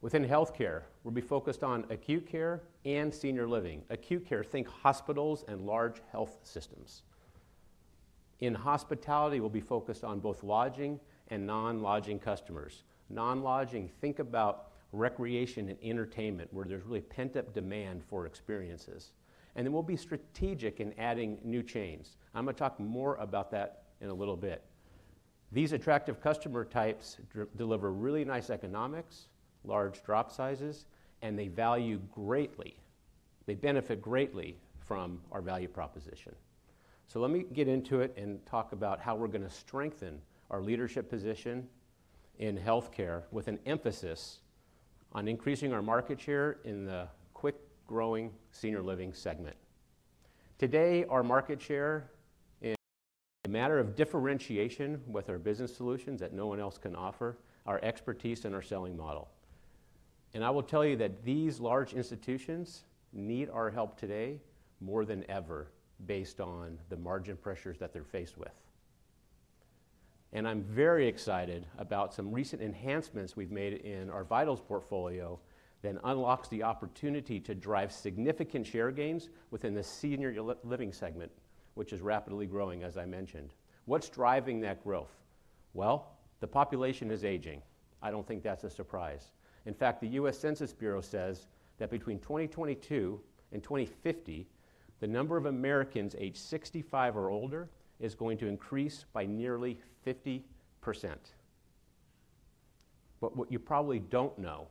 Speaker 20: Within healthcare, we'll be focused on acute care and senior living. Acute care, think hospitals and large health systems. In hospitality, we'll be focused on both lodging and non-lodging customers. Non-lodging, think about recreation and entertainment, where there's really pent-up demand for experiences. And then we'll be strategic in adding new chains. I'm gonna talk more about that in a little bit. These attractive customer types deliver really nice economics, large drop sizes, and they value greatly... They benefit greatly from our value proposition. So let me get into it and talk about how we're gonna strengthen our leadership position in healthcare, with an emphasis on increasing our market share in the quick-growing senior living segment. Today, our market share in a matter of differentiation with our business solutions that no one else can offer, our expertise and our selling model. I will tell you that these large institutions need our help today more than ever, based on the margin pressures that they're faced with. I'm very excited about some recent enhancements we've made in our VITALS portfolio that unlocks the opportunity to drive significant share gains within the senior living segment, which is rapidly growing, as I mentioned. What's driving that growth? Well, the population is aging. I don't think that's a surprise. In fact, the U.S. Census Bureau says that between 2022 and 2050, the number of Americans aged 65 or older is going to increase by nearly 50%. But what you probably don't know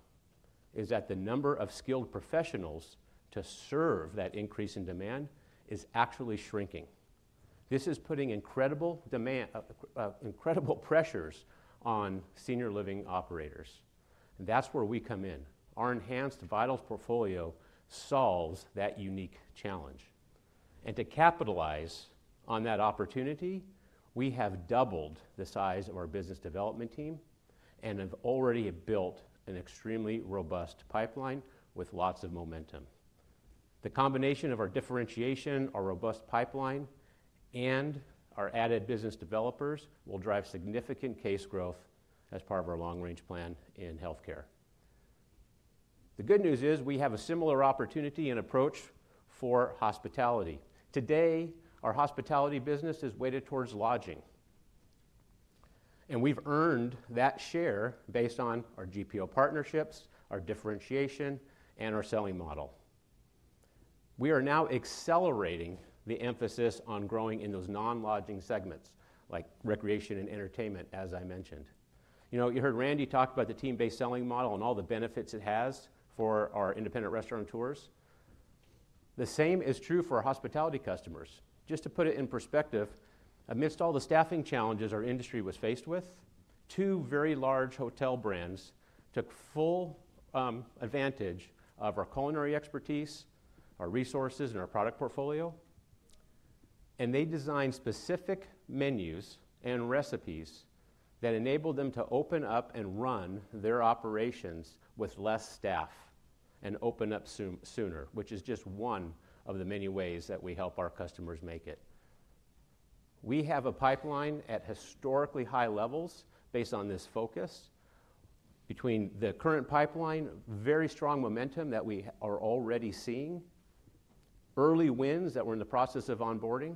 Speaker 20: is that the number of skilled professionals to serve that increase in demand is actually shrinking. This is putting incredible pressures on senior living operators, and that's where we come in. Our enhanced VITALS portfolio solves that unique challenge, and to capitalize on that opportunity, we have doubled the size of our business development team and have already built an extremely robust pipeline with lots of momentum. The combination of our differentiation, our robust pipeline, and our added business developers will drive significant case growth as part of our long-range plan in healthcare. The good news is we have a similar opportunity and approach for hospitality. Today, our hospitality business is weighted towards lodging, and we've earned that share based on our GPO partnerships, our differentiation, and our selling model. We are now accelerating the emphasis on growing in those non-lodging segments, like recreation and entertainment, as I mentioned. You know, you heard Randy talk about the team-based selling model and all the benefits it has for our independent restaurateurs. The same is true for our hospitality customers. Just to put it in perspective, amidst all the staffing challenges our industry was faced with, two very large hotel brands took full advantage of our culinary expertise, our resources, and our product portfolio, and they designed specific menus and recipes that enabled them to open up and run their operations with less staff and open up sooner, which is just one of the many ways that we help our customers make it. We have a pipeline at historically high levels based on this focus. Between the current pipeline, very strong momentum that we are already seeing, early wins that we're in the process of onboarding,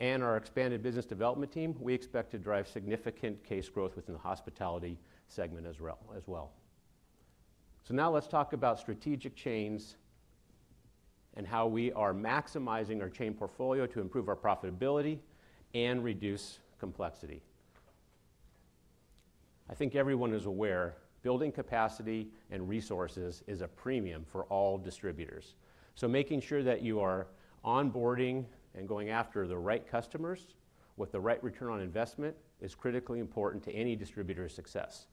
Speaker 20: and our expanded business development team, we expect to drive significant case growth within the hospitality segment as well. So now let's talk about strategic chains and how we are maximizing our chain portfolio to improve our profitability and reduce complexity. I think everyone is aware, building capacity and resources is a premium for all distributors. So making sure that you are onboarding and going after the right customers, with the right return on investment, is critically important to any distributor's success.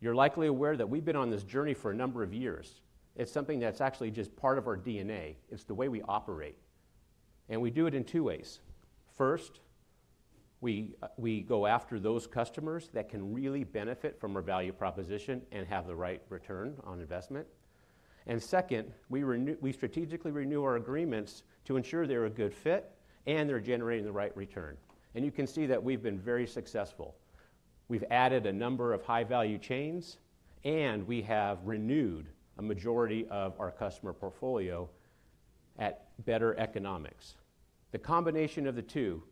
Speaker 20: You're likely aware that we've been on this journey for a number of years. It's something that's actually just part of our DNA. It's the way we operate, and we do it in two ways. First, we go after those customers that can really benefit from our value proposition and have the right return on investment. And second, we strategically renew our agreements to ensure they're a good fit and they're generating the right return. You can see that we've been very successful. We've added a number of high-value chains, and we have renewed a majority of our customer portfolio at better economics. The combination of the two,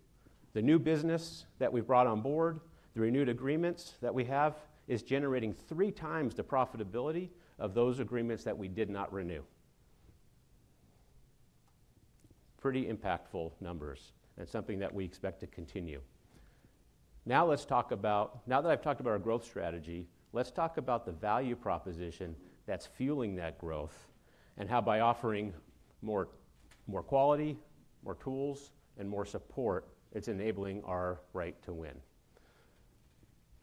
Speaker 20: the new business that we've brought on board, the renewed agreements that we have, is generating three times the profitability of those agreements that we did not renew. Pretty impactful numbers, and something that we expect to continue. Now that I've talked about our growth strategy, let's talk about the value proposition that's fueling that growth, and how by offering more, more quality, more tools, and more support, it's enabling our right to win.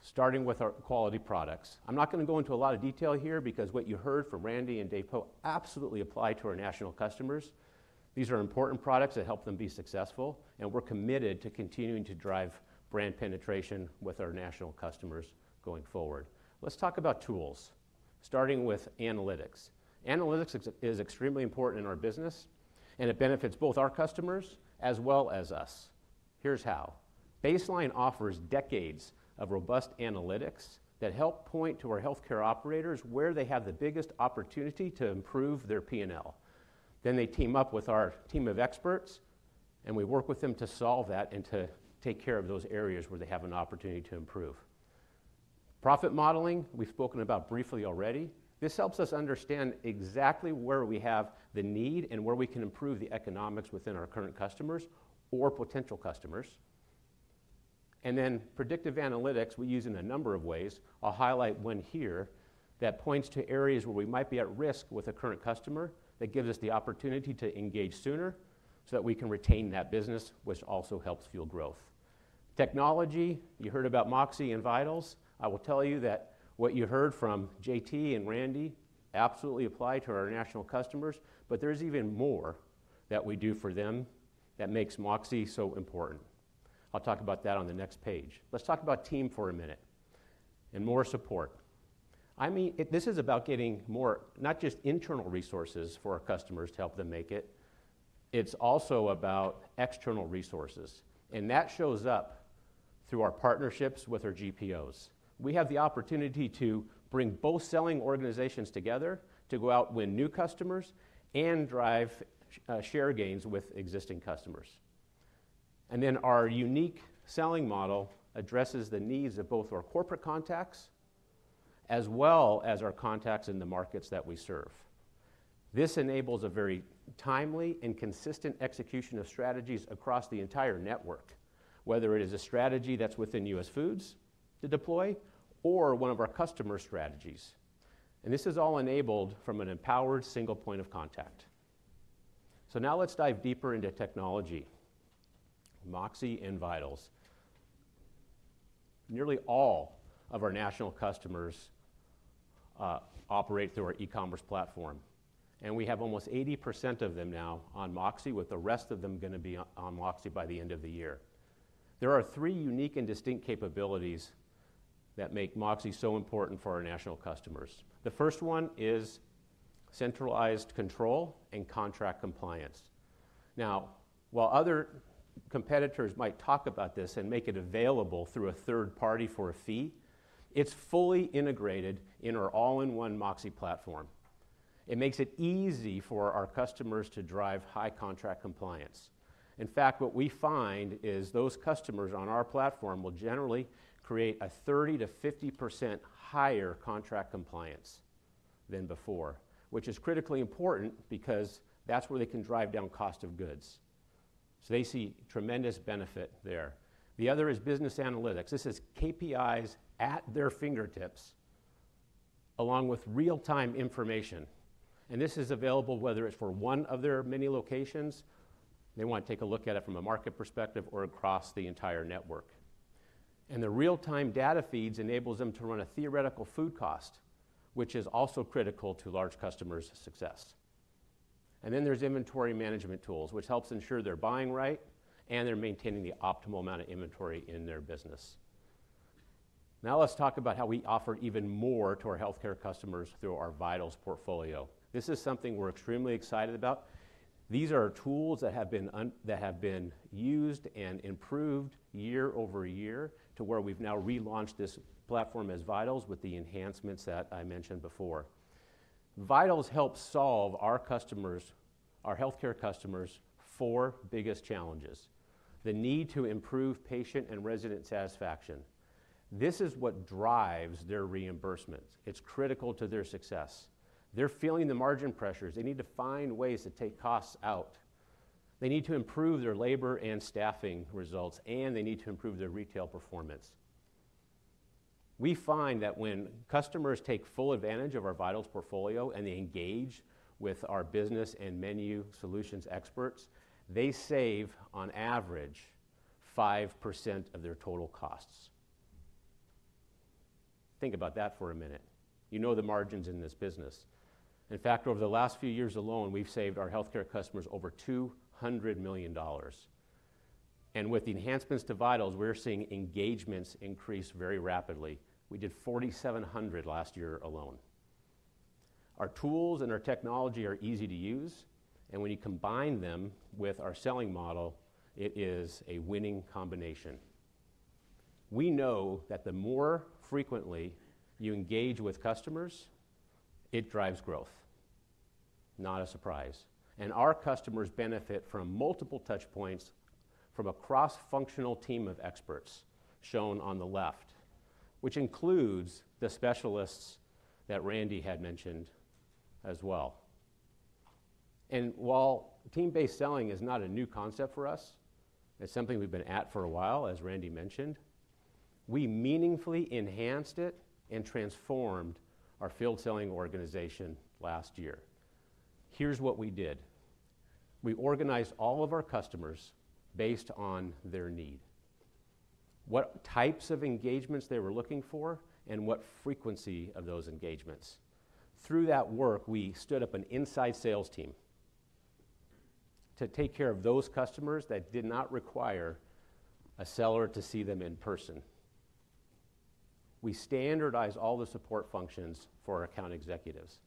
Speaker 20: Starting with our quality products. I'm not gonna go into a lot of detail here, because what you heard from Randy and Dave Poe absolutely apply to our national customers. These are important products that help them be successful, and we're committed to continuing to drive brand penetration with our national customers going forward. Let's talk about tools, starting with analytics. Analytics is extremely important in our business, and it benefits both our customers as well as us. Here's how. Baseline offers decades of robust analytics that help point to our healthcare operators where they have the biggest opportunity to improve their P&L. Then they team up with our team of experts, and we work with them to solve that and to take care of those areas where they have an opportunity to improve. Profit modeling, we've spoken about briefly already. This helps us understand exactly where we have the need and where we can improve the economics within our current customers or potential customers. And then predictive analytics we use in a number of ways. I'll highlight one here that points to areas where we might be at risk with a current customer that gives us the opportunity to engage sooner, so that we can retain that business, which also helps fuel growth. Technology, you heard about MOXē and VITALS. I will tell you that what you heard from JT and Randy absolutely apply to our national customers, but there's even more that we do for them that makes MOXē so important. I'll talk about that on the next page. Let's talk about team for a minute, and more support. I mean, this is about getting more, not just internal resources for our customers to help them make it, it's also about external resources, and that shows up through our partnerships with our GPOs. We have the opportunity to bring both selling organizations together to go out, win new customers and drive share gains with existing customers. And then our unique selling model addresses the needs of both our corporate contacts, as well as our contacts in the markets that we serve. This enables a very timely and consistent execution of strategies across the entire network, whether it is a strategy that's within US Foods to deploy or one of our customer strategies. And this is all enabled from an empowered single point of contact. So now let's dive deeper into technology, MOXē and VITALS. Nearly all of our national customers operate through our e-commerce platform, and we have almost 80% of them now on MOXē, with the rest of them gonna be on, on MOXē by the end of the year. There are three unique and distinct capabilities that make MOXē so important for our national customers. The first one is centralized control and contract compliance. Now, while other competitors might talk about this and make it available through a third party for a fee, it's fully integrated in our all-in-one MOXē platform. It makes it easy for our customers to drive high contract compliance. In fact, what we find is those customers on our platform will generally create a 30%-50% higher contract compliance than before, which is critically important because that's where they can drive down cost of goods. So they see tremendous benefit there. The other is business analytics. This is KPIs at their fingertips, along with real-time information, and this is available whether it's for one of their many locations. They want to take a look at it from a market perspective or across the entire network. The real-time data feeds enables them to run a theoretical food cost, which is also critical to large customers' success. Then there's inventory management tools, which helps ensure they're buying right and they're maintaining the optimal amount of inventory in their business. Now, let's talk about how we offer even more to our healthcare customers through our Vitals portfolio. This is something we're extremely excited about. These are tools that have been used and improved year over year to where we've now relaunched this platform as Vitals with the enhancements that I mentioned before. VITALS helps solve our customers', our healthcare customers', four biggest challenges: the need to improve patient and resident satisfaction. This is what drives their reimbursements. It's critical to their success. They're feeling the margin pressures. They need to find ways to take costs out. They need to improve their labor and staffing results, and they need to improve their retail performance. We find that when customers take full advantage of our VITALS portfolio and they engage with our business and menu solutions experts, they save on average 5% of their total costs. Think about that for a minute. You know the margins in this business. In fact, over the last few years alone, we've saved our healthcare customers over $200 million. And with the enhancements to VITALS, we're seeing engagements increase very rapidly. We did 4,700 last year alone. Our tools and our technology are easy to use, and when you combine them with our selling model, it is a winning combination. We know that the more frequently you engage with customers, it drives growth. Not a surprise. Our customers benefit from multiple touch points from a cross-functional team of experts, shown on the left, which includes the specialists that Randy had mentioned as well. While team-based selling is not a new concept for us, it's something we've been at for a while, as Randy mentioned, we meaningfully enhanced it and transformed our field selling organization last year. Here's what we did: We organized all of our customers based on their need, what types of engagements they were looking for, and what frequency of those engagements. Through that work, we stood up an inside sales team to take care of those customers that did not require a seller to see them in person. We standardized all the support functions for our account executives,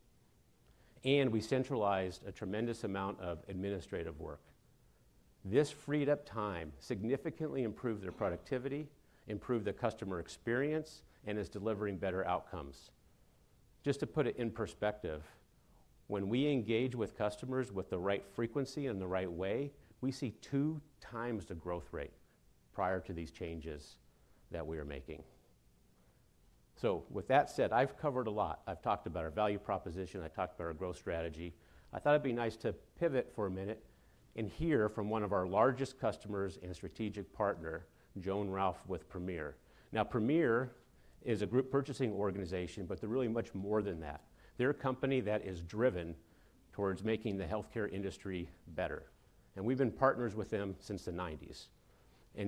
Speaker 20: and we centralized a tremendous amount of administrative work. This freed up time, significantly improved their productivity, improved the customer experience, and is delivering better outcomes. Just to put it in perspective, when we engage with customers with the right frequency and the right way, we see 2x the growth rate prior to these changes that we are making. So with that said, I've covered a lot. I've talked about our value proposition, I talked about our growth strategy. I thought it'd be nice to pivot for a minute and hear from one of our largest customers and strategic partner, Joan Ralph, with Premier. Now, Premier is a group purchasing organization, but they're really much more than that. They're a company that is driven towards making the healthcare industry better, and we've been partners with them since the 1990s.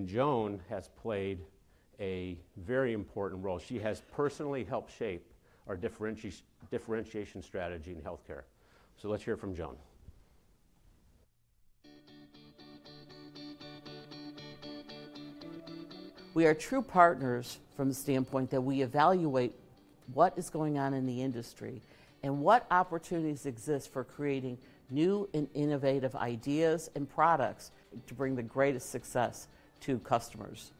Speaker 20: Joan has played a very important role. She has personally helped shape our differentiation strategy in healthcare. So let's hear from Joan.
Speaker 21: We are true partners from the standpoint that we evaluate what is going on in the industry and what opportunities exist for creating new and innovative ideas and products to bring the greatest success to customers.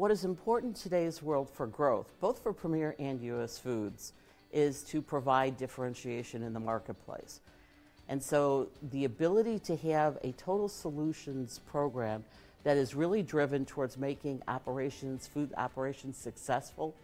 Speaker 21: What is important in today's world for growth, both for Premier and US Foods, is to provide differentiation in the marketplace. And so the ability to have a total solutions program that is really driven towards making operations, food operations successful,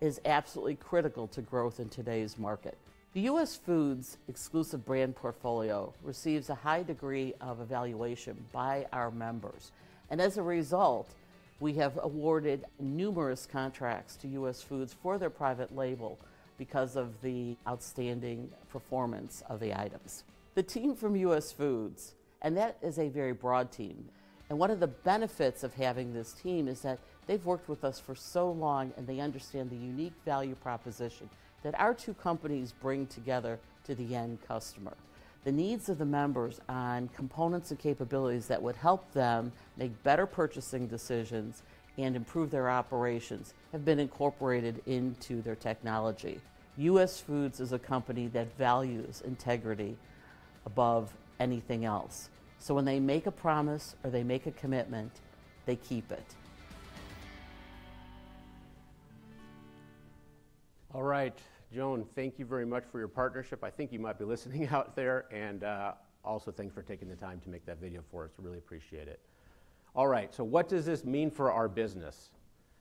Speaker 21: is absolutely critical to growth in today's market. The US Foods exclusive brand portfolio receives a high degree of evaluation by our members, and as a result, we have awarded numerous contracts to US Foods for their private label because of the outstanding performance of the items. The team from US Foods, and that is a very broad team, and one of the benefits of having this team is that they've worked with us for so long, and they understand the unique value proposition that our two companies bring together to the end customer. The needs of the members on components and capabilities that would help them make better purchasing decisions and improve their operations have been incorporated into their technology. US Foods is a company that values integrity above anything else, so when they make a promise or they make a commitment, they keep it.
Speaker 20: All right, Joan, thank you very much for your partnership. I think you might be listening out there and also thanks for taking the time to make that video for us. We really appreciate it. All right, so what does this mean for our business?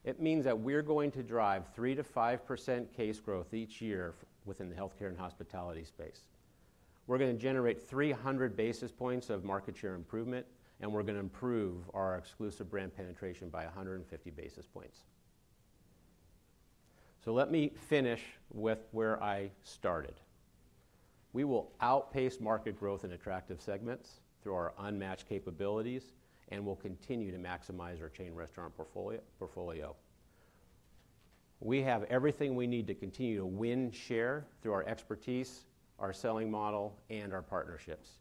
Speaker 20: It means that we're going to drive 3%-5% case growth each year within the healthcare and hospitality space. We're gonna generate 300 basis points of market share improvement, and we're gonna improve our exclusive brand penetration by 150 basis points. So let me finish with where I started. We will outpace market growth in attractive segments through our unmatched capabilities, and we'll continue to maximize our chain restaurant portfolio. We have everything we need to continue to win share through our expertise, our selling model, and our partnerships.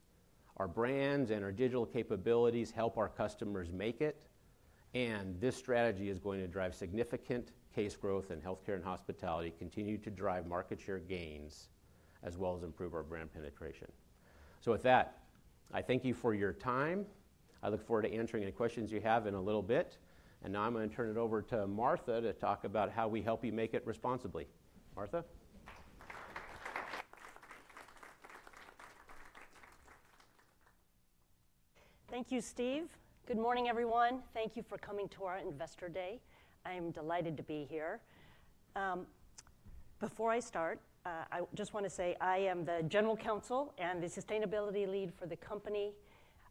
Speaker 20: Our brands and our digital capabilities help our customers make it, and this strategy is going to drive significant case growth in healthcare and hospitality, continue to drive market share gains, as well as improve our brand penetration. So with that, I thank you for your time. I look forward to answering any questions you have in a little bit. And now I'm gonna turn it over to Martha to talk about how we help you make it responsibly. Martha?
Speaker 22: Thank you, Steve. Good morning, everyone. Thank you for coming to our Investor Day. I am delighted to be here. Before I start, I just wanna say I am the general counsel and the sustainability lead for the company.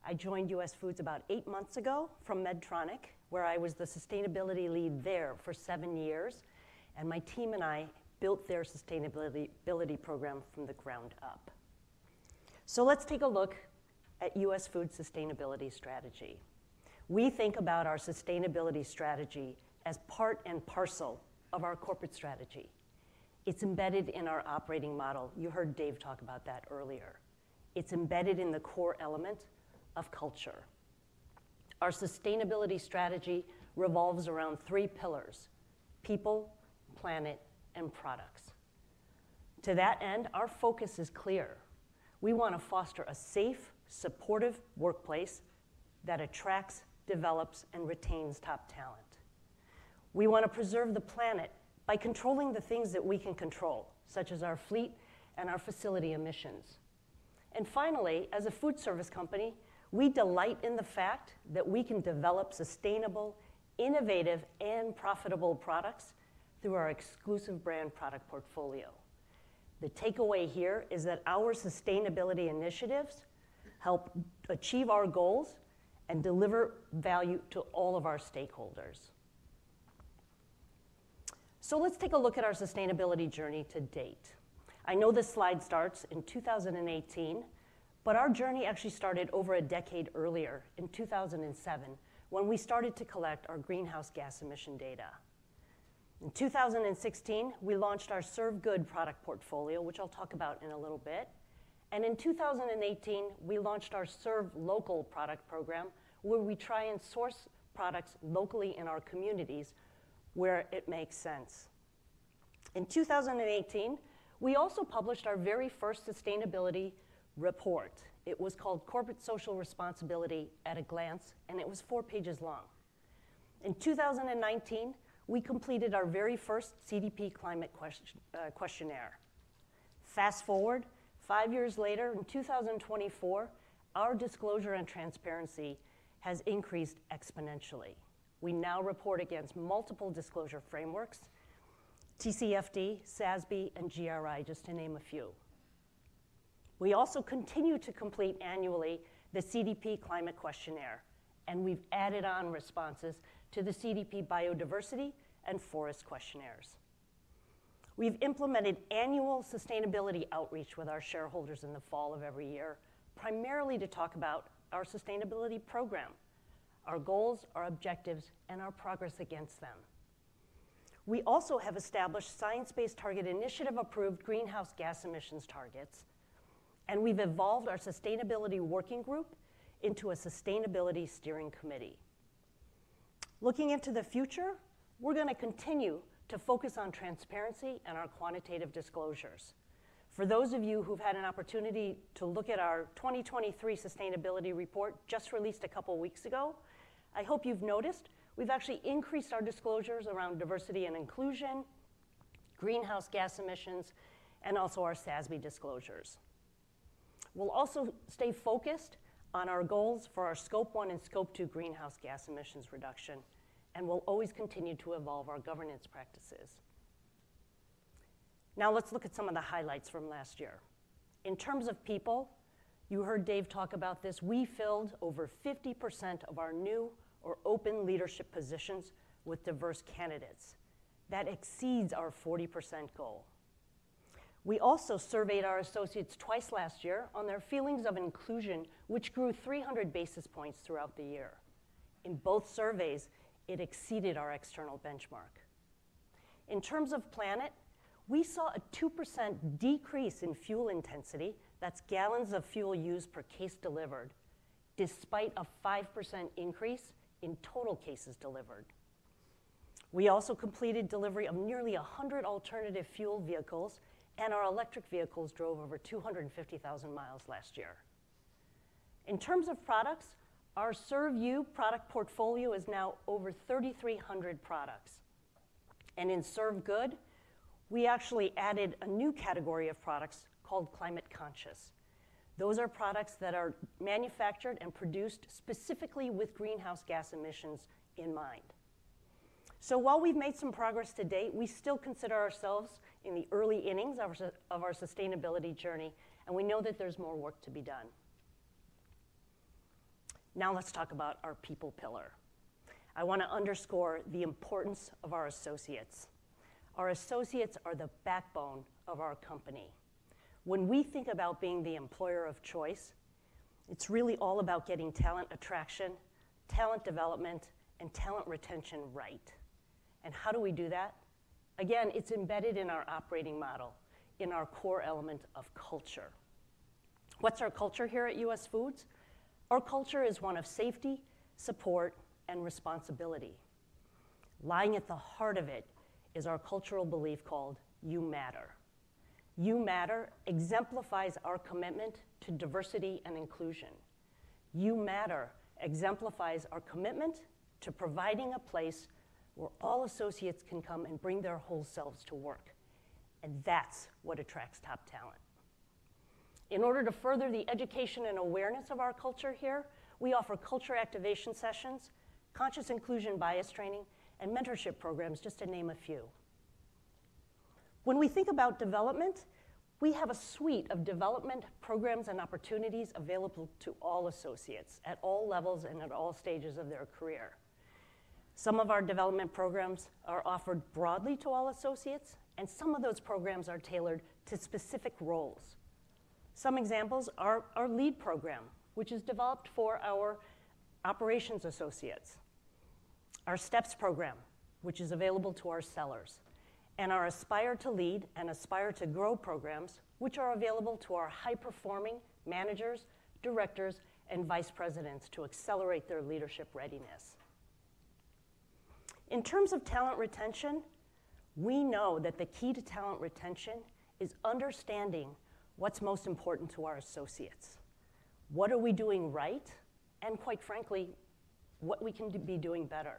Speaker 22: I joined US Foods about eight months ago from Medtronic, where I was the sustainability lead there for seven years, and my team and I built their sustainability program from the ground up. So let's take a look at US Foods' sustainability strategy. We think about our sustainability strategy as part and parcel of our corporate strategy. It's embedded in our operating model. You heard Dave talk about that earlier. It's embedded in the core element of culture. Our sustainability strategy revolves around three pillars: people, planet, and products. To that end, our focus is clear. We wanna foster a safe, supportive workplace that attracts, develops, and retains top talent. We wanna preserve the planet by controlling the things that we can control, such as our fleet and our facility emissions. And finally, as a food service company, we delight in the fact that we can develop sustainable, innovative, and profitable products through our exclusive brand product portfolio. The takeaway here is that our sustainability initiatives help achieve our goals and deliver value to all of our stakeholders. So let's take a look at our sustainability journey to date. I know this slide starts in 2018, but our journey actually started over a decade earlier, in 2007, when we started to collect our greenhouse gas emission data. In 2016, we launched our Serve Good product portfolio, which I'll talk about in a little bit. In 2018, we launched our Serve Local product program, where we try and source products locally in our communities where it makes sense. In 2018, we also published our very first sustainability report. It was called Corporate Social Responsibility at a Glance, and it was four pages long. In 2019, we completed our very first CDP Climate questionnaire. Fast-forward five years later, in 2024, our disclosure and transparency has increased exponentially. We now report against multiple disclosure frameworks: TCFD, SASB, and GRI, just to name a few. We also continue to complete annually the CDP Climate questionnaire, and we've added on responses to the CDP Biodiversity and Forest questionnaires. We've implemented annual sustainability outreach with our shareholders in the fall of every year, primarily to talk about our sustainability program, our goals, our objectives, and our progress against them. We also have established Science Based Targets initiative-approved greenhouse gas emissions targets, and we've evolved our sustainability working group into a sustainability steering committee. Looking into the future, we're gonna continue to focus on transparency and our quantitative disclosures. For those of you who've had an opportunity to look at our 2023 sustainability report, just released a couple weeks ago, I hope you've noticed we've actually increased our disclosures around diversity and inclusion, greenhouse gas emissions, and also our SASB disclosures. We'll also stay focused on our goals for our Scope 1 and Scope 2 greenhouse gas emissions reduction, and we'll always continue to evolve our governance practices. Now, let's look at some of the highlights from last year. In terms of people, you heard Dave talk about this, we filled over 50% of our new or open leadership positions with diverse candidates. That exceeds our 40% goal. We also surveyed our associates twice last year on their feelings of inclusion, which grew 300 basis points throughout the year. In both surveys, it exceeded our external benchmark. In terms of planet, we saw a 2% decrease in fuel intensity, that's gallons of fuel used per case delivered, despite a 5% increase in total cases delivered. We also completed delivery of nearly 100 alternative fuel vehicles, and our electric vehicles drove over 250,000 miles last year. In terms of products, our Serve You product portfolio is now over 3,300 products. In Serve Good, we actually added a new category of products called Climate Conscious. Those are products that are manufactured and produced specifically with greenhouse gas emissions in mind. So while we've made some progress to date, we still consider ourselves in the early innings of our sustainability journey, and we know that there's more work to be done. Now let's talk about our people pillar. I wanna underscore the importance of our associates. Our associates are the backbone of our company. When we think about being the employer of choice, it's really all about getting talent attraction, talent development, and talent retention right. How do we do that? Again, it's embedded in our operating model, in our core element of culture. What's our culture here at US Foods? Our culture is one of safety, support, and responsibility. Lying at the heart of it is our cultural belief called You Matter. You Matter exemplifies our commitment to diversity and inclusion. You Matter exemplifies our commitment to providing a place where all associates can come and bring their whole selves to work, and that's what attracts top talent... In order to further the education and awareness of our culture here, we offer culture activation sessions, conscious inclusion bias training, and mentorship programs, just to name a few. When we think about development, we have a suite of development programs and opportunities available to all associates, at all levels and at all stages of their career. Some of our development programs are offered broadly to all associates, and some of those programs are tailored to specific roles. Some examples are our LEAD program, which is developed for our operations associates, our STEPS program, which is available to our sellers, and our Aspire to Lead and Aspire to Grow programs, which are available to our high-performing managers, directors, and vice presidents to accelerate their leadership readiness. In terms of talent retention, we know that the key to talent retention is understanding what's most important to our associates, what are we doing right, and quite frankly, what we can be doing better.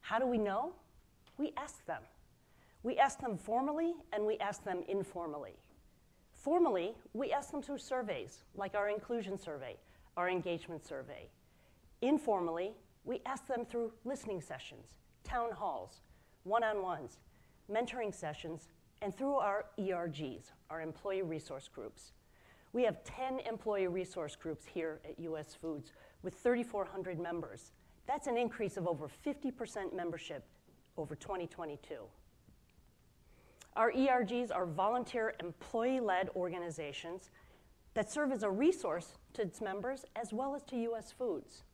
Speaker 22: How do we know? We ask them. We ask them formally, and we ask them informally. Formally, we ask them through surveys, like our inclusion survey, our engagement survey. Informally, we ask them through listening sessions, town halls, one-on-ones, mentoring sessions, and through our ERGs, our employee resource groups. We have 10 employee resource groups here at US Foods, with 3,400 members. That's an increase of over 50% membership over 2022. Our ERGs are volunteer, employee-led organizations that serve as a resource to its members, as well as to US Foods.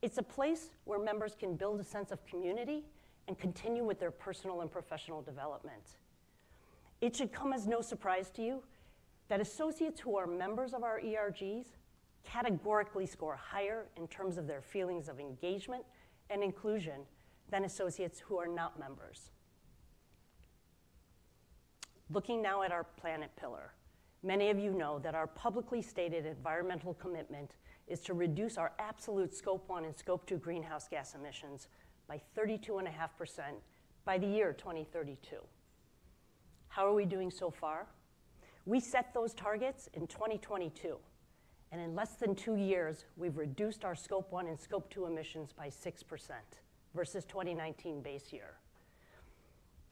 Speaker 22: It's a place where members can build a sense of community and continue with their personal and professional development. It should come as no surprise to you that associates who are members of our ERGs categorically score higher in terms of their feelings of engagement and inclusion than associates who are not members. Looking now at our planet pillar, many of you know that our publicly stated environmental commitment is to reduce our absolute Scope 1 and Scope 2 greenhouse gas emissions by 32.5% by the year 2032. How are we doing so far? We set those targets in 2022, and in less than two years, we've reduced our Scope 1 and Scope 2 emissions by 6% versus 2019 base year.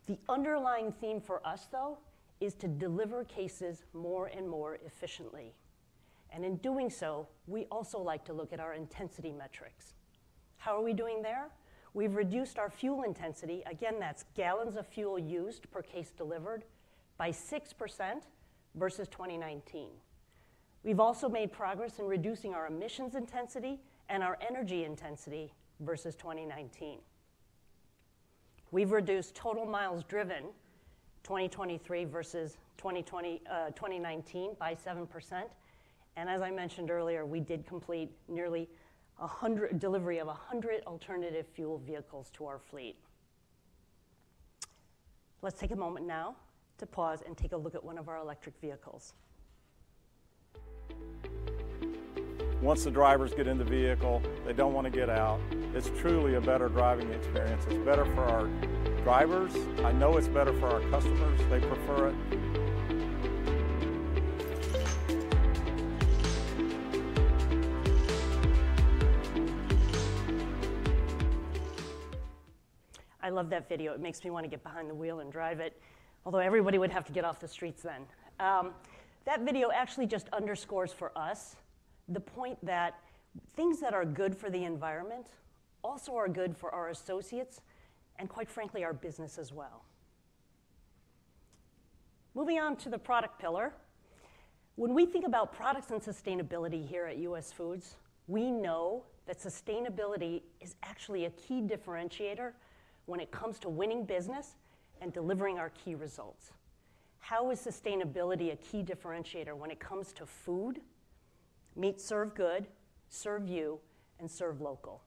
Speaker 22: The underlying theme for us, though, is to deliver cases more and more efficiently, and in doing so, we also like to look at our intensity metrics. How are we doing there? We've reduced our fuel intensity, again, that's gallons of fuel used per case delivered, by 6% versus 2019. We've also made progress in reducing our emissions intensity and our energy intensity versus 2019. We've reduced total miles driven, 2023 versus 2020, 2019, by 7%. And as I mentioned earlier, we did complete nearly a hundred delivery of a hundred alternative fuel vehicles to our fleet. Let's take a moment now to pause and take a look at one of our electric vehicles.
Speaker 19: Once the drivers get in the vehicle, they don't want to get out. It's truly a better driving experience. It's better for our drivers. I know it's better for our customers. They prefer it.
Speaker 22: I love that video. It makes me want to get behind the wheel and drive it, although everybody would have to get off the streets then. That video actually just underscores for us the point that things that are good for the environment also are good for our associates and, quite frankly, our business as well. Moving on to the product pillar. When we think about products and sustainability here at US Foods, we know that sustainability is actually a key differentiator when it comes to winning business and delivering our key results. How is sustainability a key differentiator when it comes to food? Meet Serve Good, Serve You, and Serve Local.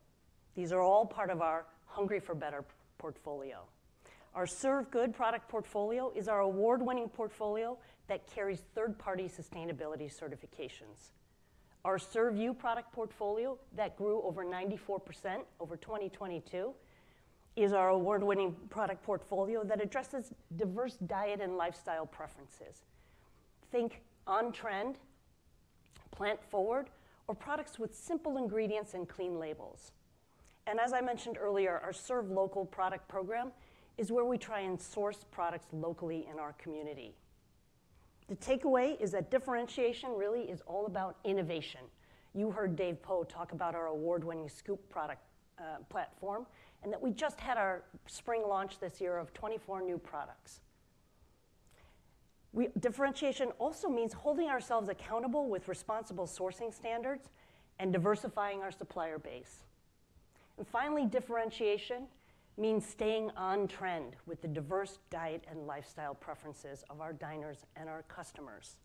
Speaker 22: These are all part of our Hungry for Better portfolio. Our Serve Good product portfolio is our award-winning portfolio that carries third-party sustainability certifications. Our Serve You product portfolio, that grew over 94% over 2022, is our award-winning product portfolio that addresses diverse diet and lifestyle preferences. Think on-trend, plant-forward, or products with simple ingredients and clean labels. And as I mentioned earlier, our Serve Local product program is where we try and source products locally in our community. The takeaway is that differentiation really is all about innovation. You heard Dave Poe talk about our award-winning Scoop product platform, and that we just had our spring launch this year of 24 new products. Differentiation also means holding ourselves accountable with responsible sourcing standards and diversifying our supplier base. And finally, differentiation means staying on trend with the diverse diet and lifestyle preferences of our diners and our customers.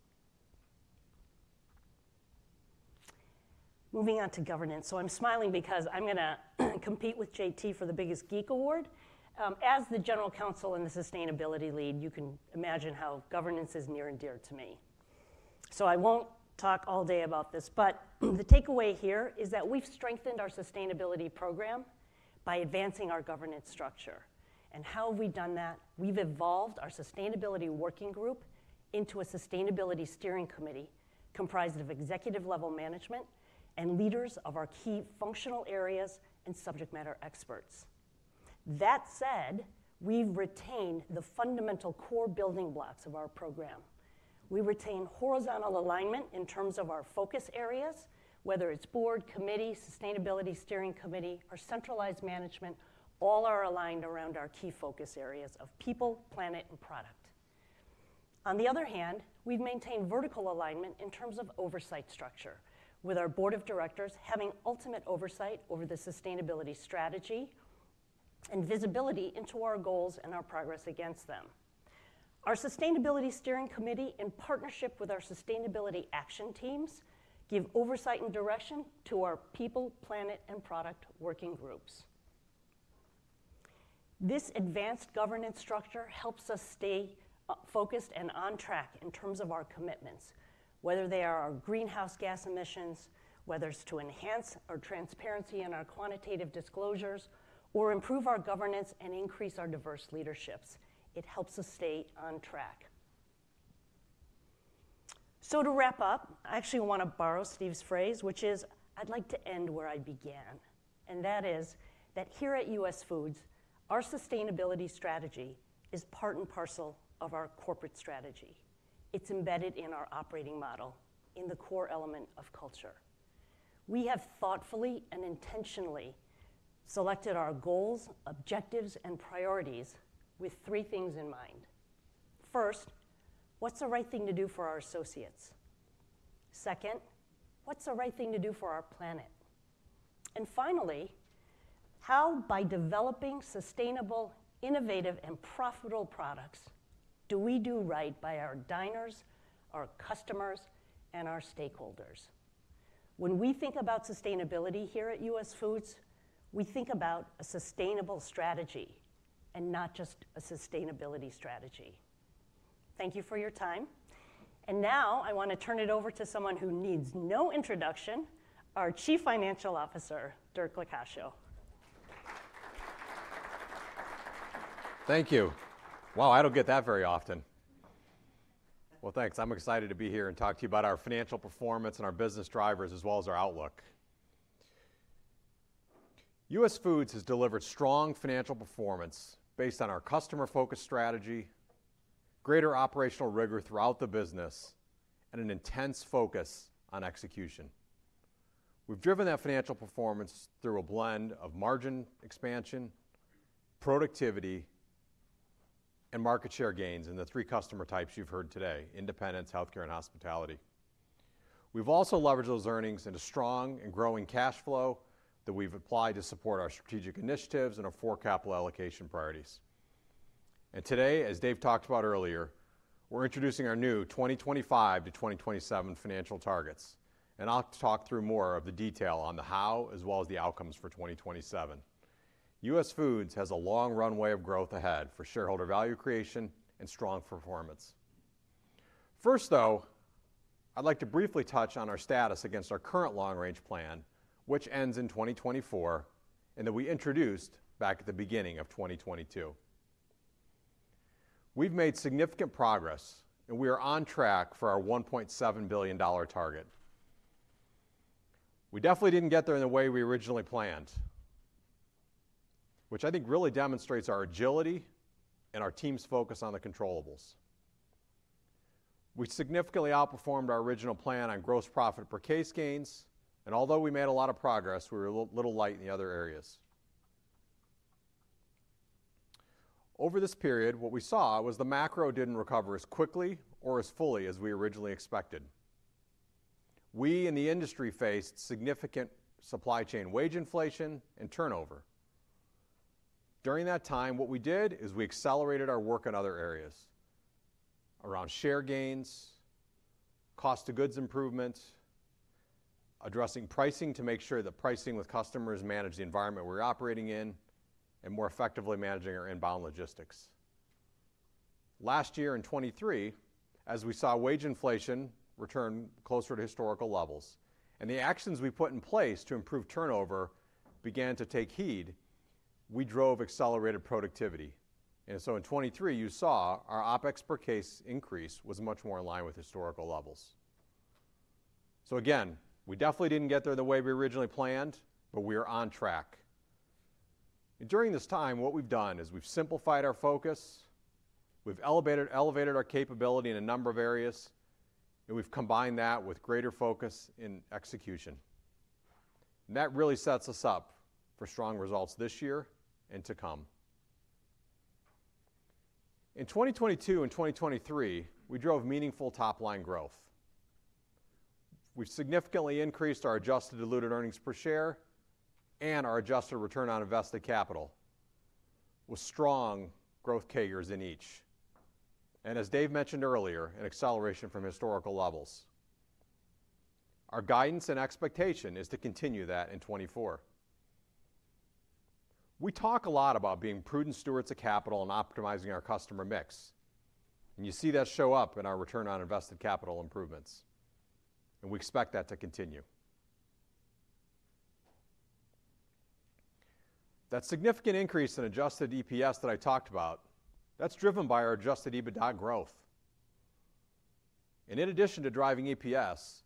Speaker 22: Moving on to governance. So I'm smiling because I'm gonna compete with JT for the biggest geek award. As the General Counsel and the Sustainability Lead, you can imagine how governance is near and dear to me. So I won't talk all day about this, but the takeaway here is that we've strengthened our sustainability program by advancing our governance structure. How have we done that? We've evolved our sustainability working group into a sustainability steering committee, comprised of executive-level management and leaders of our key functional areas and subject matter experts. That said, we've retained the fundamental core building blocks of our program. We've retained horizontal alignment in terms of our focus areas, whether it's Board, committee, sustainability steering committee, or centralized management, all are aligned around our key focus areas of people, planet, and product. On the other hand, we've maintained vertical alignment in terms of oversight structure, with our board of directors having ultimate oversight over the sustainability strategy and visibility into our goals and our progress against them. Our sustainability steering committee, in partnership with our sustainability action teams, give oversight and direction to our people, planet, and product working groups. This advanced governance structure helps us stay, focused and on track in terms of our commitments, whether they are our greenhouse gas emissions, whether it's to enhance our transparency and our quantitative disclosures, or improve our governance and increase our diverse leaderships. It helps us stay on track. So to wrap up, I actually want to borrow Steve's phrase, which is, "I'd like to end where I began," and that is that here at US Foods, our sustainability strategy is part and parcel of our corporate strategy. It's embedded in our operating model, in the core element of culture. We have thoughtfully and intentionally selected our goals, objectives, and priorities with three things in mind. First, what's the right thing to do for our associates? Second, what's the right thing to do for our planet? And finally, how by developing sustainable, innovative, and profitable products, do we do right by our diners, our customers, and our stakeholders? When we think about sustainability here at US Foods, we think about a sustainable strategy and not just a sustainability strategy. Thank you for your time. And now, I want to turn it over to someone who needs no introduction, our Chief Financial Officer, Dirk Locascio.
Speaker 11: Thank you. Wow, I don't get that very often. Well, thanks. I'm excited to be here and talk to you about our financial performance and our business drivers, as well as our outlook. US Foods has delivered strong financial performance based on our customer-focused strategy, greater operational rigor throughout the business, and an intense focus on execution. We've driven that financial performance through a blend of margin expansion, productivity, and market share gains in the three customer types you've heard today: independents, healthcare, and hospitality. We've also leveraged those earnings into strong and growing cash flow that we've applied to support our strategic initiatives and our four capital allocation priorities. Today, as Dave talked about earlier, we're introducing our new 2025-2027 financial targets, and I'll talk through more of the detail on the how, as well as the outcomes for 2027. US Foods has a long runway of growth ahead for shareholder value creation and strong performance. First, though, I'd like to briefly touch on our status against our current long-range plan, which ends in 2024, and that we introduced back at the beginning of 2022. We've made significant progress, and we are on track for our $1.7 billion target. We definitely didn't get there in the way we originally planned, which I think really demonstrates our agility and our team's focus on the controllables. We significantly outperformed our original plan on gross profit per case gains, and although we made a lot of progress, we were a little light in the other areas. Over this period, what we saw was the macro didn't recover as quickly or as fully as we originally expected. We in the industry faced significant supply chain wage inflation and turnover. During that time, what we did is we accelerated our work in other areas around share gains, cost of goods improvement, addressing pricing to make sure the pricing with customers manage the environment we're operating in, and more effectively managing our inbound logistics. Last year in 2023, as we saw wage inflation return closer to historical levels, and the actions we put in place to improve turnover began to take heed, we drove accelerated productivity. And so in 2023, you saw our OpEx per case increase was much more in line with historical levels. So again, we definitely didn't get there the way we originally planned, but we are on track. During this time, what we've done is we've simplified our focus, we've elevated, elevated our capability in a number of areas, and we've combined that with greater focus in execution. That really sets us up for strong results this year and to come. In 2022 and 2023, we drove meaningful top-line growth. We've significantly increased our Adjusted Diluted EPS and our Adjusted ROIC, with strong growth metrics in each, and as Dave mentioned earlier, an acceleration from historical levels. Our guidance and expectation is to continue that in 2024. We talk a lot about being prudent stewards of capital and optimizing our customer mix, and you see that show up in our return on invested capital improvements, and we expect that to continue. That significant increase in Adjusted EPS that I talked about, that's driven by our Adjusted EBITDA growth. In addition to driving EPS,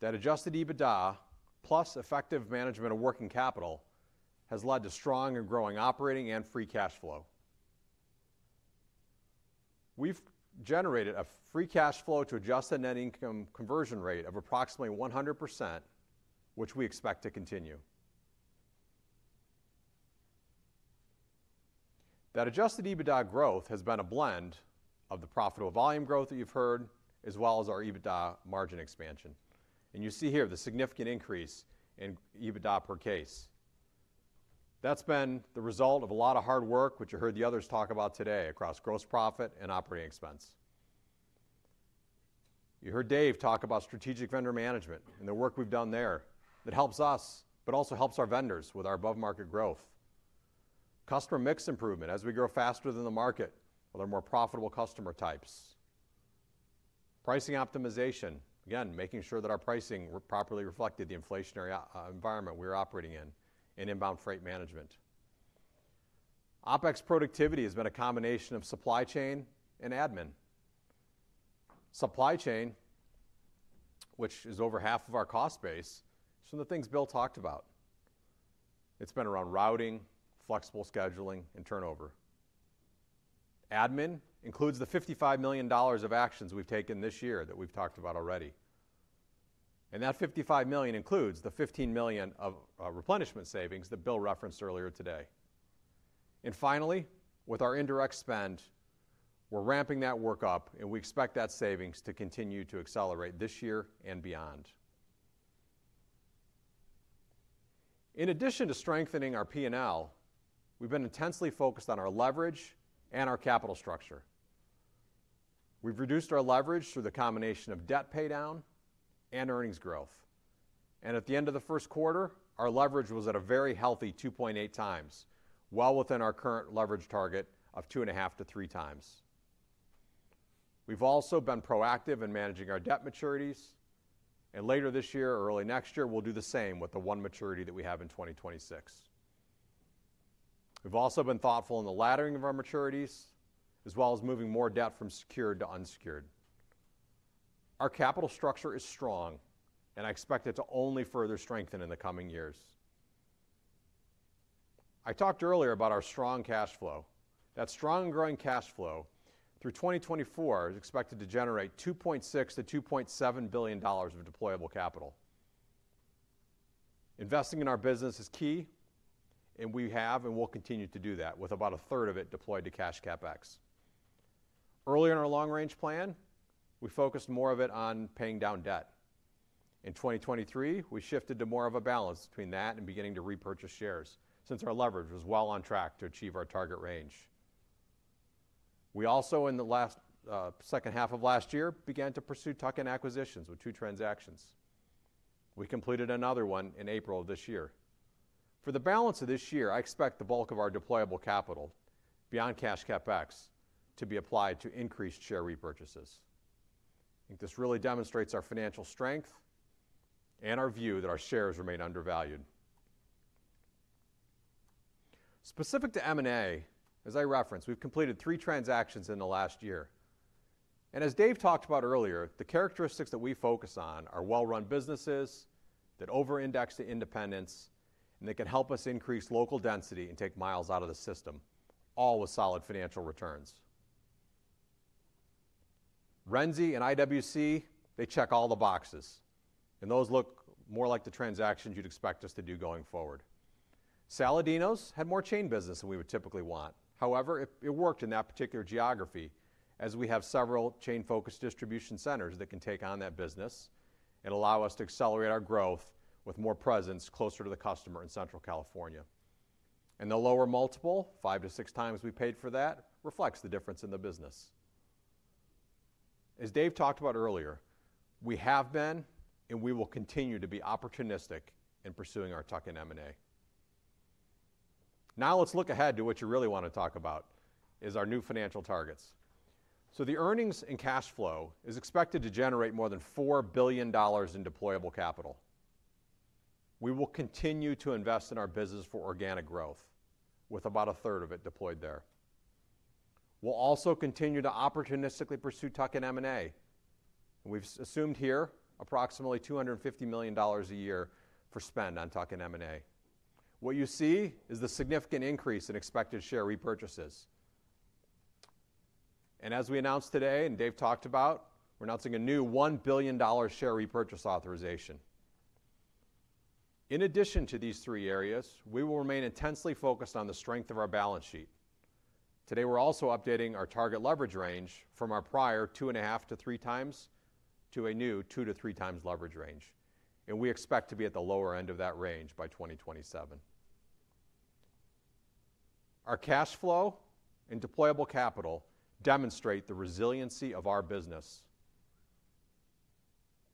Speaker 11: that adjusted EBITDA, plus effective management of working capital, has led to strong and growing operating and free cash flow. We've generated a free cash flow to adjusted net income conversion rate of approximately 100%, which we expect to continue. That adjusted EBITDA growth has been a blend of the profitable volume growth that you've heard, as well as our EBITDA margin expansion. You see here the significant increase in EBITDA per case. That's been the result of a lot of hard work, which you heard the others talk about today, across gross profit and operating expense. You heard Dave talk about strategic vendor management and the work we've done there. It helps us, but also helps our vendors with our above-market growth. Customer mix improvement. As we grow faster than the market, other more profitable customer types. Pricing optimization, again, making sure that our pricing properly reflected the inflationary environment we're operating in, and inbound freight management. OpEx productivity has been a combination of supply chain and admin. Supply chain, which is over half of our cost base, some of the things Bill talked about. It's been around routing, flexible scheduling, and turnover. Admin includes the $55 million of actions we've taken this year that we've talked about already. And that $55 million includes the $15 million of replenishment savings that Bill referenced earlier today. And finally, with our indirect spend, we're ramping that work up, and we expect that savings to continue to accelerate this year and beyond. In addition to strengthening our P&L, we've been intensely focused on our leverage and our capital structure. We've reduced our leverage through the combination of debt paydown and earnings growth. At the end of the first quarter, our leverage was at a very healthy 2.8x, well within our current leverage target of 2.5x-3x. We've also been proactive in managing our debt maturities, and later this year or early next year, we'll do the same with the one maturity that we have in 2026. We've also been thoughtful in the laddering of our maturities, as well as moving more debt from secured to unsecured. Our capital structure is strong, and I expect it to only further strengthen in the coming years. I talked earlier about our strong cash flow. That strong and growing cash flow through 2024 is expected to generate $2.6-$2.7 billion of deployable capital. Investing in our business is key, and we have and will continue to do that with about a third of it deployed to cash CapEx. Earlier in our long-range plan, we focused more of it on paying down debt. In 2023, we shifted to more of a balance between that and beginning to repurchase shares, since our leverage was well on track to achieve our target range. We also, in the last, second half of last year, began to pursue tuck-in acquisitions with 2 transactions. We completed another one in April of this year. For the balance of this year, I expect the bulk of our deployable capital, beyond cash CapEx, to be applied to increased share repurchases. I think this really demonstrates our financial strength and our view that our shares remain undervalued. Specific to M&A, as I referenced, we've completed three transactions in the last year. And as Dave talked about earlier, the characteristics that we focus on are well-run businesses that over-index to independents, and they can help us increase local density and take miles out of the system, all with solid financial returns. Renzi and IWC, they check all the boxes, and those look more like the transactions you'd expect us to do going forward. Saladino's had more chain business than we would typically want. However, it worked in that particular geography, as we have several chain-focused distribution centers that can take on that business and allow us to accelerate our growth with more presence closer to the customer in Central California. And the lower multiple, 5x-6x we paid for that, reflects the difference in the business. As Dave talked about earlier, we have been and we will continue to be opportunistic in pursuing our tuck-in M&A. Now, let's look ahead to what you really want to talk about: our new financial targets. The earnings and cash flow is expected to generate more than $4 billion in deployable capital. We will continue to invest in our business for organic growth, with about a third of it deployed there. We'll also continue to opportunistically pursue tuck-in M&A. We've assumed here approximately $250 million a year for spend on tuck-in M&A. What you see is the significant increase in expected share repurchases. As we announced today, and Dave talked about, we're announcing a new $1 billion share repurchase authorization. In addition to these three areas, we will remain intensely focused on the strength of our balance sheet. Today, we're also updating our target leverage range from our prior 2.5x-3x to a new 2x-3x leverage range, and we expect to be at the lower end of that range by 2027. Our cash flow and deployable capital demonstrate the resiliency of our business.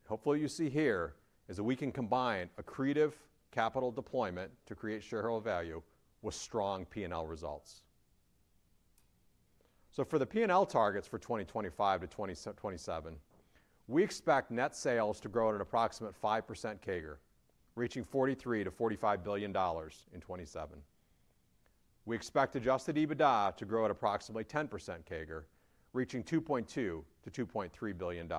Speaker 11: Hopefully, you see here is that we can combine accretive capital deployment to create shareholder value with strong P&L results. So for the P&L targets for 2025-2027, we expect net sales to grow at an approximate 5% CAGR, reaching $43 billion-$45 billion in 2027. We expect adjusted EBITDA to grow at approximately 10% CAGR, reaching $2.2 billion-$2.3 billion.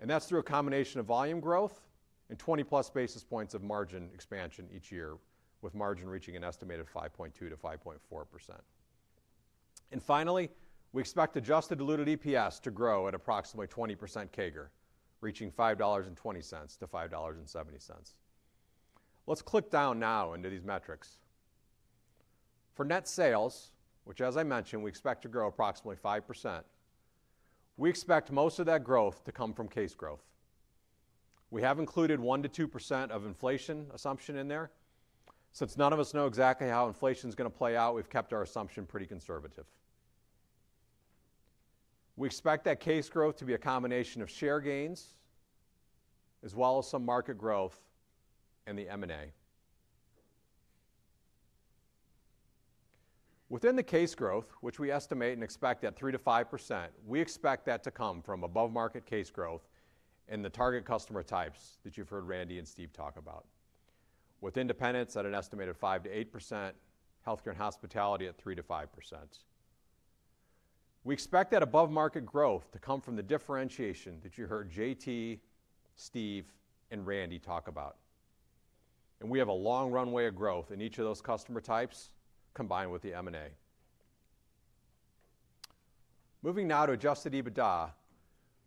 Speaker 11: That's through a combination of volume growth and 20+ basis points of margin expansion each year, with margin reaching an estimated 5.2%-5.4%. And finally, we expect adjusted diluted EPS to grow at approximately 20% CAGR, reaching $5.20-$5.70. Let's click down now into these metrics. For net sales, which, as I mentioned, we expect to grow approximately 5%, we expect most of that growth to come from case growth. We have included 1%-2% of inflation assumption in there. Since none of us know exactly how inflation's gonna play out, we've kept our assumption pretty conservative. We expect that case growth to be a combination of share gains, as well as some market growth and the M&A. Within the case growth, which we estimate and expect at 3%-5%, we expect that to come from above-market case growth in the target customer types that you've heard Randy and Steve talk about, with independents at an estimated 5%-8%, healthcare and hospitality at 3%-5%. We expect that above-market growth to come from the differentiation that you heard JT, Steve, and Randy talk about. We have a long runway of growth in each of those customer types, combined with the M&A. Moving now to Adjusted EBITDA,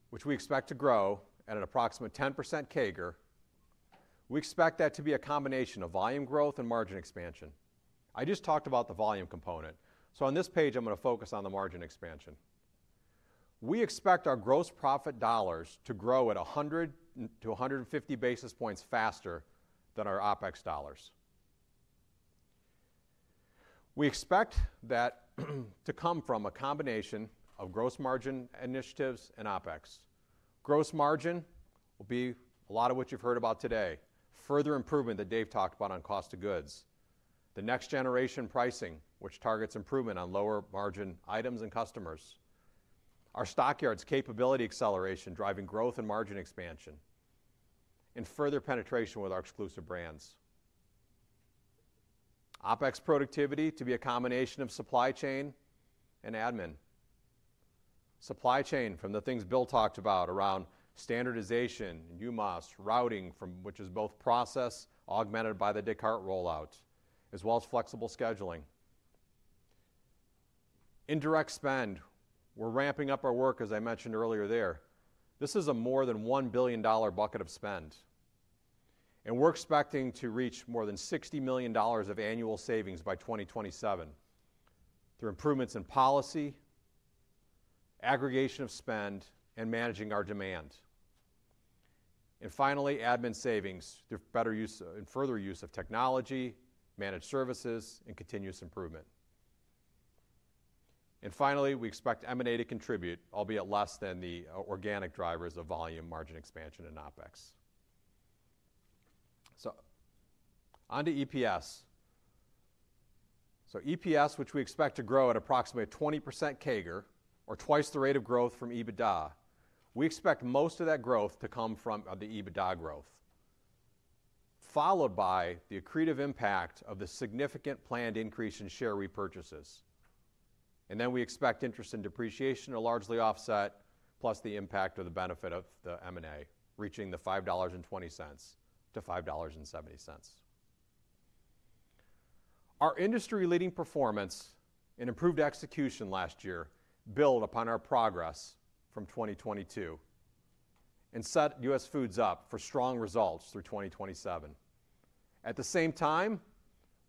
Speaker 11: which we expect to grow at an approximate 10% CAGR. We expect that to be a combination of volume growth and margin expansion. I just talked about the volume component, so on this page I'm gonna focus on the margin expansion. We expect our gross profit dollars to grow at 100-150 basis points faster than our OpEx dollars. We expect that to come from a combination of gross margin initiatives and OpEx. Gross margin will be a lot of what you've heard about today. Further improvement that Dave talked about on cost of goods, the next-generation pricing, which targets improvement on lower-margin items and customers, our Stock Yards capability acceleration, driving growth and margin expansion, and further penetration with our exclusive brands. OpEx productivity to be a combination of supply chain and admin. Supply chain, from the things Bill talked about around standardization, UMAS, routing from which is both process augmented by the Descartes rollout, as well as flexible scheduling. Indirect spend, we're ramping up our work, as I mentioned earlier there. This is a more than $1 billion dollar bucket of spend, and we're expecting to reach more than $60 million of annual savings by 2027 through improvements in policy, aggregation of spend, and managing our demand. And finally, admin savings through better use, and further use of technology, managed services, and continuous improvement. And finally, we expect M&A to contribute, albeit less than the organic drivers of volume, margin expansion and OpEx. So on to EPS. So EPS, which we expect to grow at approximately 20% CAGR, or twice the rate of growth from EBITDA. We expect most of that growth to come from the EBITDA growth, followed by the accretive impact of the significant planned increase in share repurchases. And then we expect interest and depreciation are largely offset, plus the impact of the benefit of the M&A, reaching $5.20-$5.70. Our industry-leading performance and improved execution last year build upon our progress from 2022 and set US Foods up for strong results through 2027. At the same time,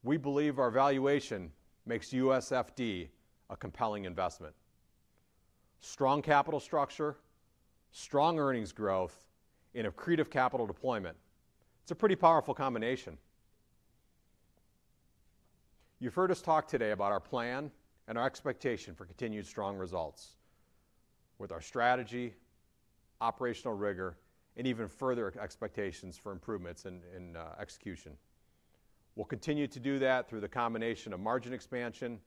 Speaker 11: we believe our valuation makes USFD a compelling investment. Strong capital structure, strong earnings growth, and accretive capital deployment: it's a pretty powerful combination. You've heard us talk today about our plan and our expectation for continued strong results with our strategy, operational rigor, and even further expectations for improvements in execution. We'll continue to do that through the combination of margin expansion,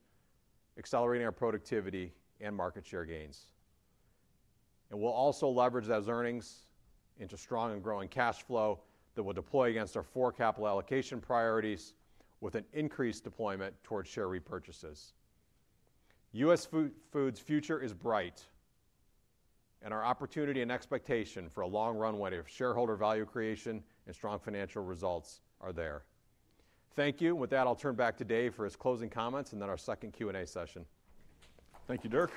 Speaker 11: accelerating our productivity, and market share gains. We'll also leverage those earnings into strong and growing cash flow that we'll deploy against our four capital allocation priorities, with an increased deployment towards share repurchases. US Foods' future is bright, and our opportunity and expectation for a long runway of shareholder value creation and strong financial results are there. Thank you. With that, I'll turn back to Dave for his closing comments and then our second Q&A session.
Speaker 2: Thank you, Dirk.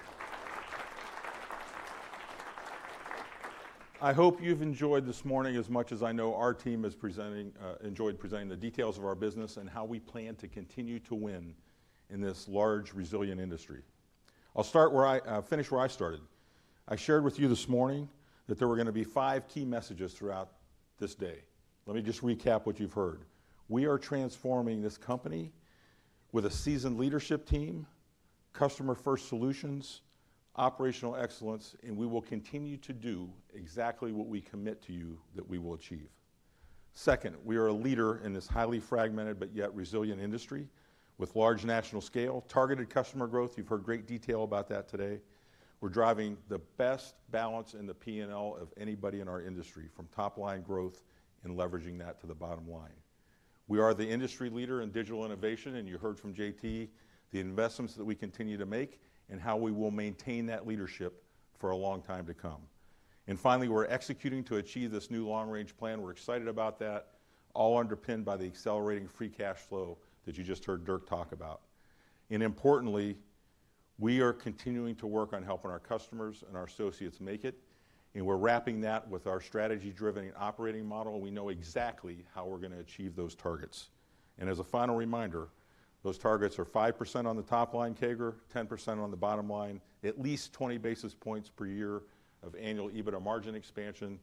Speaker 2: I hope you've enjoyed this morning as much as I know our team is presenting, enjoyed presenting the details of our business and how we plan to continue to win in this large, resilient industry. I'll start where I, finish where I started. I shared with you this morning that there were gonna be five key messages throughout this day. Let me just recap what you've heard. We are transforming this company with a seasoned leadership team, customer-first solutions, operational excellence, and we will continue to do exactly what we commit to you that we will achieve.... Second, we are a leader in this highly fragmented but yet resilient industry, with large national scale, targeted customer growth. You've heard great detail about that today. We're driving the best balance in the P&L of anybody in our industry, from top line growth and leveraging that to the bottom line. We are the industry leader in digital innovation, and you heard from JT, the investments that we continue to make and how we will maintain that leadership for a long time to come. Finally, we're executing to achieve this new long-range plan. We're excited about that, all underpinned by the accelerating free cash flow that you just heard Dirk talk about. Importantly, we are continuing to work on helping our customers and our associates make it, and we're wrapping that with our strategy-driven and operating model. We know exactly how we're going to achieve those targets. As a final reminder, those targets are 5% on the top line CAGR, 10% on the bottom line, at least 20 basis points per year of annual EBITDA margin expansion,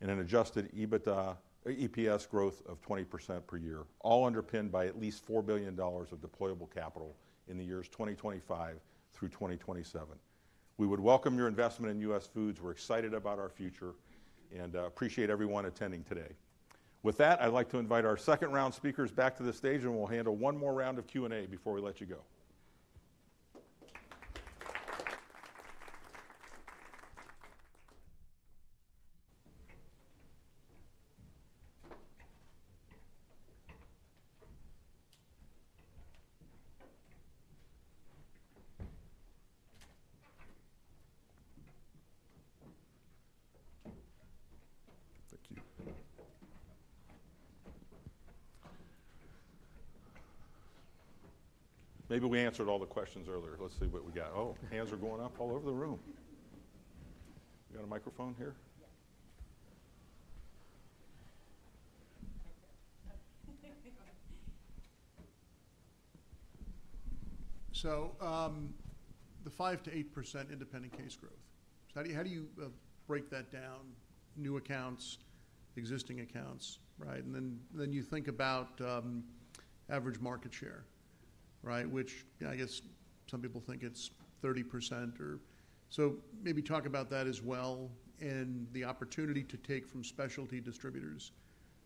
Speaker 2: and an adjusted EBITDA or EPS growth of 20% per year, all underpinned by at least $4 billion of deployable capital in the years 2025 through 2027. We would welcome your investment in US Foods. We're excited about our future and appreciate everyone attending today. With that, I'd like to invite our second-round speakers back to the stage, and we'll handle one more round of Q&A before we let you go. Thank you. Maybe we answered all the questions earlier. Let's see what we got. Oh, hands are going up all over the room. You got a microphone here?
Speaker 10: Yeah. Right there. So, the 5%-8% independent case growth, so how do you, how do you, break that down? New accounts, existing accounts, right? And then, then you think about, average market share, right? Which I guess some people think it's 30% or... So maybe talk about that as well and the opportunity to take from specialty distributors,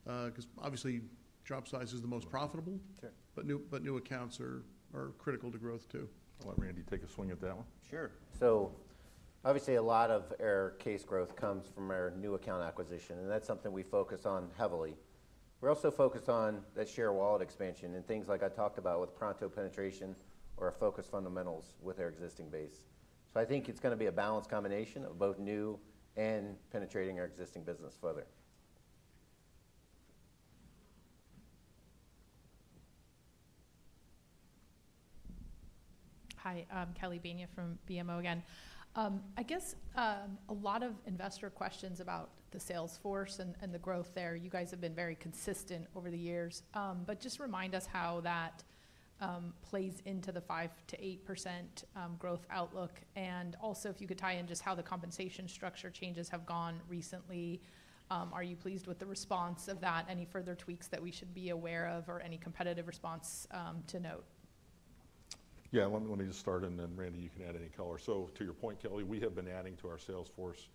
Speaker 10: 'cause obviously, drop size is the most profitable-
Speaker 9: Sure.
Speaker 10: but new accounts are critical to growth, too.
Speaker 9: I'll let Randy take a swing at that one.
Speaker 18: Sure. So obviously, a lot of our case growth comes from our new account acquisition, and that's something we focus on heavily. We're also focused on that share wallet expansion and things like I talked about with Pronto penetration or our focus fundamentals with our existing base. So I think it's gonna be a balanced combination of both new and penetrating our existing business further.
Speaker 8: Hi, I'm Kelly Bania from BMO again. I guess, a lot of investor questions about the sales force and the growth there. You guys have been very consistent over the years. But just remind us how that plays into the 5%-8% growth outlook, and also, if you could tie in just how the compensation structure changes have gone recently. Are you pleased with the response of that? Any further tweaks that we should be aware of or any competitive response to note?
Speaker 9: Yeah, let me just start, and then, Randy, you can add any color. So to your point, Kelly, we have been adding to our sales force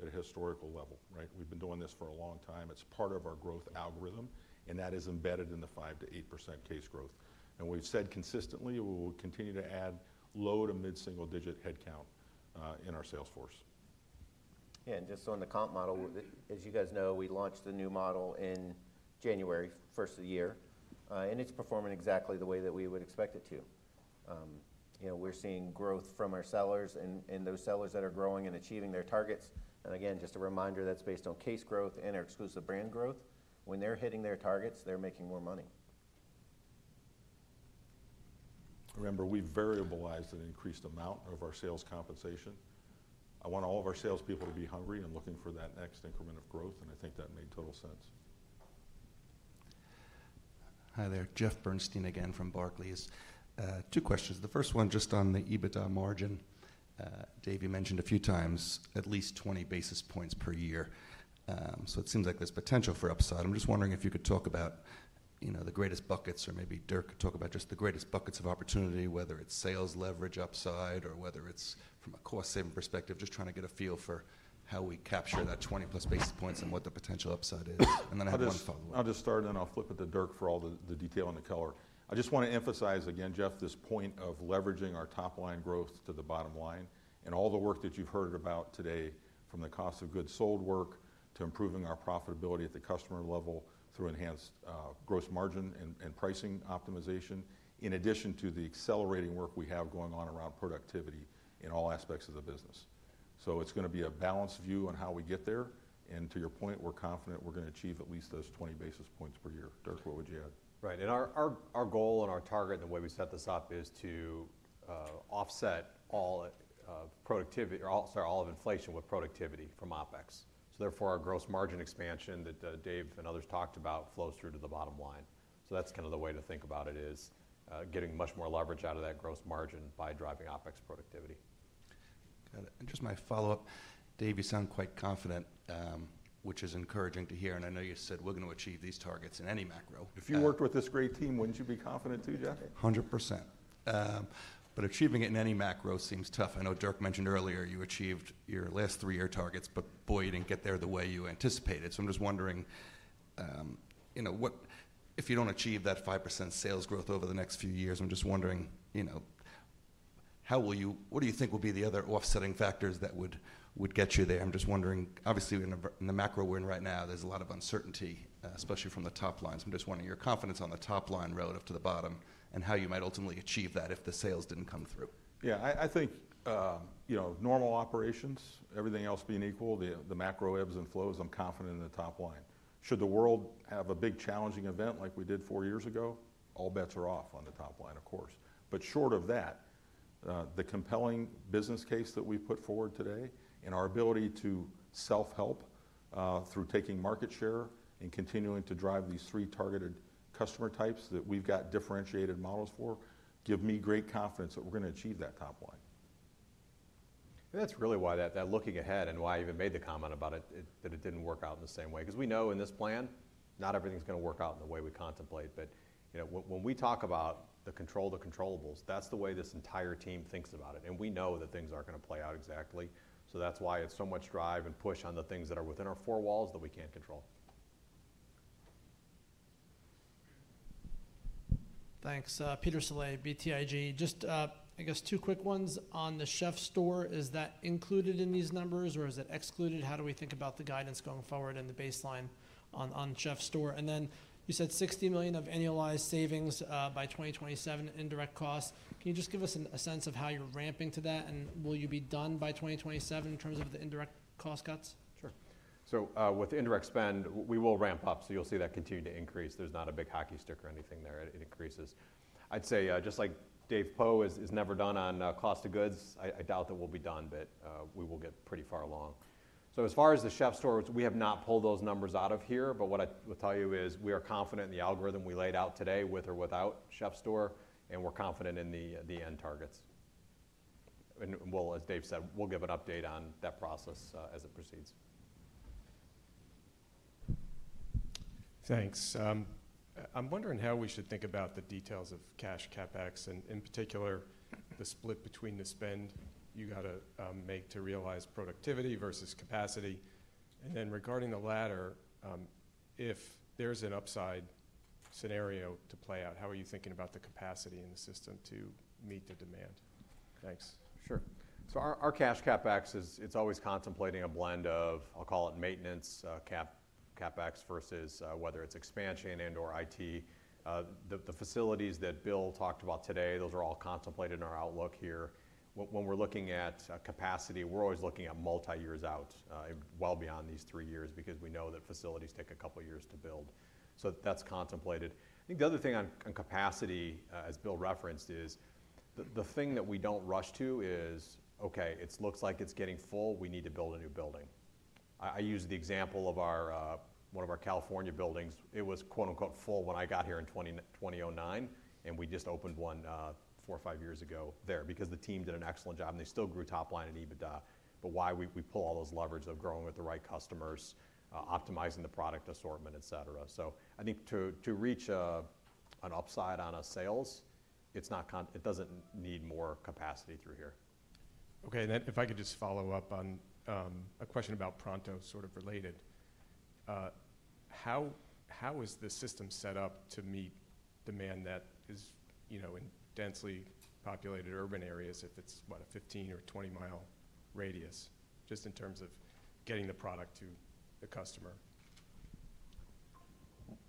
Speaker 9: at a historical level, right? We've been doing this for a long time. It's part of our growth algorithm, and that is embedded in the 5%-8% case growth. And we've said consistently, we will continue to add low to mid-single digit headcount in our sales force. Yeah, and just on the comp model, as you guys know, we launched the new model in January, first of the year, and it's performing exactly the way that we would expect it to. You know, we're seeing growth from our sellers and those sellers that are growing and achieving their targets. And again, just a reminder, that's based on case growth and our exclusive brand growth. When they're hitting their targets, they're making more money. Remember, we variabilized an increased amount of our sales compensation. I want all of our salespeople to be hungry and looking for that next increment of growth, and I think that made total sense.
Speaker 10: Hi there, Jeff Bernstein again from Barclays. Two questions. The first one, just on the EBITDA margin. Dave, you mentioned a few times, at least 20 basis points per year. So it seems like there's potential for upside. I'm just wondering if you could talk about, you know, the greatest buckets, or maybe Dirk could talk about just the greatest buckets of opportunity, whether it's sales leverage upside or whether it's from a cost-saving perspective. Just trying to get a feel for how we capture that 20+ basis points and what the potential upside is. And then I have one follow-up.
Speaker 9: I'll just start, and then I'll flip it to Dirk for all the detail and the color. I just want to emphasize again, Jeff, this point of leveraging our top line growth to the bottom line and all the work that you've heard about today, from the cost of goods sold work to improving our profitability at the customer level through enhanced gross margin and pricing optimization, in addition to the accelerating work we have going on around productivity in all aspects of the business. So it's gonna be a balanced view on how we get there, and to your point, we're confident we're gonna achieve at least those 20 basis points per year. Dirk, what would you add?
Speaker 11: Right, and our goal and our target and the way we set this up is to offset all productivity or also all of inflation with productivity from OpEx. So therefore, our gross margin expansion that Dave and others talked about flows through to the bottom line. So that's kind of the way to think about it is getting much more leverage out of that gross margin by driving OpEx productivity.
Speaker 10: Got it. And just my follow-up, Dave, you sound quite confident, which is encouraging to hear, and I know you said we're going to achieve these targets in any macro,
Speaker 9: If you worked with this great team, wouldn't you be confident too, Jeff? 100%....
Speaker 10: But achieving it in any macro seems tough. I know Dirk mentioned earlier you achieved your last three-year targets, but boy, you didn't get there the way you anticipated. So I'm just wondering, you know, what if you don't achieve that 5% sales growth over the next few years, I'm just wondering, you know, how will you—what do you think will be the other offsetting factors that would get you there? I'm just wondering, obviously, in the macro we're in right now, there's a lot of uncertainty, especially from the top line. So I'm just wondering your confidence on the top line relative to the bottom, and how you might ultimately achieve that if the sales didn't come through.
Speaker 9: Yeah, I, I think, you know, normal operations, everything else being equal, the macro ebbs and flows, I'm confident in the top line. Should the world have a big challenging event like we did four years ago? All bets are off on the top line, of course. But short of that, the compelling business case that we put forward today and our ability to self-help, through taking market share and continuing to drive these three targeted customer types that we've got differentiated models for, give me great confidence that we're going to achieve that top line.
Speaker 11: And that's really why that looking ahead and why I even made the comment about it, that it didn't work out in the same way, 'cause we know in this plan, not everything's going to work out in the way we contemplate. But, you know, when we talk about control the controllables, that's the way this entire team thinks about it. And we know that things aren't going to play out exactly. So that's why it's so much drive and push on the things that are within our four walls that we can control.
Speaker 13: Thanks. Peter Saleh, BTIG. Just, I guess two quick ones. On the Chef's Store, is that included in these numbers, or is it excluded? How do we think about the guidance going forward and the baseline on, on Chef's Store? And then, you said $60 million of annualized savings, by 2027, indirect costs. Can you just give us an, a sense of how you're ramping to that, and will you be done by 2027 in terms of the indirect cost cuts?
Speaker 11: Sure. So, with the indirect spend, we will ramp up, so you'll see that continue to increase. There's not a big hockey stick or anything there. It increases. I'd say, just like Dave Poe is never done on cost of goods, I doubt that we'll be done, but we will get pretty far along. So as far as the Chef's Store, we have not pulled those numbers out of here, but what I would tell you is we are confident in the algorithm we laid out today, with or without Chef's Store, and we're confident in the end targets. And well, as Dave said, we'll give an update on that process, as it proceeds.
Speaker 13: Thanks. I'm wondering how we should think about the details of cash CapEx, and in particular, the split between the spend you got to, make to realize productivity versus capacity. And then regarding the latter, if there's an upside scenario to play out, how are you thinking about the capacity in the system to meet the demand? Thanks.
Speaker 11: Sure. So our cash CapEx is, it's always contemplating a blend of, I'll call it maintenance CapEx versus whether it's expansion and/or IT. The facilities that Bill talked about today, those are all contemplated in our outlook here. When we're looking at capacity, we're always looking at multi years out, well beyond these three years, because we know that facilities take a couple of years to build. So that's contemplated. I think the other thing on capacity, as Bill referenced, is the thing that we don't rush to is, okay, it looks like it's getting full, we need to build a new building. I use the example of our one of our California buildings. It was quote, unquote, "full" when I got here in 2009, and we just opened one four or five years ago there because the team did an excellent job, and they still grew top line and EBITDA. But why we pull all those levers of growing with the right customers, optimizing the product assortment, et cetera. So I think to reach an upside on a sales, it's not, it doesn't need more capacity through here.
Speaker 13: Okay, then if I could just follow up on a question about Pronto, sort of related. How is the system set up to meet demand that is, you know, in densely populated urban areas, if it's what, a 15- or 20-mile radius, just in terms of getting the product to the customer?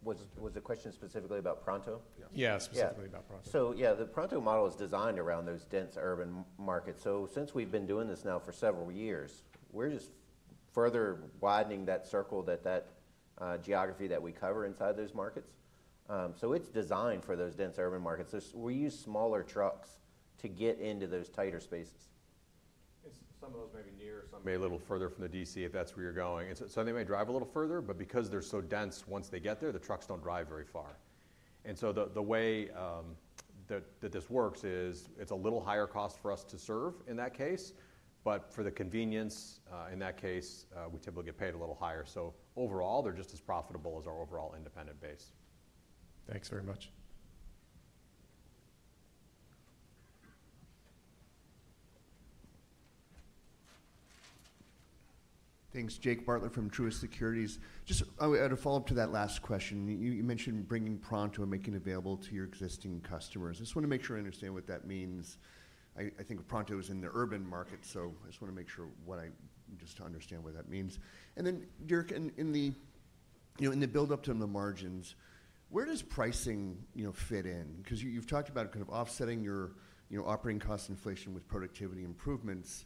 Speaker 10: Was the question specifically about Pronto?
Speaker 13: Yeah, specifically about Pronto.
Speaker 11: Yeah. So yeah, the Pronto model is designed around those dense urban markets. So since we've been doing this now for several years, we're just further widening that circle, that geography that we cover inside those markets. So it's designed for those dense urban markets. So we use smaller trucks to get into those tighter spaces. Some of those may be near, some may be a little further from the DC, if that's where you're going. It's so they may drive a little further, but because they're so dense, once they get there, the trucks don't drive very far. And so the way that this works is, it's a little higher cost for us to serve in that case, but for the convenience, in that case, we typically get paid a little higher. So overall, they're just as profitable as our overall independent base.
Speaker 13: Thanks very much.
Speaker 12: Thanks, Jake Bartlett from Truist Securities. Just to follow up to that last question, you mentioned bringing Pronto and making it available to your existing customers. I just want to make sure I understand what that means. I think Pronto is in the urban market, so I just want to make sure, just to understand what that means. And then, Dirk, in the build-up to the margins, where does pricing, you know, fit in? Because you've talked about kind of offsetting your operating cost inflation with productivity improvements.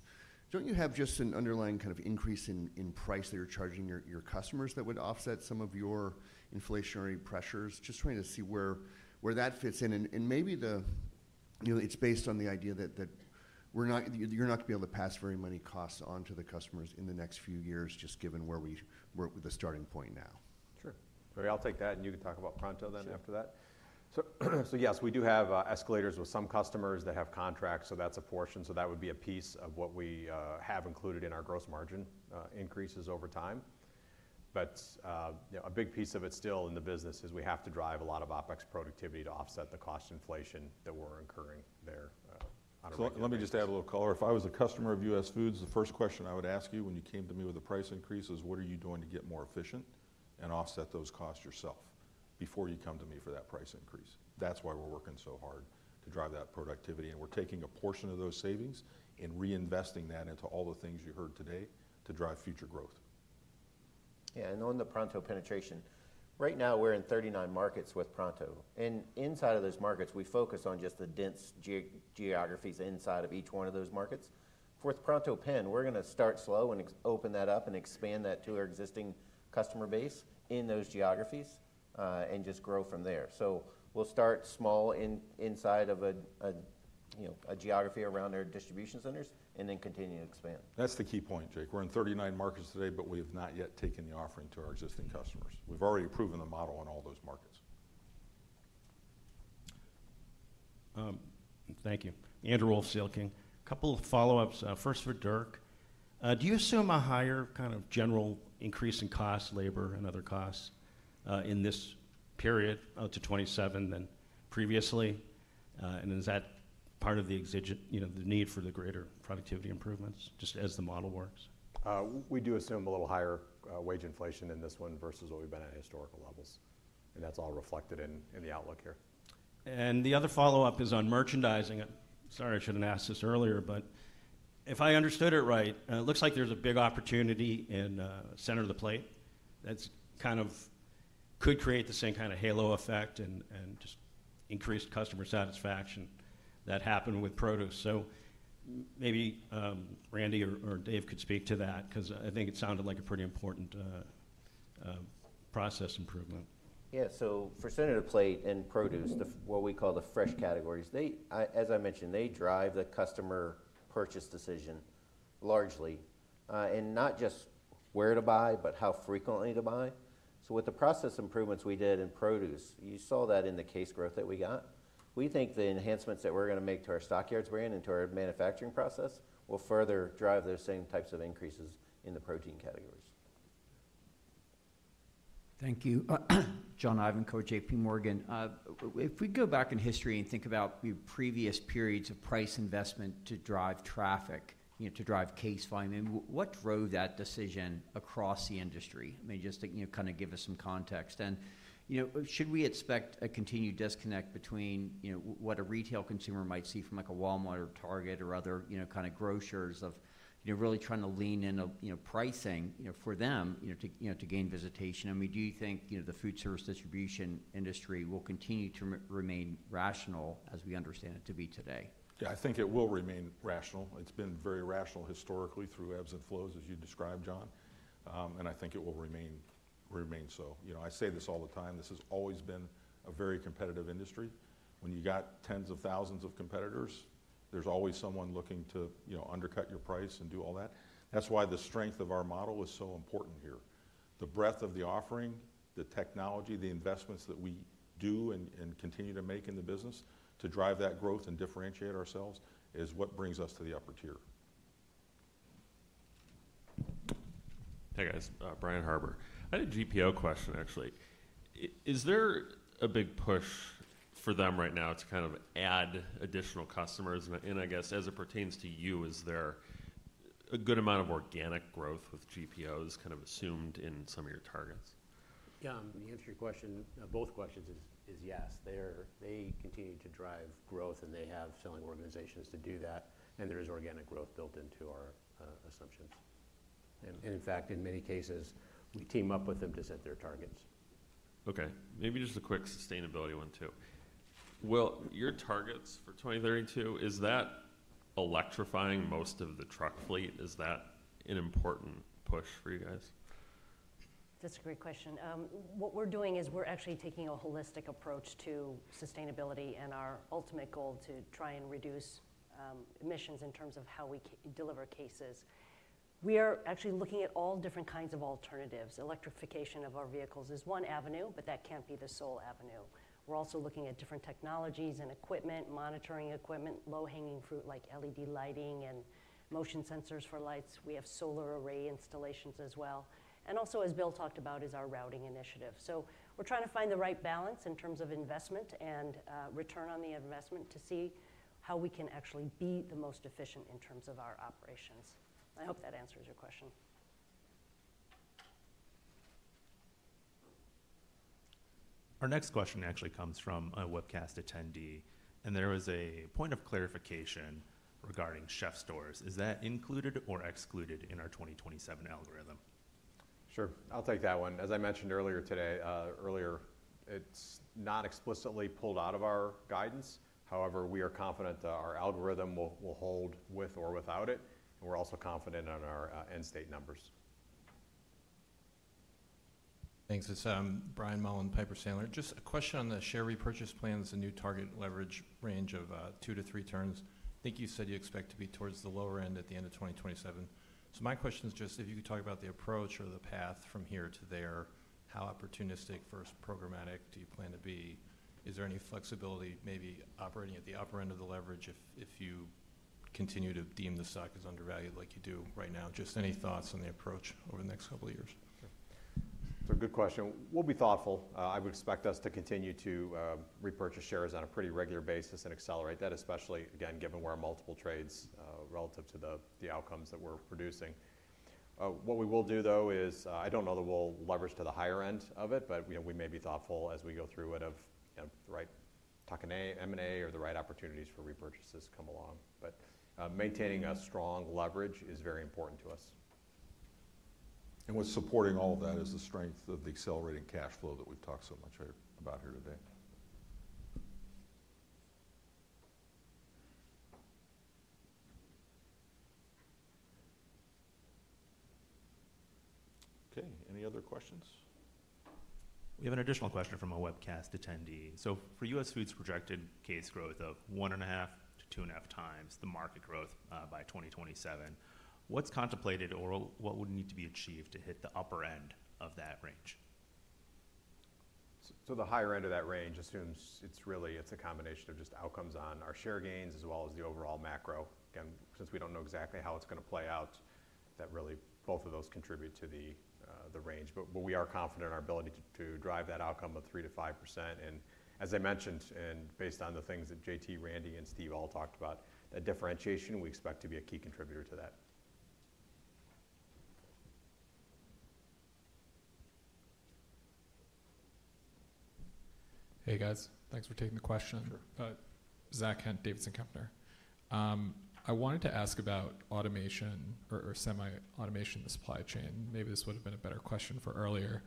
Speaker 12: Don't you have just an underlying kind of increase in price that you're charging your customers that would offset some of your inflationary pressures? Just trying to see where that fits in. Maybe, you know, it's based on the idea that we're not—you're not going to be able to pass very many costs on to the customers in the next few years, just given where we're with the starting point now.
Speaker 11: Sure. I'll take that, and you can talk about Pronto then after that. So yes, we do have escalators with some customers that have contracts, so that's a portion. That would be a piece of what we have included in our gross margin increases over time... but you know, a big piece of it still in the business is we have to drive a lot of OpEx productivity to offset the cost inflation that we're incurring there on a regular basis.
Speaker 9: Let me just add a little color. If I was a customer of US Foods, the first question I would ask you when you came to me with a price increase is: What are you doing to get more efficient and offset those costs yourself before you come to me for that price increase? That's why we're working so hard to drive that productivity, and we're taking a portion of those savings and reinvesting that into all the things you heard today to drive future growth.
Speaker 18: Yeah, and on the Pronto penetration, right now, we're in 39 markets with Pronto. And inside of those markets, we focus on just the dense geographies inside of each one of those markets. For the Pronto penetration, we're gonna start slow and open that up and expand that to our existing customer base in those geographies, and just grow from there. So we'll start small inside of a, you know, a geography around our distribution centers and then continue to expand.
Speaker 9: That's the key point, Jake. We're in 39 markets today, but we have not yet taken the offering to our existing customers. We've already proven the model in all those markets.
Speaker 17: Thank you. Andrew Wolf, CL King. A couple of follow-ups, first for Dirk. Do you assume a higher kind of general increase in cost, labor, and other costs, in this period, out to 2027 than previously? And is that part of the exigent - you know, the need for the greater productivity improvements, just as the model works?
Speaker 11: We do assume a little higher wage inflation in this one versus what we've been at historical levels. And that's all reflected in the outlook here.
Speaker 17: The other follow-up is on merchandising. Sorry, I should have asked this earlier, but if I understood it right, it looks like there's a big opportunity in Center of the Plate, that's kind of could create the same kind of halo effect and just increase customer satisfaction that happened with produce. So maybe Randy or Dave could speak to that, 'cause I think it sounded like a pretty important process improvement.
Speaker 18: Yeah. So for Center of the Plate and produce. What we call the fresh categories, they, as I mentioned, they drive the customer purchase decision largely, and not just where to buy, but how frequently to buy. So with the process improvements we did in produce, you saw that in the case growth that we got. We think the enhancements that we're gonna make to our Stock Yards brand and to our manufacturing process, will further drive those same types of increases in the protein categories.
Speaker 16: Thank you. John Ivanko, J.P. Morgan. If we go back in history and think about the previous periods of price investment to drive traffic, you know, to drive case volume, what drove that decision across the industry? I mean, just to, you know, kind of give us some context. You know, should we expect a continued disconnect between, you know, what a retail consumer might see from, like, a Walmart or Target or other, you know, kind of grocers of, you know, really trying to lean in on, you know, pricing, you know, for them, you know, to, you know, to gain visitation? I mean, do you think, you know, the food service distribution industry will continue to remain rational as we understand it to be today?
Speaker 9: Yeah, I think it will remain rational. It's been very rational historically through ebbs and flows, as you described, John. And I think it will remain so. You know, I say this all the time, this has always been a very competitive industry. When you've got tens of thousands of competitors, there's always someone looking to, you know, undercut your price and do all that. That's why the strength of our model is so important here. The breadth of the offering, the technology, the investments that we do and continue to make in the business to drive that growth and differentiate ourselves, is what brings us to the upper tier.
Speaker 15: Hey, guys, Brian Harbour. I had a GPO question, actually. Is there a big push for them right now to kind of add additional customers? And I guess, as it pertains to you, is there a good amount of organic growth with GPOs kind of assumed in some of your targets?
Speaker 20: Yeah, the answer to your question, both questions is yes. They continue to drive growth, and they have selling organizations to do that, and there is organic growth built into our assumptions. And in fact, in many cases, we team up with them to set their targets.
Speaker 15: Okay, maybe just a quick sustainability one, too. Will your targets for 2032—is that electrifying most of the truck fleet? Is that an important push for you guys?
Speaker 22: That's a great question. What we're doing is we're actually taking a holistic approach to sustainability and our ultimate goal to try and reduce emissions in terms of how we deliver cases. We are actually looking at all different kinds of alternatives. Electrification of our vehicles is one avenue, but that can't be the sole avenue. We're also looking at different technologies and equipment, monitoring equipment, low-hanging fruit like LED lighting and motion sensors for lights. We have solar array installations as well, and also, as Bill talked about, is our routing initiative. So we're trying to find the right balance in terms of investment and return on the investment to see how we can actually be the most efficient in terms of our operations. I hope that answers your question.
Speaker 23: Our next question actually comes from a webcast attendee, and there was a point of clarification regarding CHEF'STOREs. Is that included or excluded in our 2027 algorithm?
Speaker 11: Sure. I'll take that one. As I mentioned earlier today, earlier, it's not explicitly pulled out of our guidance. However, we are confident that our algorithm will hold with or without it, and we're also confident in our end-state numbers.
Speaker 24: Thanks. It's Brian Mullan, Piper Sandler. Just a question on the share repurchase plans, the new target leverage range of 2-3 turns. I think you said you expect to be towards the lower end at the end of 2027. So my question is just if you could talk about the approach or the path from here to there, how opportunistic versus programmatic do you plan to be? Is there any flexibility maybe operating at the upper end of the leverage if you continue to deem the stock as undervalued like you do right now? Just any thoughts on the approach over the next couple of years?
Speaker 11: It's a good question. We'll be thoughtful. I would expect us to continue to repurchase shares on a pretty regular basis and accelerate that, especially again, given where our multiple trades relative to the outcomes that we're producing. What we will do though is I don't know that we'll leverage to the higher end of it, but you know, we may be thoughtful as we go through it of you know, the right tuck-in M&A, or the right opportunities for repurchases come along. But maintaining a strong leverage is very important to us. What's supporting all of that is the strength of the accelerating cash flow that we've talked so much about here today. Okay, any other questions?
Speaker 23: We have an additional question from a webcast attendee. So for US Foods projected case growth of 1.5x-2.5x the market growth by 2027, what's contemplated or what would need to be achieved to hit the upper end of that range?
Speaker 11: So the higher end of that range assumes it's really a combination of just outcomes on our share gains as well as the overall macro. Again, since we don't know exactly how it's going to play out, that really both of those contribute to the range. But we are confident in our ability to drive that outcome of 3%-5%. And as I mentioned, based on the things that JT, Randy, and Steve all talked about, that differentiation we expect to be a key contributor to that.
Speaker 25: Hey, guys. Thanks for taking the question.
Speaker 11: Sure.
Speaker 25: Zach Kent, Davidson Kempner. I wanted to ask about automation or, or semi-automation in the supply chain. Maybe this would have been a better question for earlier,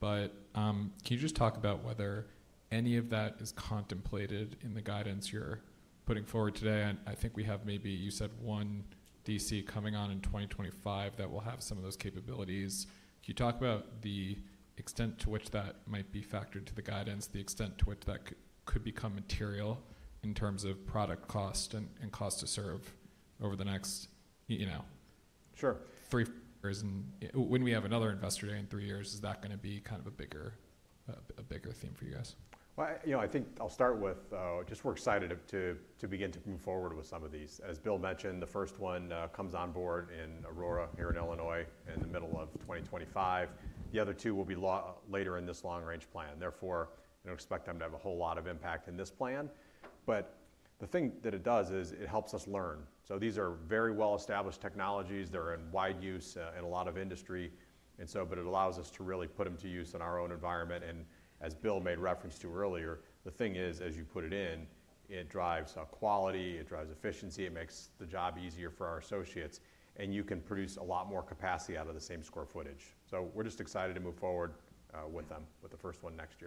Speaker 25: but can you just talk about whether any of that is contemplated in the guidance you're putting forward today? And I think we have maybe, you said one DC coming on in 2025 that will have some of those capabilities. Can you talk about the extent to which that might be factored to the guidance, the extent to which that could become material in terms of product cost and, and cost to serve over the next, you know-
Speaker 11: Sure.
Speaker 25: three years, and when we have another investor day in three years, is that going to be kind of a bigger, a bigger theme for you guys?
Speaker 11: Well, you know, I think I'll start with just we're excited to begin to move forward with some of these. As Bill mentioned, the first one comes on board in Aurora, here in Illinois, in the middle of 2025. The other two will be later in this long-range plan. Therefore, I don't expect them to have a whole lot of impact in this plan. But the thing that it does is it helps us learn. So these are very well-established technologies. They're in wide use in a lot of industry. And so, but it allows us to really put them to use in our own environment, and as Bill made reference to earlier, the thing is, as you put it in, it drives quality, it drives efficiency, it makes the job easier for our associates, and you can produce a lot more capacity out of the same square footage. So we're just excited to move forward with them, with the first one next year.